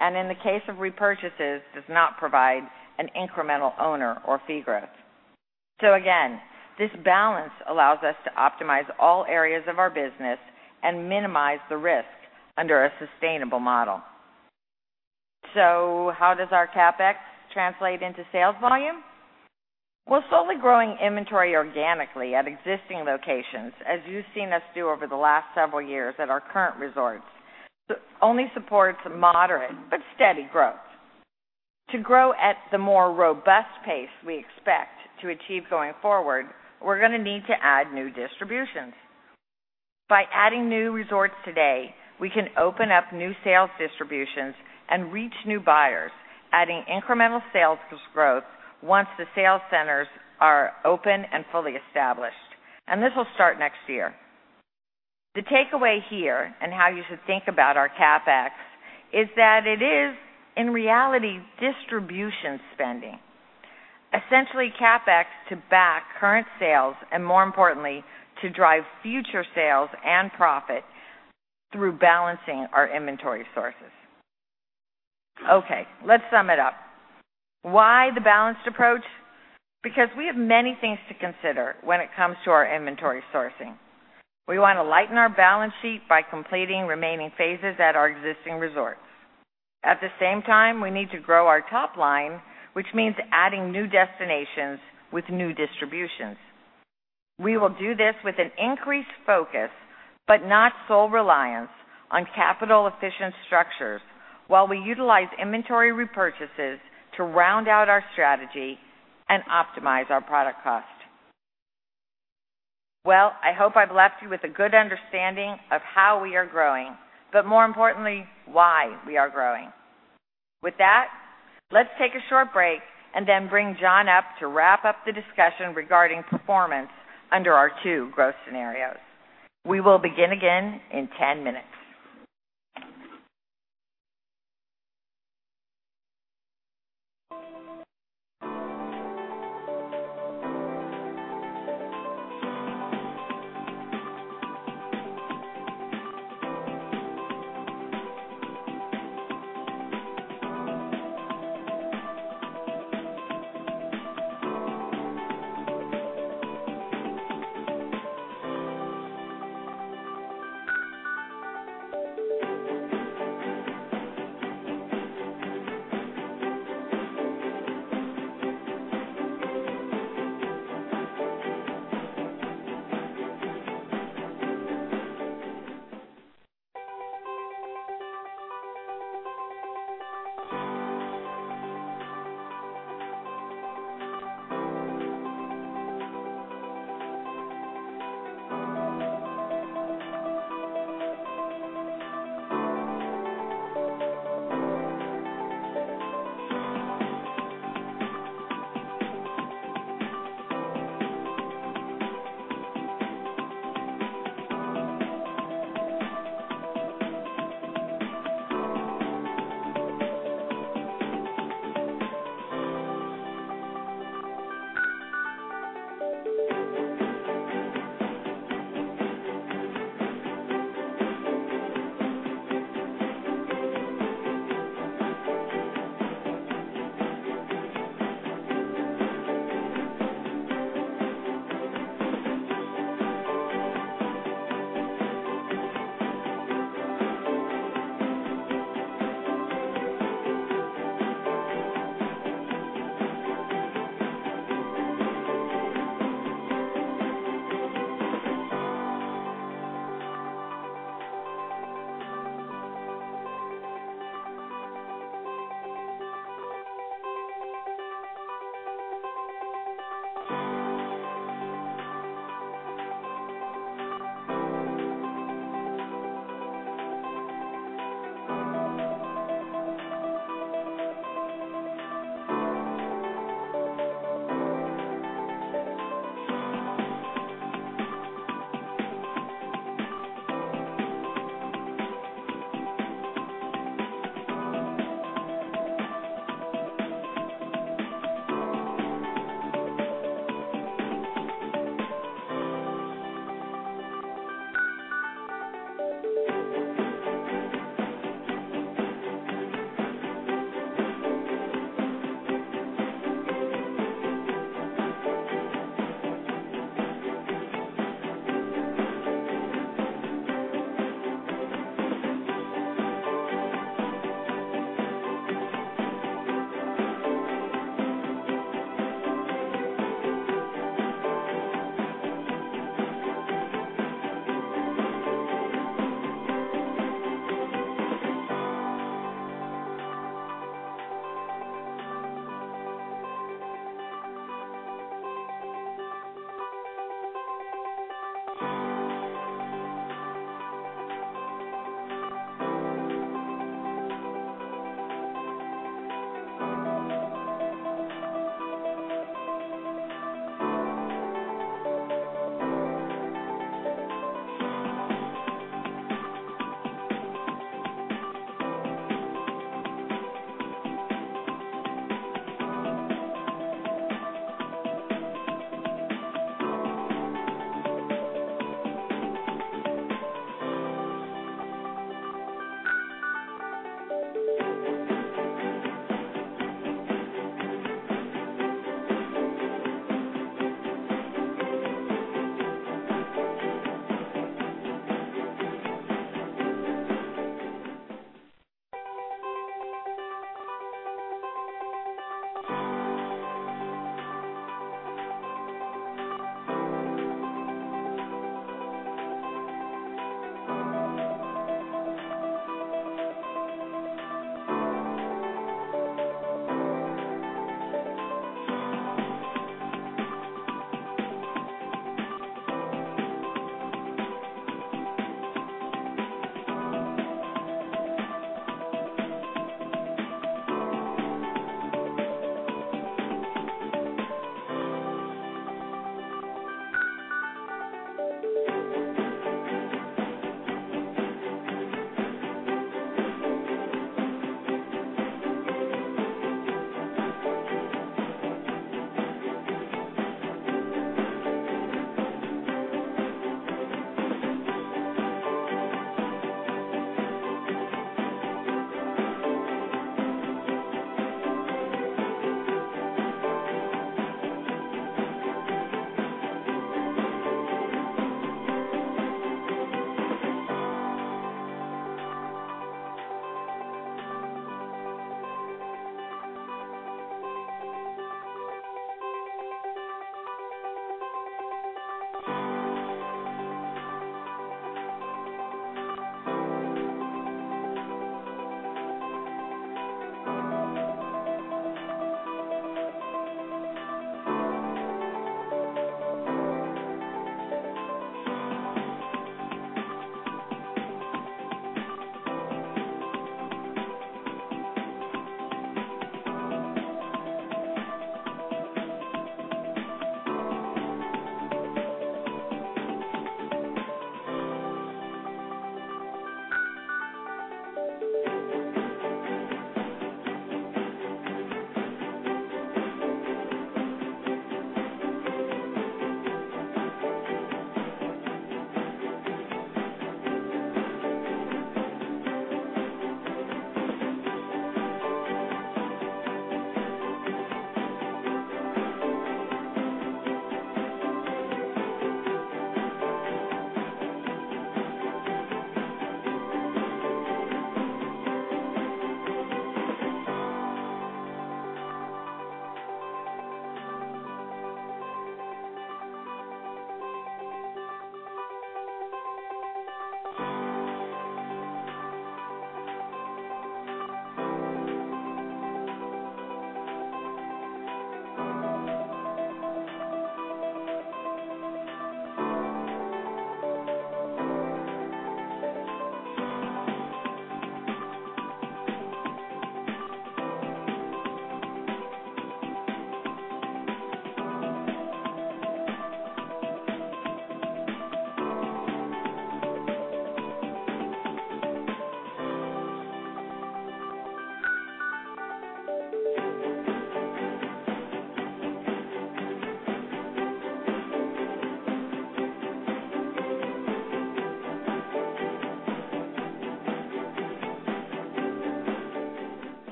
S11: and in the case of repurchases, does not provide an incremental owner or fee growth. Again, this balance allows us to optimize all areas of our business and minimize the risk under a sustainable model. How does our CapEx translate into sales volume? Well, slowly growing inventory organically at existing locations, as you've seen us do over the last several years at our current resorts, only supports moderate but steady growth. To grow at the more robust pace we expect to achieve going forward, we're going to need to add new distributions. By adding new resorts today, we can open up new sales distributions and reach new buyers, adding incremental sales growth once the sales centers are open and fully established. This will start next year. The takeaway here, and how you should think about our CapEx, is that it is, in reality, distribution spending, essentially CapEx to back current sales, and more importantly, to drive future sales and profit through balancing our inventory sources. Okay, let's sum it up. Why the balanced approach? We have many things to consider when it comes to our inventory sourcing. We want to lighten our balance sheet by completing remaining phases at our existing resorts. At the same time, we need to grow our top line, which means adding new destinations with new distributions. We will do this with an increased focus, but not sole reliance, on capital-efficient structures while we utilize inventory repurchases to round out our strategy and optimize our product cost. Well, I hope I've left you with a good understanding of how we are growing, but more importantly, why we are growing. With that, let's take a short break and then bring John up to wrap up the discussion regarding performance under our two growth scenarios. We will begin again in 10 minutes.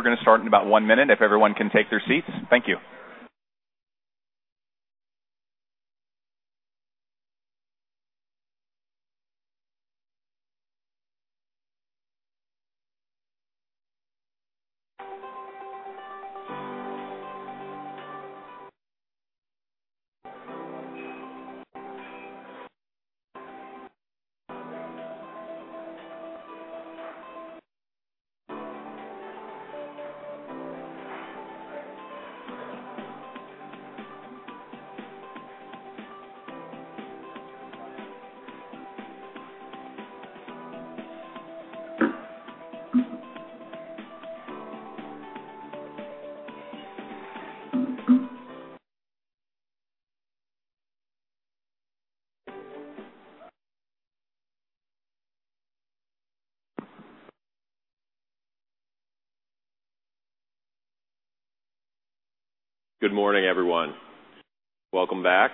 S12: We're going to start in about one minute if everyone can take their seats. Thank you. Good morning, everyone. Welcome back.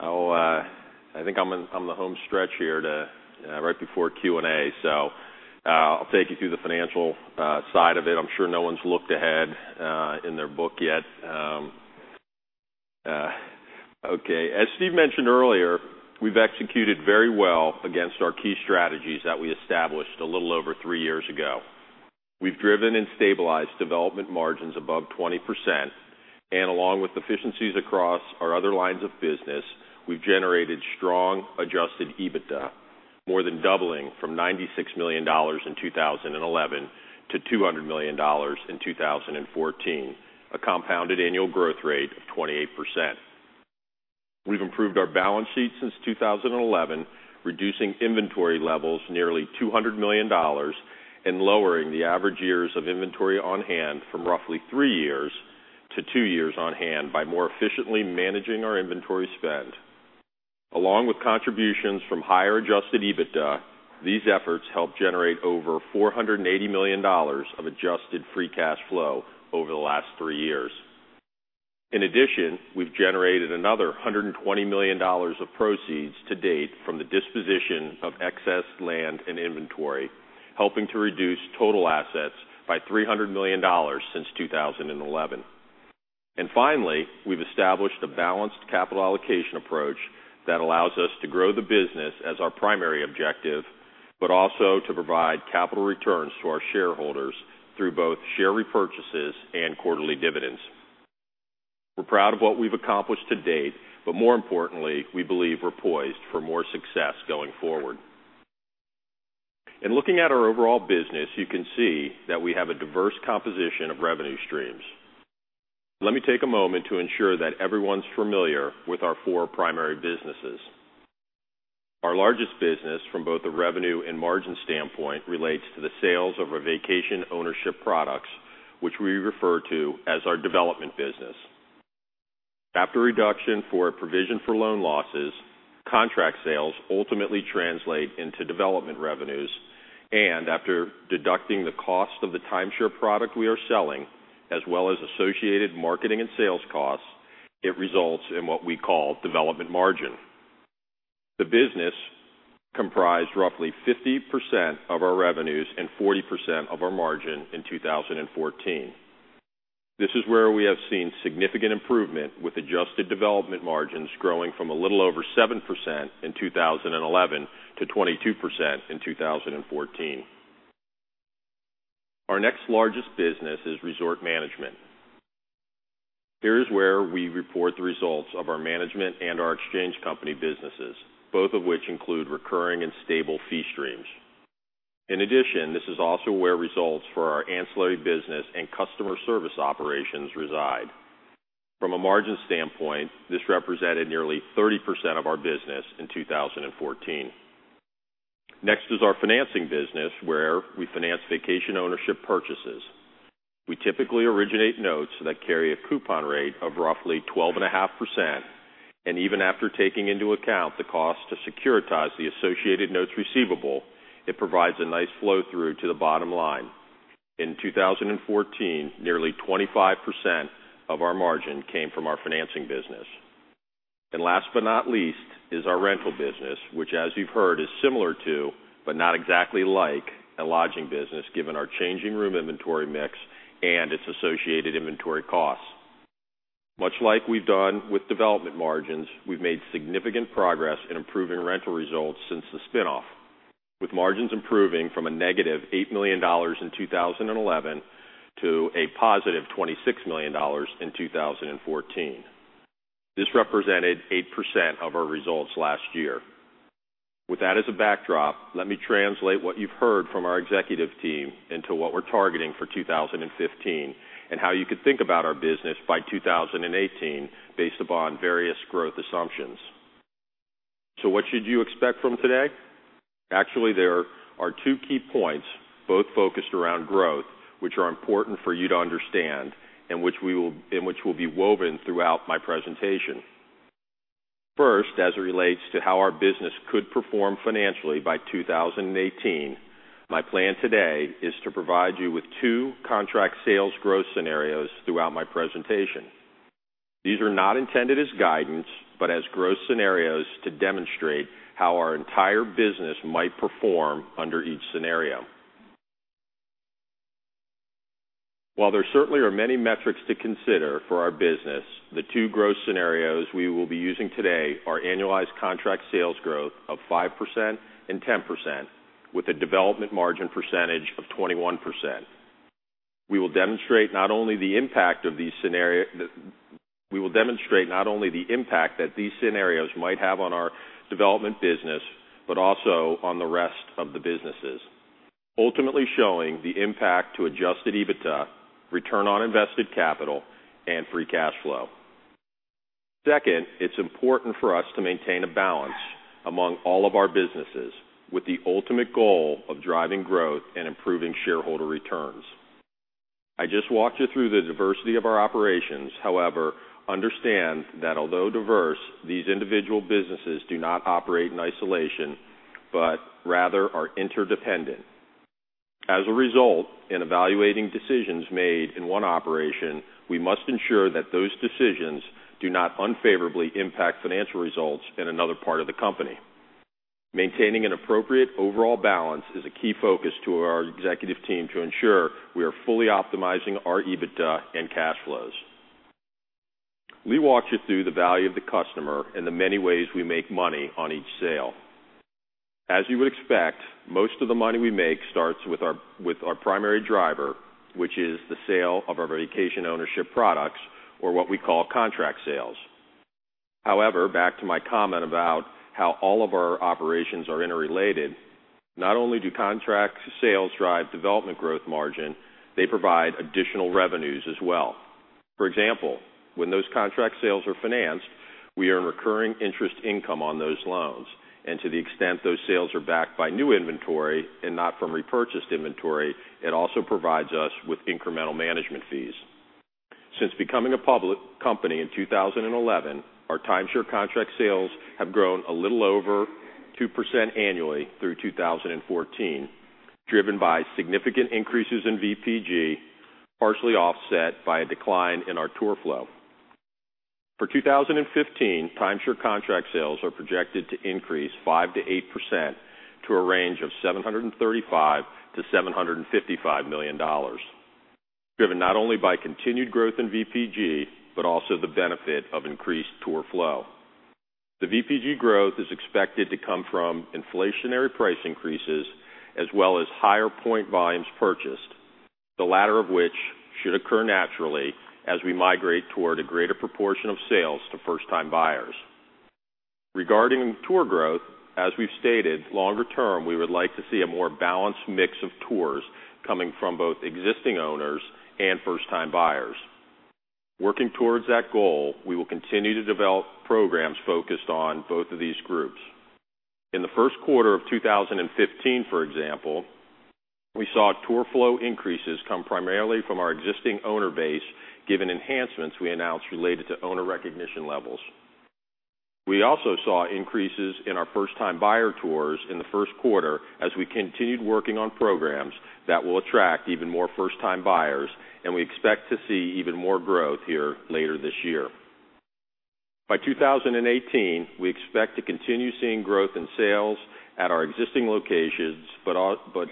S12: I think I'm in the home stretch here to right before Q&A, so I'll take you through the financial side of it. I'm sure no one's looked ahead in their book yet. Okay. As Steve mentioned earlier, we've executed very well against our key strategies that we established a little over three years ago. We've driven and stabilized development margins above 20%, and along with efficiencies across our other lines of business, we've generated strong adjusted EBITDA, more than doubling from $96 million in 2011 to $200 million in 2014, a compounded annual growth rate of 28%. We've improved our balance sheet since 2011, reducing inventory levels nearly $200 million, and lowering the average years of inventory on hand from roughly three years to two years on hand by more efficiently managing our inventory spend. Along with contributions from higher adjusted EBITDA, these efforts helped generate over $480 million of adjusted free cash flow over the last three years. Finally, we've generated another $120 million of proceeds to date from the disposition of excess land and inventory, helping to reduce total assets by $300 million since 2011. We've established a balanced capital allocation approach that allows us to grow the business as our primary objective, but also to provide capital returns to our shareholders through both share repurchases and quarterly dividends. We're proud of what we've accomplished to date, but more importantly, we believe we're poised for more success going forward. In looking at our overall business, you can see that we have a diverse composition of revenue streams. Let me take a moment to ensure that everyone's familiar with our four primary businesses. Our largest business from both a revenue and margin standpoint relates to the sales of our vacation ownership products, which we refer to as our development business. After reduction for a provision for loan losses, contract sales ultimately translate into development revenues, and after deducting the cost of the timeshare product we are selling, as well as associated marketing and sales costs, it results in what we call development margin. The business comprised roughly 50% of our revenues and 40% of our margin in 2014. This is where we have seen significant improvement with adjusted development margins growing from a little over 7% in 2011 to 22% in 2014. Our next largest business is resort management. Here is where we report the results of our management and our exchange company businesses, both of which include recurring and stable fee streams. In addition, this is also where results for our ancillary business and customer service operations reside. From a margin standpoint, this represented nearly 30% of our business in 2014. Next is our financing business, where we finance vacation ownership purchases. We typically originate notes that carry a coupon rate of roughly 12.5%, and even after taking into account the cost to securitize the associated notes receivable, it provides a nice flow-through to the bottom line. In 2014, nearly 25% of our margin came from our financing business. Last but not least is our rental business, which as you've heard, is similar to, but not exactly like a lodging business given our changing room inventory mix and its associated inventory costs. Much like we've done with development margins, we've made significant progress in improving rental results since the spinoff. With margins improving from a negative $8 million in 2011 to a positive $26 million in 2014. This represented 8% of our results last year. With that as a backdrop, let me translate what you've heard from our executive team into what we're targeting for 2015 and how you could think about our business by 2018 based upon various growth assumptions. What should you expect from today? Actually, there are two key points, both focused around growth, which are important for you to understand and which will be woven throughout my presentation. First, as it relates to how our business could perform financially by 2018, my plan today is to provide you with two contract sales growth scenarios throughout my presentation. These are not intended as guidance, but as growth scenarios to demonstrate how our entire business might perform under each scenario. While there certainly are many metrics to consider for our business, the two growth scenarios we will be using today are annualized contract sales growth of 5% and 10% with a development margin percentage of 21%. We will demonstrate not only the impact that these scenarios might have on our development business, but also on the rest of the businesses, ultimately showing the impact to adjusted EBITDA, return on invested capital, and free cash flow. Second, it's important for us to maintain a balance among all of our businesses with the ultimate goal of driving growth and improving shareholder returns. I just walked you through the diversity of our operations. However, understand that although diverse, these individual businesses do not operate in isolation but rather are interdependent. In evaluating decisions made in one operation, we must ensure that those decisions do not unfavorably impact financial results in another part of the company. Maintaining an appropriate overall balance is a key focus to our executive team to ensure we are fully optimizing our EBITDA and cash flows. Let me walk you through the value of the customer and the many ways we make money on each sale. As you would expect, most of the money we make starts with our primary driver, which is the sale of our vacation ownership products or what we call contract sales. Back to my comment about how all of our operations are interrelated, not only do contract sales drive development growth margin, they provide additional revenues as well. For example, when those contract sales are financed, we earn recurring interest income on those loans. To the extent those sales are backed by new inventory and not from repurchased inventory, it also provides us with incremental management fees. Since becoming a public company in 2011, our timeshare contract sales have grown a little over 2% annually through 2014, driven by significant increases in VPG, partially offset by a decline in our tour flow. For 2015, timeshare contract sales are projected to increase 5%-8% to a range of $735 million-$755 million, driven not only by continued growth in VPG but also the benefit of increased tour flow. The VPG growth is expected to come from inflationary price increases as well as higher point volumes purchased, the latter of which should occur naturally as we migrate toward a greater proportion of sales to first-time buyers. Regarding tour growth, as we've stated, longer term, we would like to see a more balanced mix of tours coming from both existing owners and first-time buyers. Working towards that goal, we will continue to develop programs focused on both of these groups. In the first quarter of 2015, for example, we saw tour flow increases come primarily from our existing owner base given enhancements we announced related to owner recognition levels. We also saw increases in our first-time buyer tours in the first quarter as we continued working on programs that will attract even more first-time buyers, we expect to see even more growth here later this year. By 2018, we expect to continue seeing growth in sales at our existing locations,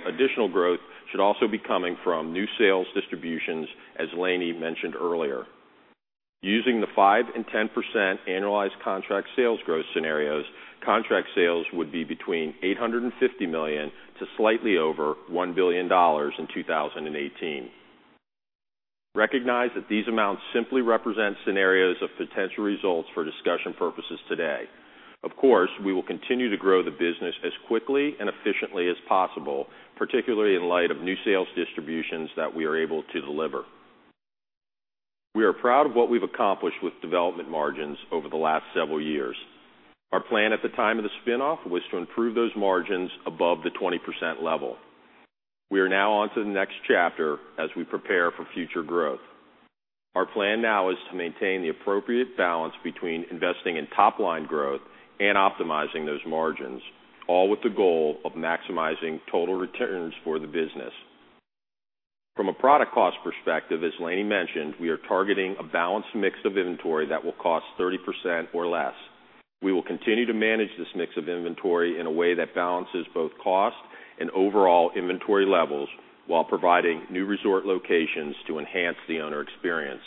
S12: additional growth should also be coming from new sales distributions, as Lani mentioned earlier. Using the 5% and 10% annualized contract sales growth scenarios, contract sales would be between $850 million to slightly over $1 billion in 2018. Recognize that these amounts simply represent scenarios of potential results for discussion purposes today. We will continue to grow the business as quickly and efficiently as possible, particularly in light of new sales distributions that we are able to deliver. We are proud of what we've accomplished with development margins over the last several years. Our plan at the time of the spinoff was to improve those margins above the 20% level. We are now on to the next chapter as we prepare for future growth. Our plan now is to maintain the appropriate balance between investing in top-line growth and optimizing those margins, all with the goal of maximizing total returns for the business. From a product cost perspective, as Lani mentioned, we are targeting a balanced mix of inventory that will cost 30% or less. We will continue to manage this mix of inventory in a way that balances both cost and overall inventory levels while providing new resort locations to enhance the owner experience.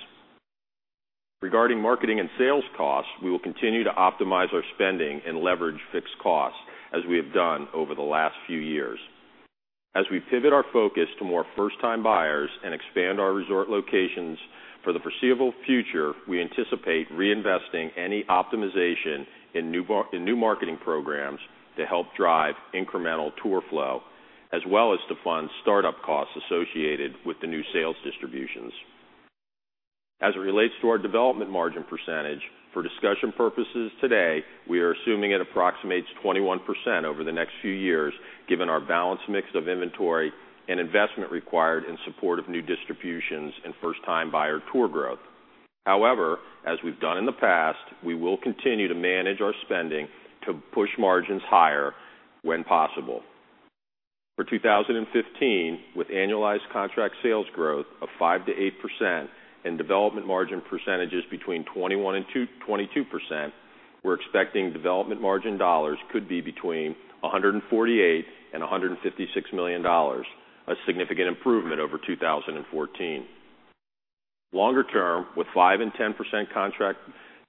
S12: Regarding marketing and sales costs, we will continue to optimize our spending and leverage fixed costs as we have done over the last few years. We anticipate reinvesting any optimization in new marketing programs to help drive incremental tour flow, as well as to fund startup costs associated with the new sales distributions. It relates to our development margin percentage, for discussion purposes today, we are assuming it approximates 21% over the next few years, given our balanced mix of inventory and investment required in support of new distributions and first-time buyer tour growth. We've done in the past, we will continue to manage our spending to push margins higher when possible. For 2015, with annualized contract sales growth of 5%-8% and development margin percentages between 21%-22%, we're expecting development margin dollars could be between $148 million-$156 million, a significant improvement over 2014. Longer term, with 5% and 10% contract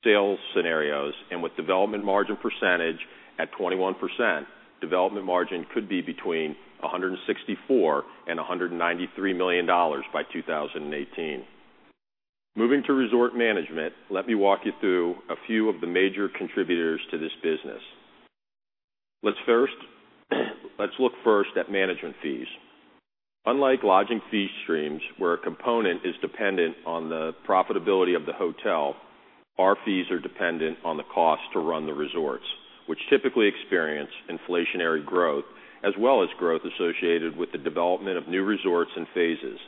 S12: sales scenarios and with development margin percentage at 21%, development margin could be between $164 million-$193 million by 2018. Moving to resort management, let me walk you through a few of the major contributors to this business. Let's look first at management fees. Unlike lodging fee streams, where a component is dependent on the profitability of the hotel, our fees are dependent on the cost to run the resorts, which typically experience inflationary growth, as well as growth associated with the development of new resorts and phases.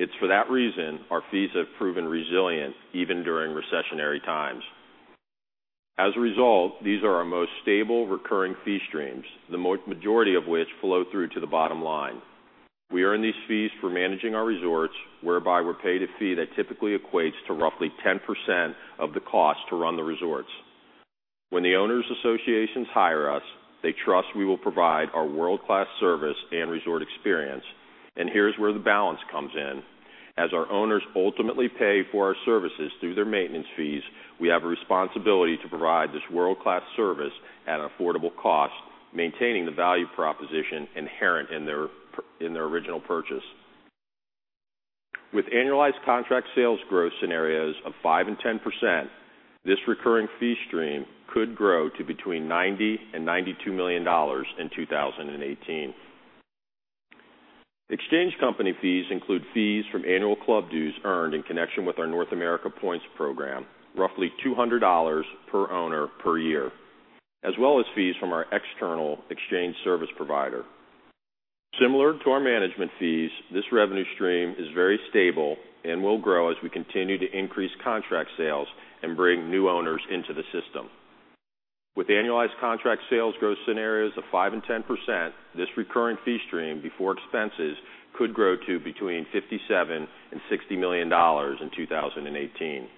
S12: It's for that reason our fees have proven resilient even during recessionary times. These are our most stable recurring fee streams, the majority of which flow through to the bottom line. We earn these fees for managing our resorts, whereby we're paid a fee that typically equates to roughly 10% of the cost to run the resorts. When the owners associations hire us, they trust we will provide our world-class service and resort experience, here's where the balance comes in. As our owners ultimately pay for our services through their maintenance fees, we have a responsibility to provide this world-class service at an affordable cost, maintaining the value proposition inherent in their original purchase. With annualized contract sales growth scenarios of 5% and 10%, this recurring fee stream could grow to between $90 million and $92 million in 2018. Exchange company fees include fees from annual club dues earned in connection with our North America points program, roughly $200 per owner per year, as well as fees from our external exchange service provider. Similar to our management fees, this revenue stream is very stable and will grow as we continue to increase contract sales and bring new owners into the system. With annualized contract sales growth scenarios of 5% and 10%, this recurring fee stream before expenses could grow to between $57 million and $60 million in 2018.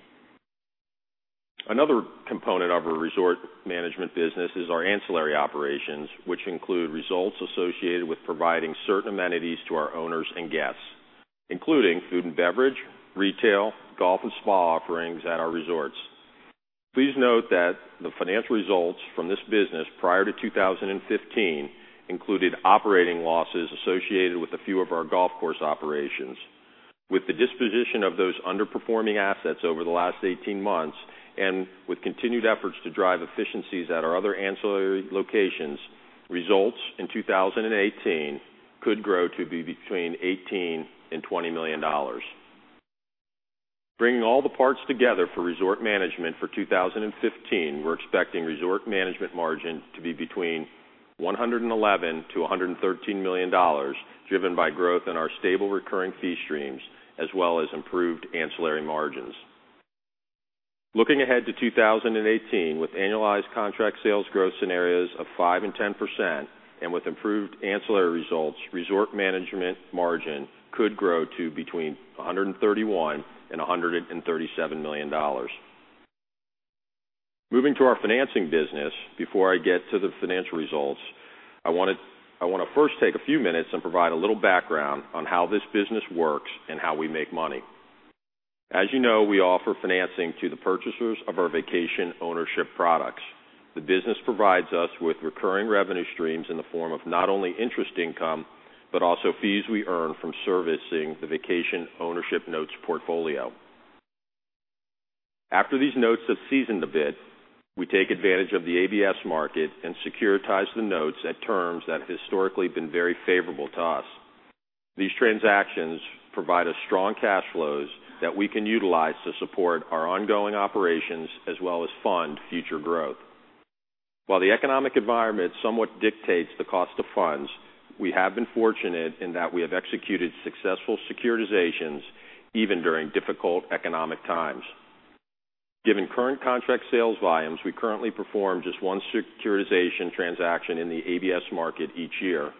S12: Another component of our resort management business is our ancillary operations, which include results associated with providing certain amenities to our owners and guests, including food and beverage, retail, golf, and spa offerings at our resorts. Please note that the financial results from this business prior to 2015 included operating losses associated with a few of our golf course operations. With the disposition of those underperforming assets over the last 18 months and with continued efforts to drive efficiencies at our other ancillary locations, results in 2018 could grow to be between $18 million and $20 million. Bringing all the parts together for resort management for 2015, we are expecting resort management margin to be between $111 million to $113 million, driven by growth in our stable recurring fee streams as well as improved ancillary margins. Looking ahead to 2018, with annualized contract sales growth scenarios of 5% and 10% and with improved ancillary results, resort management margin could grow to between $131 million and $137 million. Moving to our financing business, before I get to the financial results, I want to first take a few minutes and provide a little background on how this business works and how we make money. As you know, we offer financing to the purchasers of our vacation ownership products. The business provides us with recurring revenue streams in the form of not only interest income but also fees we earn from servicing the vacation ownership notes portfolio. After these notes have seasoned a bit, we take advantage of the ABS market and securitize the notes at terms that have historically been very favorable to us. These transactions provide us strong cash flows that we can utilize to support our ongoing operations as well as fund future growth. While the economic environment somewhat dictates the cost of funds, we have been fortunate in that we have executed successful securitizations even during difficult economic times. Given current contract sales volumes, we currently perform just one securitization transaction in the ABS market each year.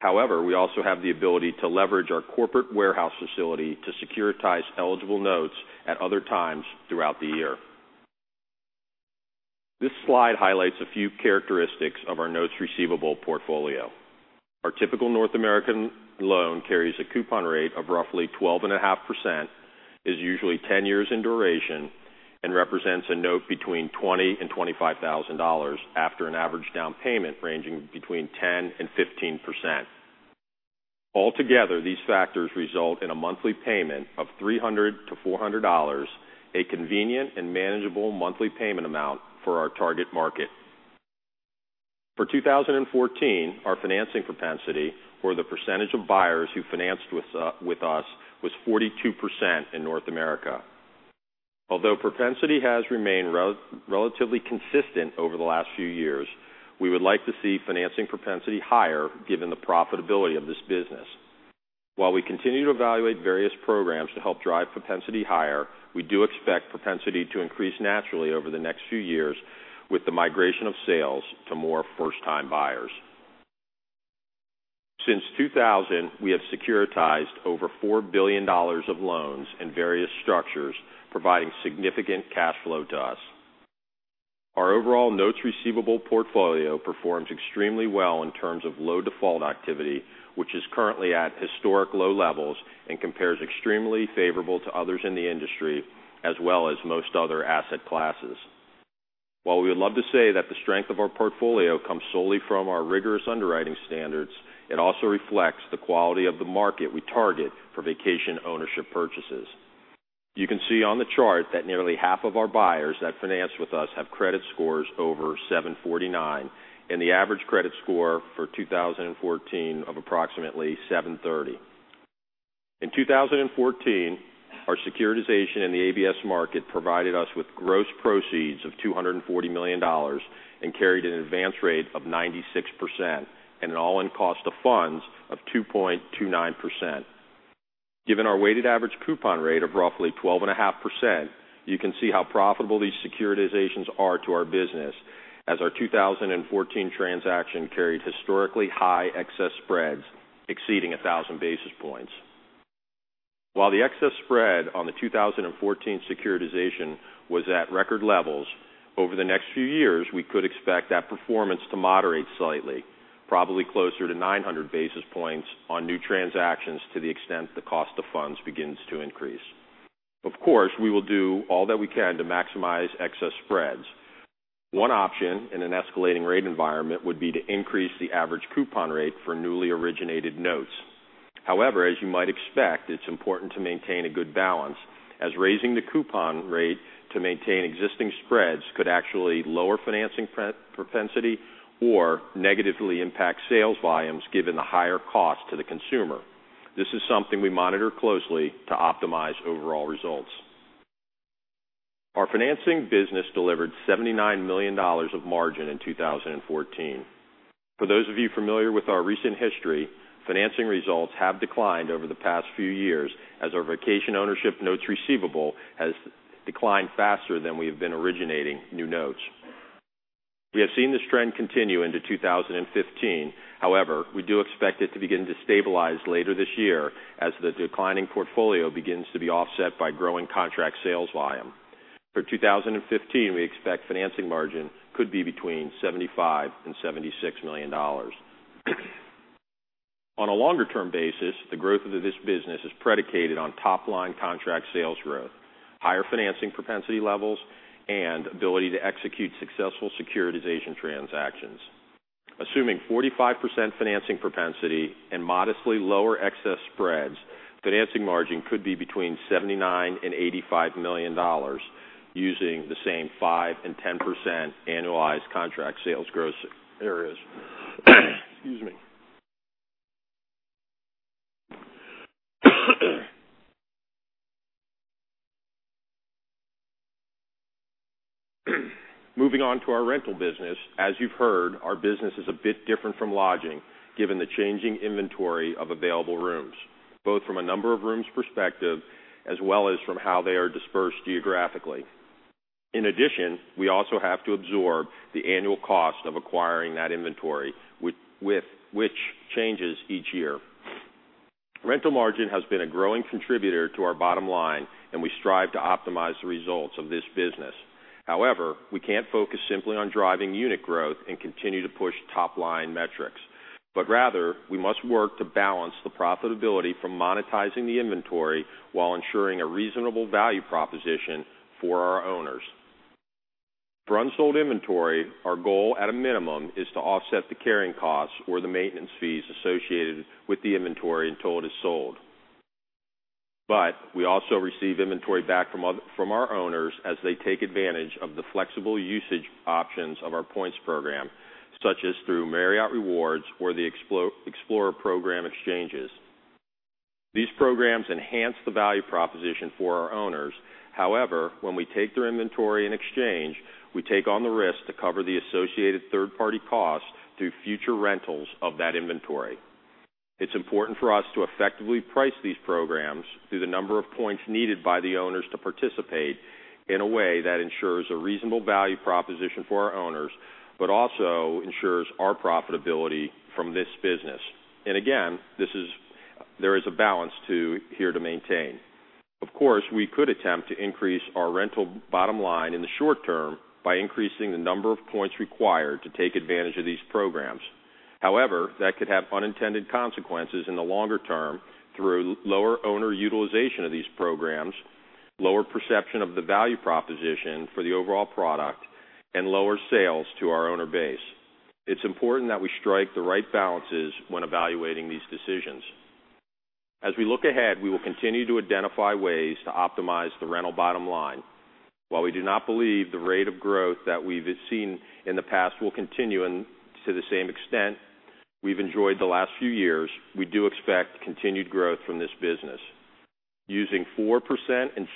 S12: However, we also have the ability to leverage our corporate warehouse facility to securitize eligible notes at other times throughout the year. This slide highlights a few characteristics of our notes receivable portfolio. Our typical North American loan carries a coupon rate of roughly 12.5%, is usually 10 years in duration, and represents a note between $20,000 and $25,000 after an average down payment ranging between 10% and 15%. Altogether, these factors result in a monthly payment of $300-$400, a convenient and manageable monthly payment amount for our target market. For 2014, our financing propensity, or the percentage of buyers who financed with us, was 42% in North America. Although propensity has remained relatively consistent over the last few years, we would like to see financing propensity higher given the profitability of this business. While we continue to evaluate various programs to help drive propensity higher, we do expect propensity to increase naturally over the next few years with the migration of sales to more first-time buyers. Since 2000, we have securitized over $4 billion of loans in various structures, providing significant cash flow to us. Our overall notes receivable portfolio performs extremely well in terms of low default activity, which is currently at historic low levels and compares extremely favorably to others in the industry, as well as most other asset classes. We would love to say that the strength of our portfolio comes solely from our rigorous underwriting standards, it also reflects the quality of the market we target for vacation ownership purchases. You can see on the chart that nearly half of our buyers that finance with us have credit scores over 749, and the average credit score for 2014 of approximately 730. In 2014, our securitization in the ABS market provided us with gross proceeds of $240 million and carried an advance rate of 96% and an all-in cost of funds of 2.29%. Given our weighted average coupon rate of roughly 12.5%, you can see how profitable these securitizations are to our business, as our 2014 transaction carried historically high excess spreads exceeding 1,000 basis points. The excess spread on the 2014 securitization was at record levels, over the next few years, we could expect that performance to moderate slightly, probably closer to 900 basis points on new transactions to the extent the cost of funds begins to increase. We will do all that we can to maximize excess spreads. One option in an escalating rate environment would be to increase the average coupon rate for newly originated notes. As you might expect, it's important to maintain a good balance, as raising the coupon rate to maintain existing spreads could actually lower financing propensity or negatively impact sales volumes given the higher cost to the consumer. This is something we monitor closely to optimize overall results. Our financing business delivered $79 million of margin in 2014. For those of you familiar with our recent history, financing results have declined over the past few years as our vacation ownership notes receivable has declined faster than we have been originating new notes. We have seen this trend continue into 2015. We do expect it to begin to stabilize later this year as the declining portfolio begins to be offset by growing contract sales volume. For 2015, we expect financing margin could be between $75 million-$76 million. On a longer-term basis, the growth of this business is predicated on top-line contract sales growth, higher financing propensity levels, and ability to execute successful securitization transactions. Assuming 45% financing propensity and modestly lower excess spreads, financing margin could be between $79 million and $85 million using the same 5% and 10% annualized contract sales growth areas. Excuse me. Moving on to our rental business, as you've heard, our business is a bit different from lodging given the changing inventory of available rooms, both from a number of rooms perspective as well as from how they are dispersed geographically. In addition, we also have to absorb the annual cost of acquiring that inventory, which changes each year. Rental margin has been a growing contributor to our bottom line, and we strive to optimize the results of this business. However, we can't focus simply on driving unit growth and continue to push top-line metrics, but rather we must work to balance the profitability from monetizing the inventory while ensuring a reasonable value proposition for our owners. For unsold inventory, our goal at a minimum is to offset the carrying costs or the maintenance fees associated with the inventory until it is sold. We also receive inventory back from our owners as they take advantage of the flexible usage options of our points program, such as through Marriott Rewards or the Explorer Program exchanges. These programs enhance the value proposition for our owners. However, when we take their inventory in exchange, we take on the risk to cover the associated third-party costs through future rentals of that inventory. It's important for us to effectively price these programs through the number of points needed by the owners to participate in a way that ensures a reasonable value proposition for our owners but also ensures our profitability from this business. Again, there is a balance here to maintain. Of course, we could attempt to increase our rental bottom line in the short term by increasing the number of points required to take advantage of these programs. However, that could have unintended consequences in the longer term through lower owner utilization of these programs, lower perception of the value proposition for the overall product, and lower sales to our owner base. It's important that we strike the right balances when evaluating these decisions. As we look ahead, we will continue to identify ways to optimize the rental bottom line. While we do not believe the rate of growth that we've seen in the past will continue to the same extent we've enjoyed the last few years, we do expect continued growth from this business. Using 4% and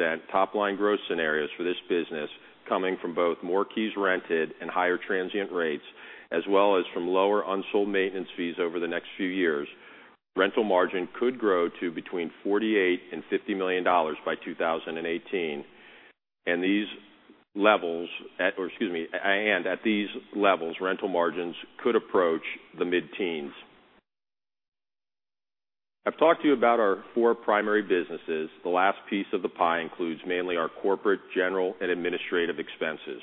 S12: 6% top-line growth scenarios for this business, coming from both more keys rented and higher transient rates, as well as from lower unsold maintenance fees over the next few years, rental margin could grow to between $48 million and $50 million by 2018. At these levels, rental margins could approach the mid-teens. I've talked to you about our four primary businesses. The last piece of the pie includes mainly our corporate, general, and administrative expenses,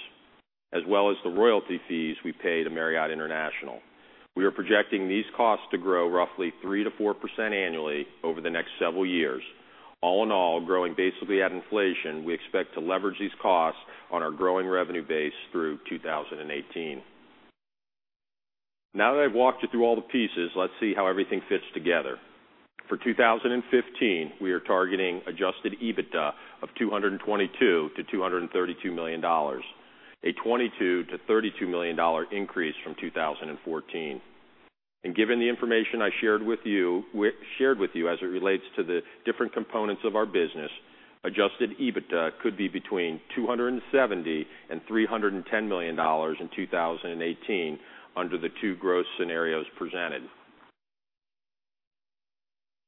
S12: as well as the royalty fees we pay to Marriott International. We are projecting these costs to grow roughly 3% to 4% annually over the next several years. All in all, growing basically at inflation, we expect to leverage these costs on our growing revenue base through 2018. Now that I've walked you through all the pieces, let's see how everything fits together. For 2015, we are targeting adjusted EBITDA of $222 million-$232 million, a $22 million-$32 million increase from 2014. Given the information I shared with you as it relates to the different components of our business, adjusted EBITDA could be between $270 million and $310 million in 2018 under the two growth scenarios presented.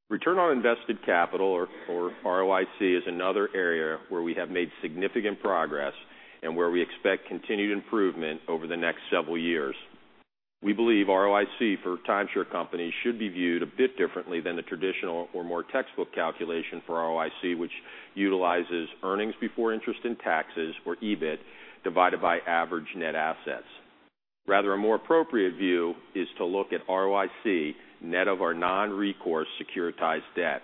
S12: Return on invested capital, or ROIC, is another area where we have made significant progress and where we expect continued improvement over the next several years. We believe ROIC for timeshare companies should be viewed a bit differently than the traditional or more textbook calculation for ROIC, which utilizes earnings before interest and taxes, or EBIT, divided by average net assets. Rather, a more appropriate view is to look at ROIC net of our non-recourse securitized debt.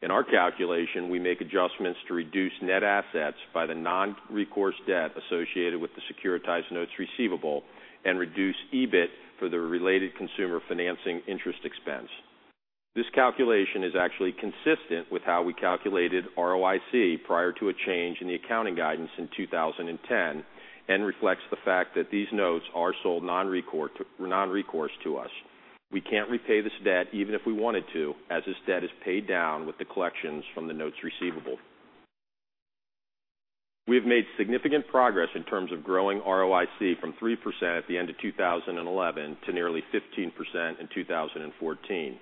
S12: In our calculation, we make adjustments to reduce net assets by the non-recourse debt associated with the securitized notes receivable and reduce EBIT for the related consumer financing interest expense. This calculation is actually consistent with how we calculated ROIC prior to a change in the accounting guidance in 2010 and reflects the fact that these notes are sold non-recourse to us. We can't repay this debt even if we wanted to, as this debt is paid down with the collections from the notes receivable. We have made significant progress in terms of growing ROIC from 3% at the end of 2011 to nearly 15% in 2014.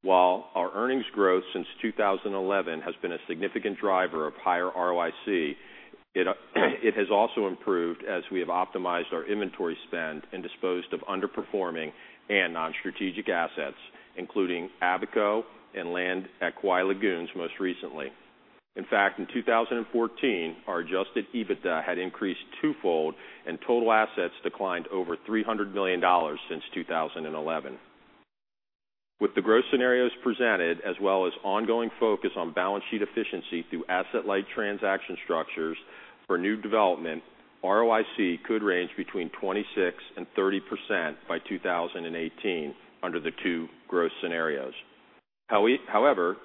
S12: While our earnings growth since 2011 has been a significant driver of higher ROIC, it has also improved as we have optimized our inventory spend and disposed of underperforming and non-strategic assets, including Abaco and land at Kauai Lagoons most recently. In fact, in 2014, our adjusted EBITDA had increased twofold and total assets declined over $300 million since 2011. With the growth scenarios presented, as well as ongoing focus on balance sheet efficiency through asset-light transaction structures for new development, ROIC could range between 26% and 30% by 2018 under the two growth scenarios.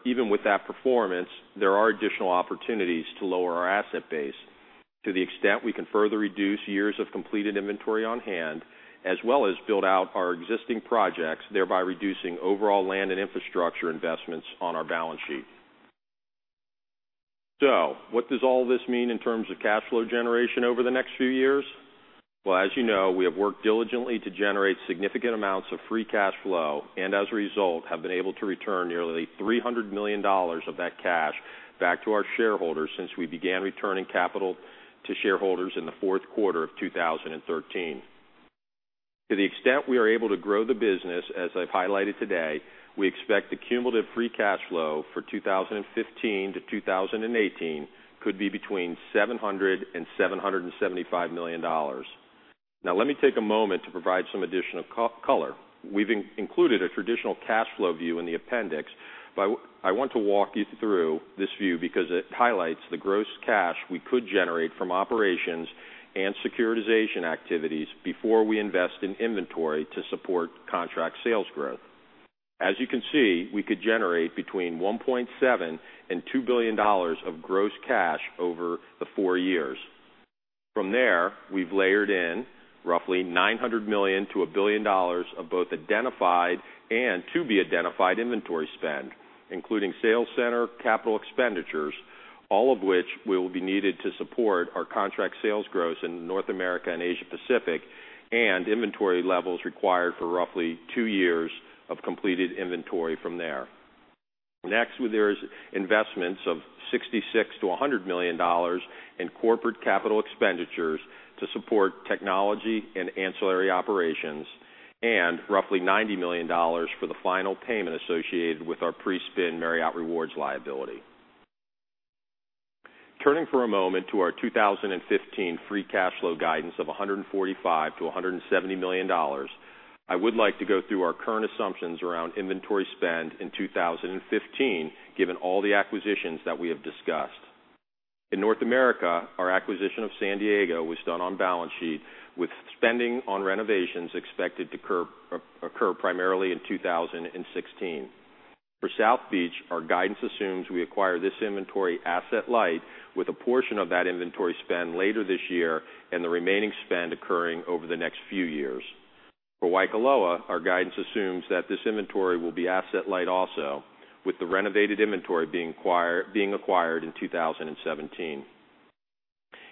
S12: Even with that performance, there are additional opportunities to lower our asset base to the extent we can further reduce years of completed inventory on hand, as well as build out our existing projects, thereby reducing overall land and infrastructure investments on our balance sheet. What does all this mean in terms of cash flow generation over the next few years? Well, as you know, we have worked diligently to generate significant amounts of free cash flow and as a result, have been able to return nearly $300 million of that cash back to our shareholders since we began returning capital to shareholders in the fourth quarter of 2013. To the extent we are able to grow the business, as I've highlighted today, we expect the cumulative free cash flow for 2015 to 2018 could be between $700 million and $775 million. Let me take a moment to provide some additional color. We've included a traditional cash flow view in the appendix, but I want to walk you through this view because it highlights the gross cash we could generate from operations and securitization activities before we invest in inventory to support contract sales growth. As you can see, we could generate between $1.7 billion and $2 billion of gross cash over the four years. From there, we've layered in roughly $900 million to $1 billion of both identified and to-be-identified inventory spend, including sales center capital expenditures, all of which will be needed to support our contract sales growth in North America and Asia Pacific and inventory levels required for roughly two years of completed inventory from there. There are investments of $66 million to $100 million in corporate capital expenditures to support technology and ancillary operations and roughly $90 million for the final payment associated with our pre-spin Marriott Rewards liability. Turning for a moment to our 2015 free cash flow guidance of $145 million to $170 million, I would like to go through our current assumptions around inventory spend in 2015, given all the acquisitions that we have discussed. In North America, our acquisition of San Diego was done on balance sheet, with spending on renovations expected to occur primarily in 2016. For South Beach, our guidance assumes we acquire this inventory asset-light, with a portion of that inventory spend later this year and the remaining spend occurring over the next few years. For Waikoloa, our guidance assumes that this inventory will be asset-light also, with the renovated inventory being acquired in 2017.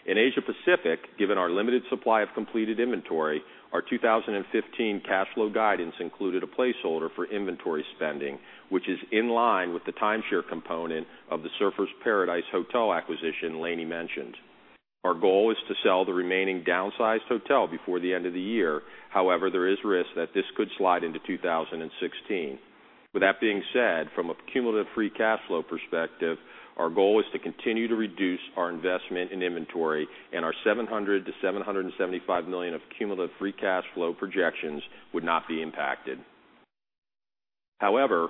S12: In Asia Pacific, given our limited supply of completed inventory, our 2015 cash flow guidance included a placeholder for inventory spending, which is in line with the timeshare component of the Surfers Paradise hotel acquisition Lani mentioned. Our goal is to sell the remaining downsized hotel before the end of the year. There is risk that this could slide into 2016. With that being said, from a cumulative free cash flow perspective, our goal is to continue to reduce our investment in inventory, and our $700 million to $775 million of cumulative free cash flow projections would not be impacted. However,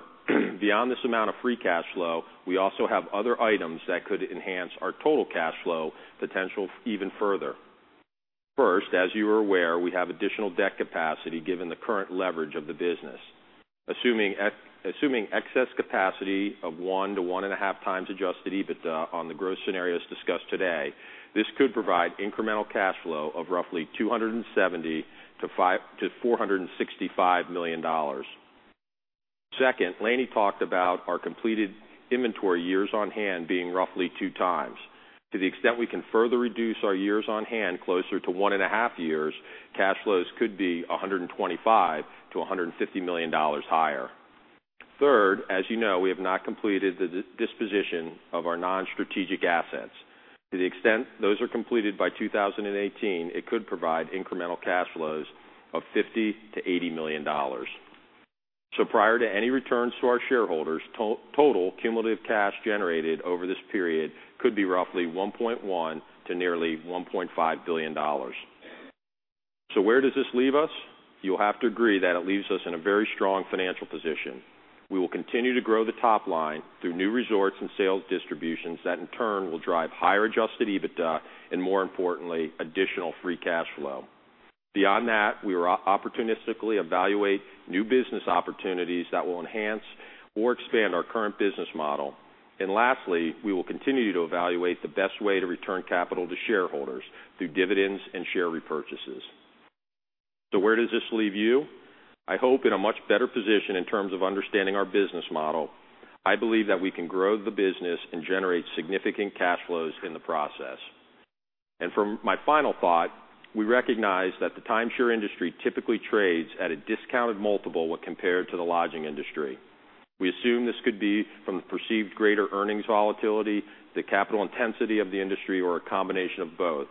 S12: beyond this amount of free cash flow, we also have other items that could enhance our total cash flow potential even further. First, as you are aware, we have additional debt capacity given the current leverage of the business. Assuming excess capacity of one to one and a half times adjusted EBITDA on the growth scenarios discussed today, this could provide incremental cash flow of roughly $270 million to $465 million. Second, Lani talked about our completed inventory years on hand being roughly two times. To the extent we can further reduce our years on hand closer to one and a half years, cash flows could be $125 million to $150 million higher. Third, as you know, we have not completed the disposition of our non-strategic assets. To the extent those are completed by 2018, it could provide incremental cash flows of $50 million to $80 million. Prior to any returns to our shareholders, total cumulative cash generated over this period could be roughly $1.1 billion to nearly $1.5 billion. Where does this leave us? You'll have to agree that it leaves us in a very strong financial position. We will continue to grow the top line through new resorts and sales distributions that, in turn, will drive higher adjusted EBITDA and, more importantly, additional free cash flow. Beyond that, we will opportunistically evaluate new business opportunities that will enhance or expand our current business model. Lastly, we will continue to evaluate the best way to return capital to shareholders through dividends and share repurchases. Where does this leave you? I hope in a much better position in terms of understanding our business model. I believe that we can grow the business and generate significant cash flows in the process. For my final thought, we recognize that the timeshare industry typically trades at a discounted multiple when compared to the lodging industry. We assume this could be from the perceived greater earnings volatility, the capital intensity of the industry, or a combination of both.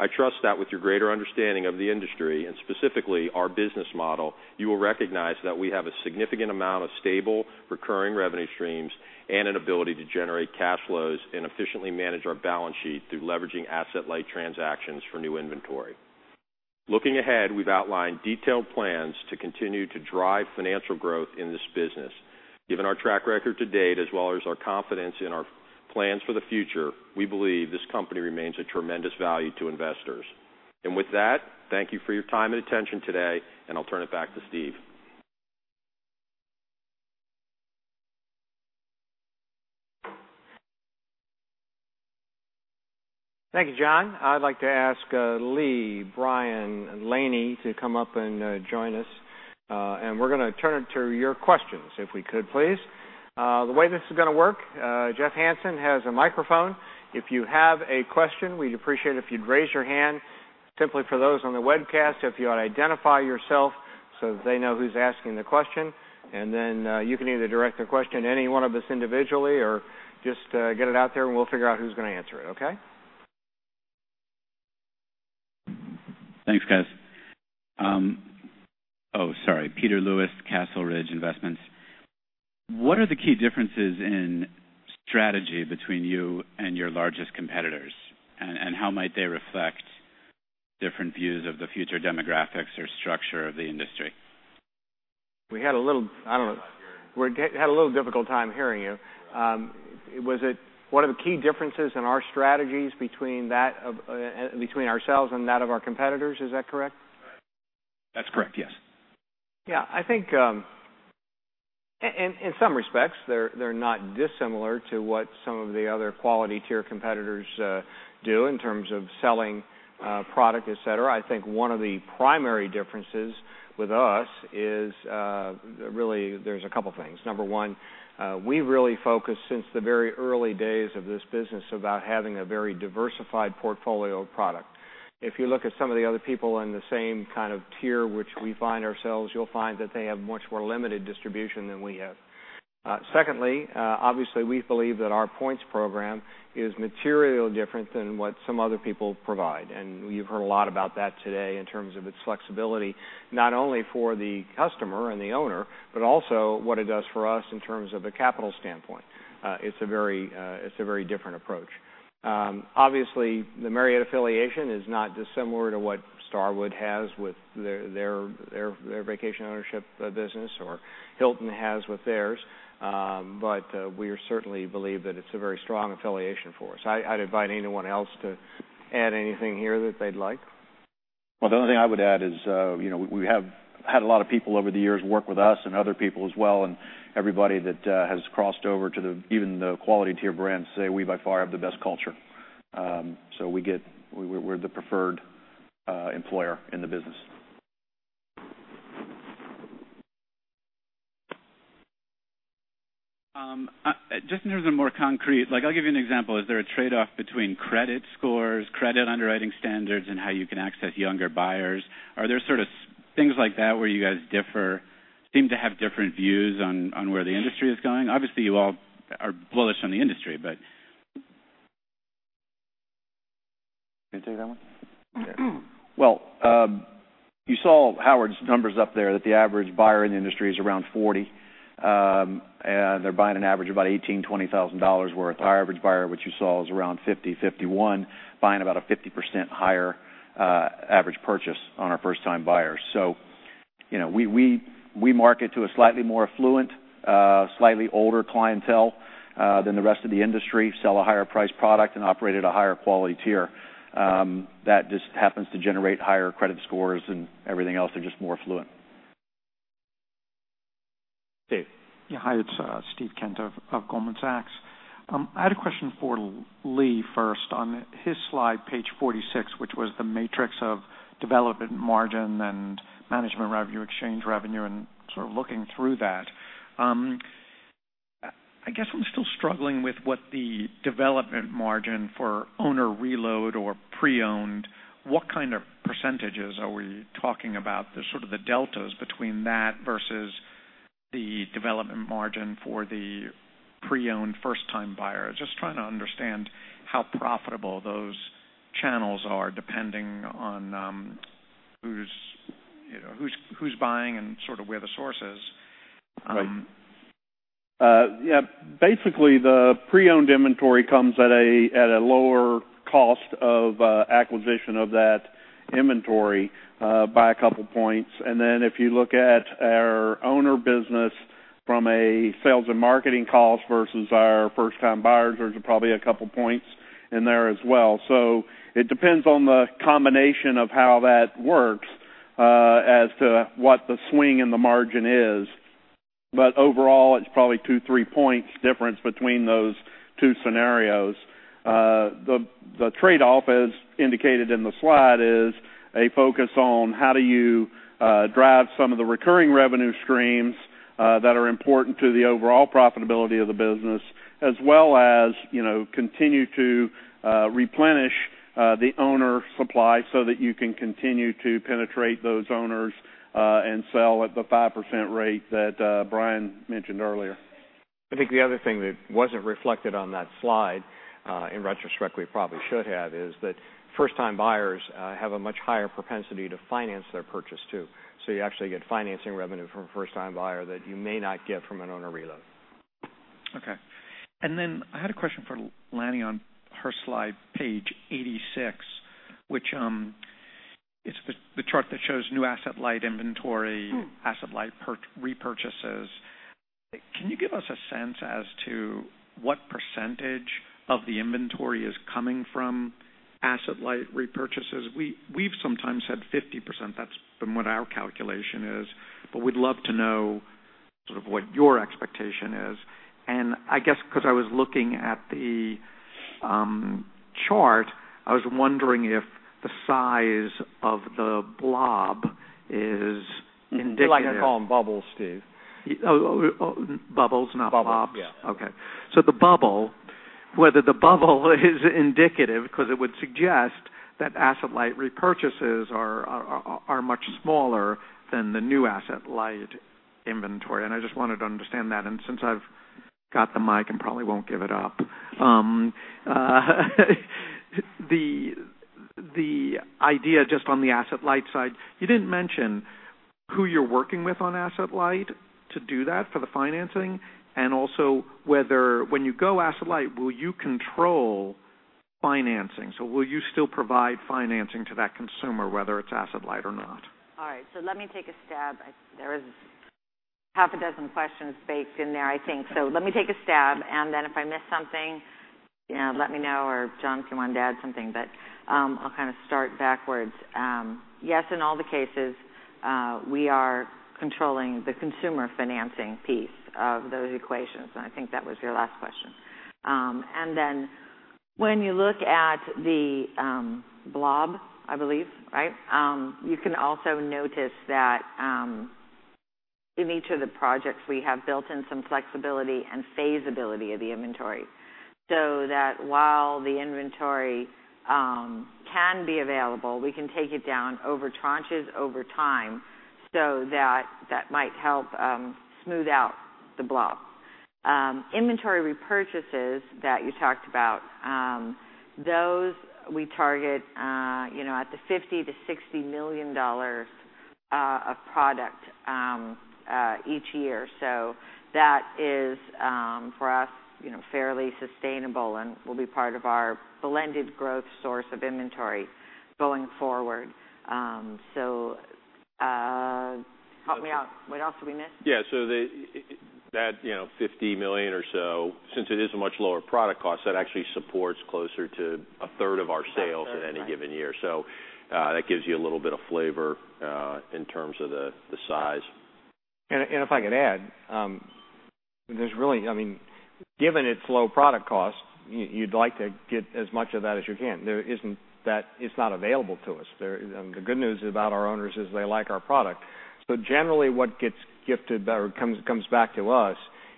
S12: I trust that with your greater understanding of the industry and specifically our business model, you will recognize that we have a significant amount of stable, recurring revenue streams and an ability to generate cash flows and efficiently manage our balance sheet through leveraging asset-light transactions for new inventory. Looking ahead, we've outlined detailed plans to continue to drive financial growth in this business. Given our track record to date, as well as our confidence in our plans for the future, we believe this company remains a tremendous value to investors. With that, thank you for your time and attention today, and I'll turn it back to Steve.
S3: Thank you, John. I'd like to ask Lee, Brian, and Lani to come up and join us, and we're going to turn to your questions if we could, please. The way this is going to work, Jeff Hansen has a microphone. If you have a question, we'd appreciate it if you'd raise your hand. Simply for those on the webcast, if you identify yourself so that they know who's asking the question, and then you can either direct the question to any one of us individually or just get it out there, and we'll figure out who's going to answer it, okay?
S13: Thanks, guys. Oh, sorry. Peter Lewis, Castle Ridge Investments. What are the key differences in strategy between you and your largest competitors, and how might they reflect different views of the future demographics or structure of the industry?
S3: We had a little difficult time hearing you. Was it what are the key differences in our strategies between ourselves and that of our competitors? Is that correct?
S13: That's correct, yes.
S3: Yeah, I think in some respects, they're not dissimilar to what some of the other quality tier competitors do in terms of selling product, et cetera. I think one of the primary differences with us is really there's a couple things. Number one, we really focus since the very early days of this business about having a very diversified portfolio of product. If you look at some of the other people in the same kind of tier, which we find ourselves, you'll find that they have much more limited distribution than we have. Secondly, obviously, we believe that our points program is materially different than what some other people provide, and you've heard a lot about that today in terms of its flexibility, not only for the customer and the owner, but also what it does for us in terms of a capital standpoint. It's a very different approach. Obviously, the Marriott affiliation is not dissimilar to what Starwood has with their vacation ownership business or Hilton has with theirs. We certainly believe that it's a very strong affiliation for us. I'd invite anyone else to add anything here that they'd like. Well, the only thing I would add is we have had a lot of people over the years work with us and other people as well, and everybody that has crossed over to even the quality tier brands say we, by far, have the best culture. We're the preferred employer in the business.
S13: Just in terms of more concrete, I'll give you an example. Is there a trade-off between credit scores, credit underwriting standards, and how you can access younger buyers? Are there sort of things like that where you guys differ, seem to have different views on where the industry is going? Obviously, you all are bullish on the industry.
S3: You going to take that one? Okay. Well, you saw Howard's numbers up there, that the average buyer in the industry is around 40, and they're buying an average of about $18,000, $20,000 worth. Our average buyer, which you saw, is around 50, 51, buying about a 50% higher average purchase on our first-time buyers. We market to a slightly more affluent, slightly older clientele than the rest of the industry, sell a higher priced product, and operate at a higher quality tier. That just happens to generate higher credit scores and everything else. They're just more affluent. Dave.
S14: Hi, it's Steve Kent of Goldman Sachs. I had a question for Lee first on his slide, page 46, which was the matrix of development margin and management revenue, exchange revenue, and sort of looking through that. I guess I'm still struggling with what the development margin for owner reload or pre-owned, what kind of percentages are we talking about? The sort of the deltas between that versus the development margin for the pre-owned first-time buyer. Just trying to understand how profitable those channels are depending on who's buying and sort of where the source is.
S5: Right. Basically, the pre-owned inventory comes at a lower cost of acquisition of that inventory by a couple of points. If you look at our owner business from a sales and marketing cost versus our first-time buyers, there's probably a couple of points in there as well. It depends on the combination of how that works as to what the swing in the margin is. Overall, it's probably two, three points difference between those two scenarios. The trade-off, as indicated in the slide, is a focus on how do you drive some of the recurring revenue streams that are important to the overall profitability of the business, as well as continue to replenish the owner supply so that you can continue to penetrate those owners and sell at the 5% rate that Brian mentioned earlier.
S3: I think the other thing that wasn't reflected on that slide, in retrospect, we probably should have, is that first-time buyers have a much higher propensity to finance their purchase, too. You actually get financing revenue from a first-time buyer that you may not get from an owner reload.
S14: Okay. I had a question for Lani on her slide, page 86, which is the chart that shows new asset-light inventory- asset-light repurchases. Can you give us a sense as to what % of the inventory is coming from asset-light repurchases? We've sometimes said 50%. That's from what our calculation is, but we'd love to know sort of what your expectation is. I guess because I was looking at the chart, I was wondering if the size of the blob is indicative.
S11: We like to call them bubbles, Steve.
S14: Oh, bubbles, not blobs.
S11: Bubbles, yeah.
S14: Okay. The bubble, whether the bubble is indicative because it would suggest that asset-light repurchases are much smaller than the new asset-light inventory, and I just wanted to understand that. Since I've got the mic and probably won't give it up the idea just on the asset-light side, you didn't mention who you're working with on asset-light to do that for the financing, and also whether when you go asset-light, will you control financing? Will you still provide financing to that consumer, whether it's asset-light or not?
S11: All right. Let me take a stab. There is half a dozen questions baked in there, I think. Let me take a stab, and then if I miss something, let me know or John, if you want to add something, but I'll kind of start backwards. Yes, in all the cases, we are controlling the consumer financing piece of those equations, and I think that was your last question. When you look at the blob, I believe, right? You can also notice that in each of the projects, we have built in some flexibility and phaseability of the inventory. That while the inventory can be available, we can take it down over tranches over time that might help smooth out the blob. Inventory repurchases that you talked about, those we target at the $50 million-$60 million of product each year. That is for us fairly sustainable and will be part of our blended growth source of inventory going forward. Help me out. What else did we miss?
S12: Yeah. That $50 million or so, since it is a much lower product cost, that actually supports closer to a third of our sales in any given year. That gives you a little bit of flavor in terms of the size.
S3: If I could add, given its low product cost, you'd like to get as much of that as you can. It's not available to us. The good news about our owners is they like our product. Generally what gets gifted back or comes back to us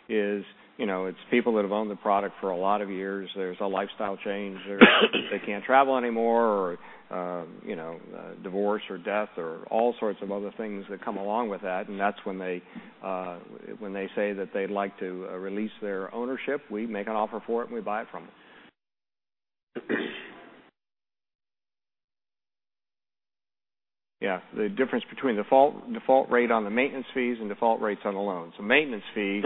S3: is it's people that have owned the product for a lot of years. There's a lifestyle change. They can't travel anymore or divorce or death or all sorts of other things that come along with that, and that's when they say that they'd like to release their ownership. We make an offer for it, and we buy it from them. Yeah, the difference between default rate on the maintenance fees and default rates on the loans. Maintenance fees,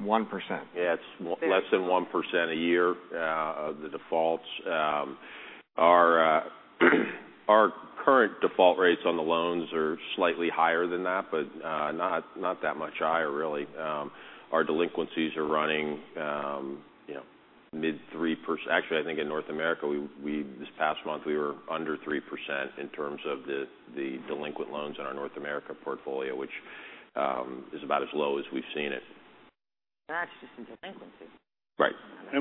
S3: 1%.
S12: Yeah. It's less than 1% a year of the defaults. Our current default rates on the loans are slightly higher than that, but not that much higher really. Our delinquencies are running mid-3%. Actually, I think in North America, this past month, we were under 3% in terms of the delinquent loans in our North America portfolio, which is about as low as we've seen it.
S11: That's just in delinquencies.
S12: Right.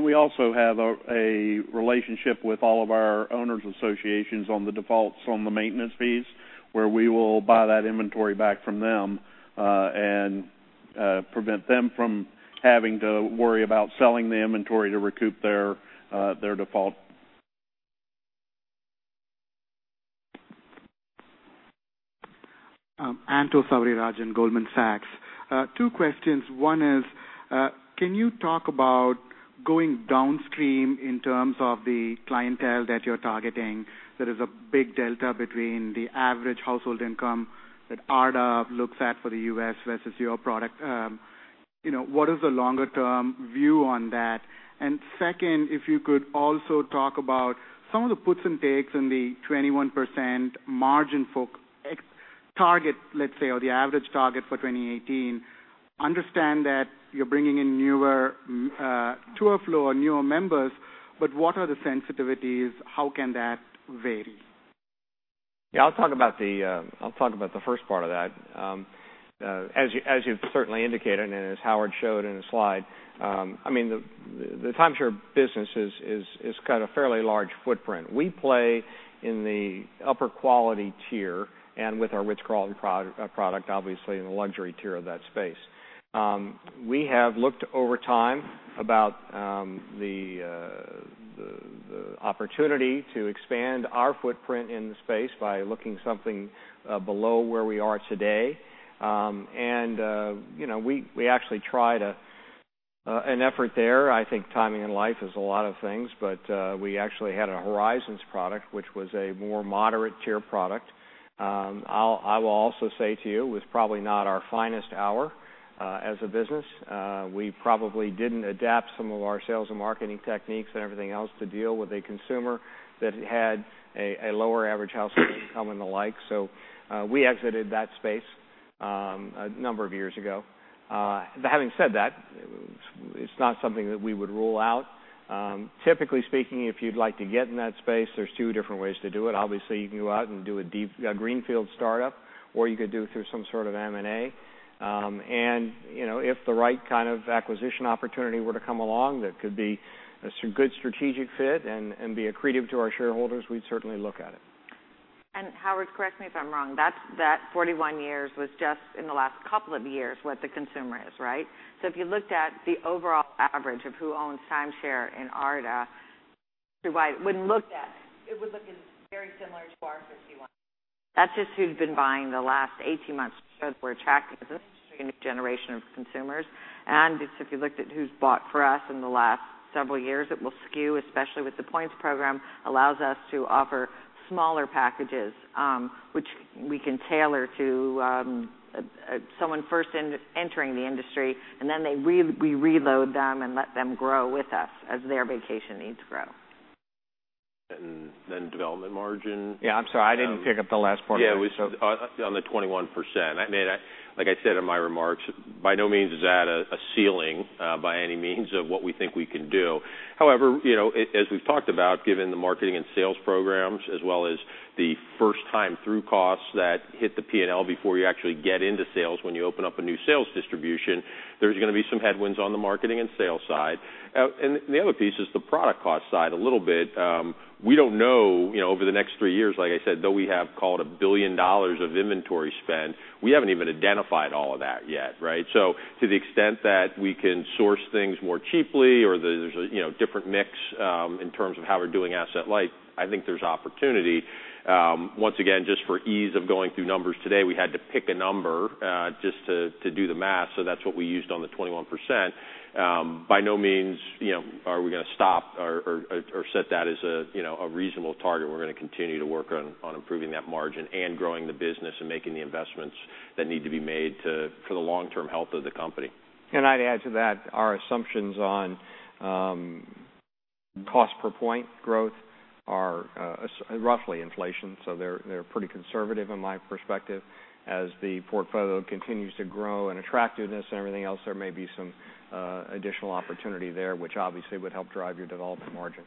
S3: We also have a relationship with all of our owners associations on the defaults on the maintenance fees, where we will buy that inventory back from them and prevent them from having to worry about selling the inventory to recoup their default.
S15: Anto Savarirajan, Goldman Sachs. Two questions. One is can you talk about going downstream in terms of the clientele that you're targeting? There is a big delta between the average household income that ARDA looks at for the U.S. versus your product. What is the longer-term view on that? Second, if you could also talk about some of the puts and takes in the 21% margin target, let's say, or the average target for 2018. Understand that you're bringing in newer tour flow or newer members, but what are the sensitivities? How can that vary?
S3: Yeah, I'll talk about the first part of that. As you've certainly indicated, as Howard showed in his slide, the timeshare business is kind of fairly large footprint. We play in the upper quality tier, and with our Ritz-Carlton product, obviously in the luxury tier of that space. We have looked over time about the opportunity to expand our footprint in the space by looking something below where we are today. We actually tried an effort there. I think timing in life is a lot of things, but we actually had a Horizons product, which was a more moderate tier product. I will also say to you, it was probably not our finest hour as a business. We probably didn't adapt some of our sales and marketing techniques and everything else to deal with a consumer that had a lower average household income and the like. We exited that space a number of years ago. Having said that, it's not something that we would rule out. Typically speaking, if you'd like to get in that space, there's two different ways to do it. Obviously, you can go out and do a deep greenfield startup, or you could do it through some sort of M&A. If the right kind of acquisition opportunity were to come along that could be a good strategic fit and be accretive to our shareholders, we'd certainly look at it.
S11: Howard, correct me if I'm wrong, that 41 years was just in the last couple of years what the consumer is, right? If you looked at the overall average of who owns timeshare in ARDA, it would look very similar to our 51. That's just who's been buying the last 18 months. It shows we're attracting as an industry a new generation of consumers. If you looked at who's bought from us in the last several years, it will skew, especially with the points program, allows us to offer smaller packages which we can tailor to someone first entering the industry. Then we reload them and let them grow with us as their vacation needs grow.
S12: Then development margin.
S3: Yeah, I'm sorry, I didn't pick up the last part.
S12: Yeah. On the 21%. Like I said in my remarks, by no means is that a ceiling by any means of what we think we can do. However, as we've talked about, given the marketing and sales programs, as well as the first time through costs that hit the P&L before you actually get into sales when you open up a new sales distribution, there's going to be some headwinds on the marketing and sales side. The other piece is the product cost side a little bit. We don't know over the next three years, like I said, though we have called $1 billion of inventory spend, we haven't even identified all of that yet. To the extent that we can source things more cheaply or there's a different mix in terms of how we're doing asset-light, I think there's opportunity. Once again, just for ease of going through numbers today, we had to pick a number just to do the math. That's what we used on the 21%. By no means are we going to stop or set that as a reasonable target. We're going to continue to work on improving that margin and growing the business and making the investments that need to be made for the long-term health of the company.
S3: I'd add to that, our assumptions on cost per point growth are roughly inflation. They're pretty conservative in my perspective. As the portfolio continues to grow and attractiveness and everything else, there may be some additional opportunity there, which obviously would help drive your development margin.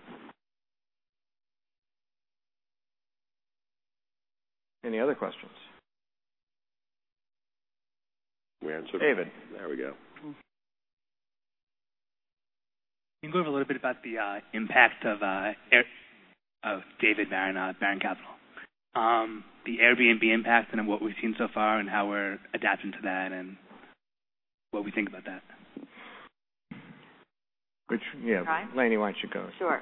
S3: Any other questions?
S12: We answered.
S3: David.
S12: There we go.
S16: Can you go over a little bit about David Baron of Baron Capital. The Airbnb impact and what we've seen so far and how we're adapting to that and what we think about that.
S3: Yeah.
S11: All right.
S3: Lani, why don't you go?
S11: Sure.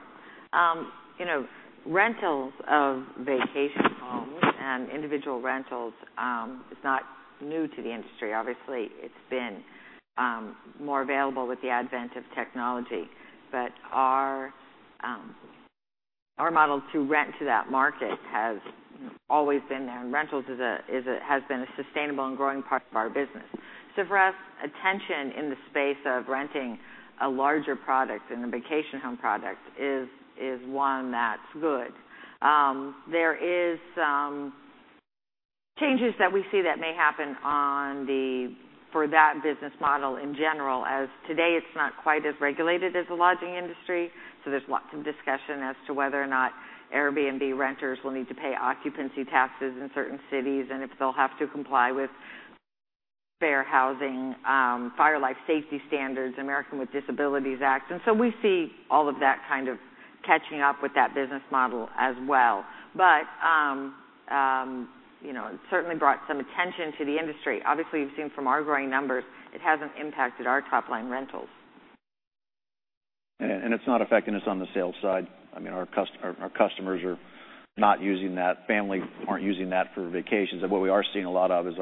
S11: Rentals of vacation homes and individual rentals is not new to the industry. Obviously, it's been more available with the advent of technology. Our model to rent to that market has always been there, and rentals has been a sustainable and growing part of our business. For us, attention in the space of renting a larger product in the vacation home product is one that's good. There is some changes that we see that may happen for that business model in general, as today it's not quite as regulated as the lodging industry. There's lots of discussion as to whether or not Airbnb renters will need to pay occupancy taxes in certain cities and if they'll have to comply with fair housing, fire life safety standards, Americans with Disabilities Act. We see all of that kind of catching up with that business model as well. It certainly brought some attention to the industry. Obviously, you've seen from our growing numbers, it hasn't impacted our top-line rentals.
S3: It's not affecting us on the sales side. Our customers are not using that. Families aren't using that for vacations. What we are seeing a lot of is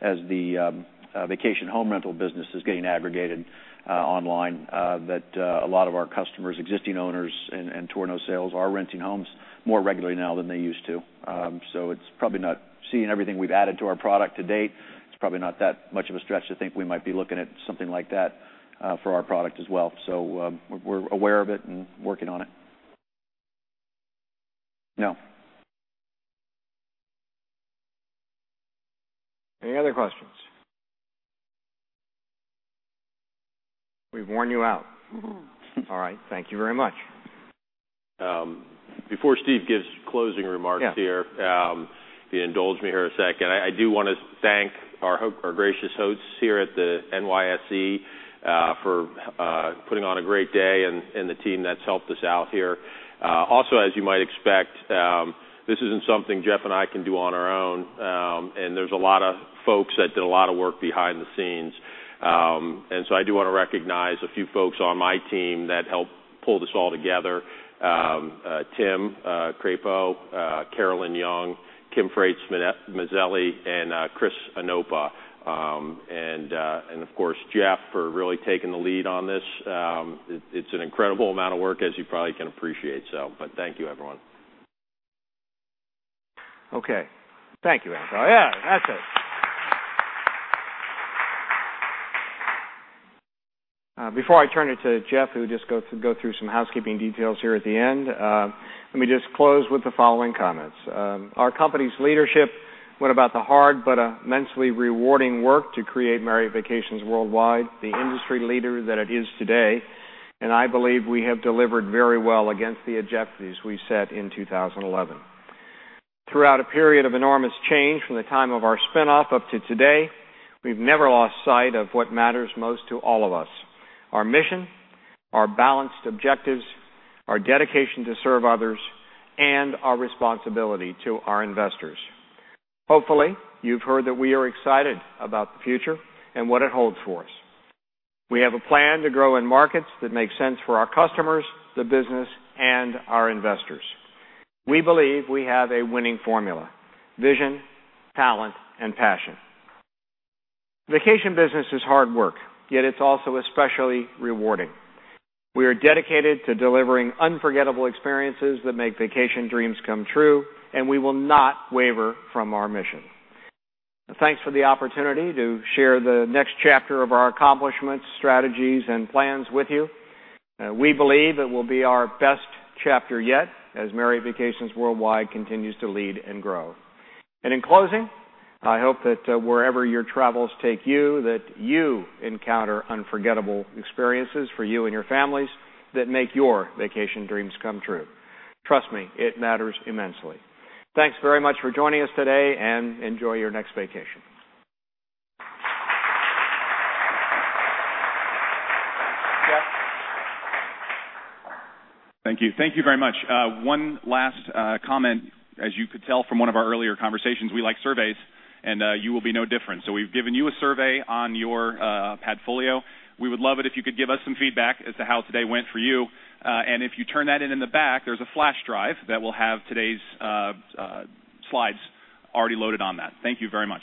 S3: as the vacation home rental business is getting aggregated online that a lot of our customers, existing owners, and tour no-sales are renting homes more regularly now than they used to. Seeing everything we've added to our product to date, it's probably not that much of a stretch to think we might be looking at something like that for our product as well. We're aware of it and working on it. No. Any other questions? We've worn you out. All right. Thank you very much.
S12: Before Steve gives closing remarks here.
S3: Yeah
S12: If you indulge me here a second. I do want to thank our gracious hosts here at the NYSE for putting on a great day and the team that's helped us out here. Also, as you might expect, this isn't something Jeff and I can do on our own. There's a lot of folks that did a lot of work behind the scenes. So I do want to recognize a few folks on my team that helped pull this all together. Tim Crapo, Carolyn Young, Kim Frates-Mazzilli, and [Chris Anoba], and of course, Jeff, for really taking the lead on this. It's an incredible amount of work, as you probably can appreciate. Thank you, everyone.
S3: Okay. Thank you, Anto. Yeah, that's it. Before I turn it to Jeff, who just go through some housekeeping details here at the end, let me just close with the following comments. Our company's leadership went about the hard but immensely rewarding work to create Marriott Vacations Worldwide, the industry leader that it is today, and I believe we have delivered very well against the objectives we set in 2011. Throughout a period of enormous change from the time of our spinoff up to today, we've never lost sight of what matters most to all of us. Our mission, our balanced objectives, our dedication to serve others, and our responsibility to our investors. Hopefully, you've heard that we are excited about the future and what it holds for us. We have a plan to grow in markets that make sense for our customers, the business, and our investors. We believe we have a winning formula. Vision, talent, and passion. Vacation business is hard work, yet it's also especially rewarding. We are dedicated to delivering unforgettable experiences that make vacation dreams come true. We will not waver from our mission. Thanks for the opportunity to share the next chapter of our accomplishments, strategies, and plans with you. We believe it will be our best chapter yet as Marriott Vacations Worldwide continues to lead and grow. In closing, I hope that wherever your travels take you, that you encounter unforgettable experiences for you and your families that make your vacation dreams come true. Trust me, it matters immensely. Thanks very much for joining us today, and enjoy your next vacation. Jeff.
S1: Thank you. Thank you very much. One last comment. As you could tell from one of our earlier conversations, we like surveys, and you will be no different. We've given you a survey on your Padfolio. We would love it if you could give us some feedback as to how today went for you. If you turn that in in the back, there's a flash drive that will have today's slides already loaded on that. Thank you very much.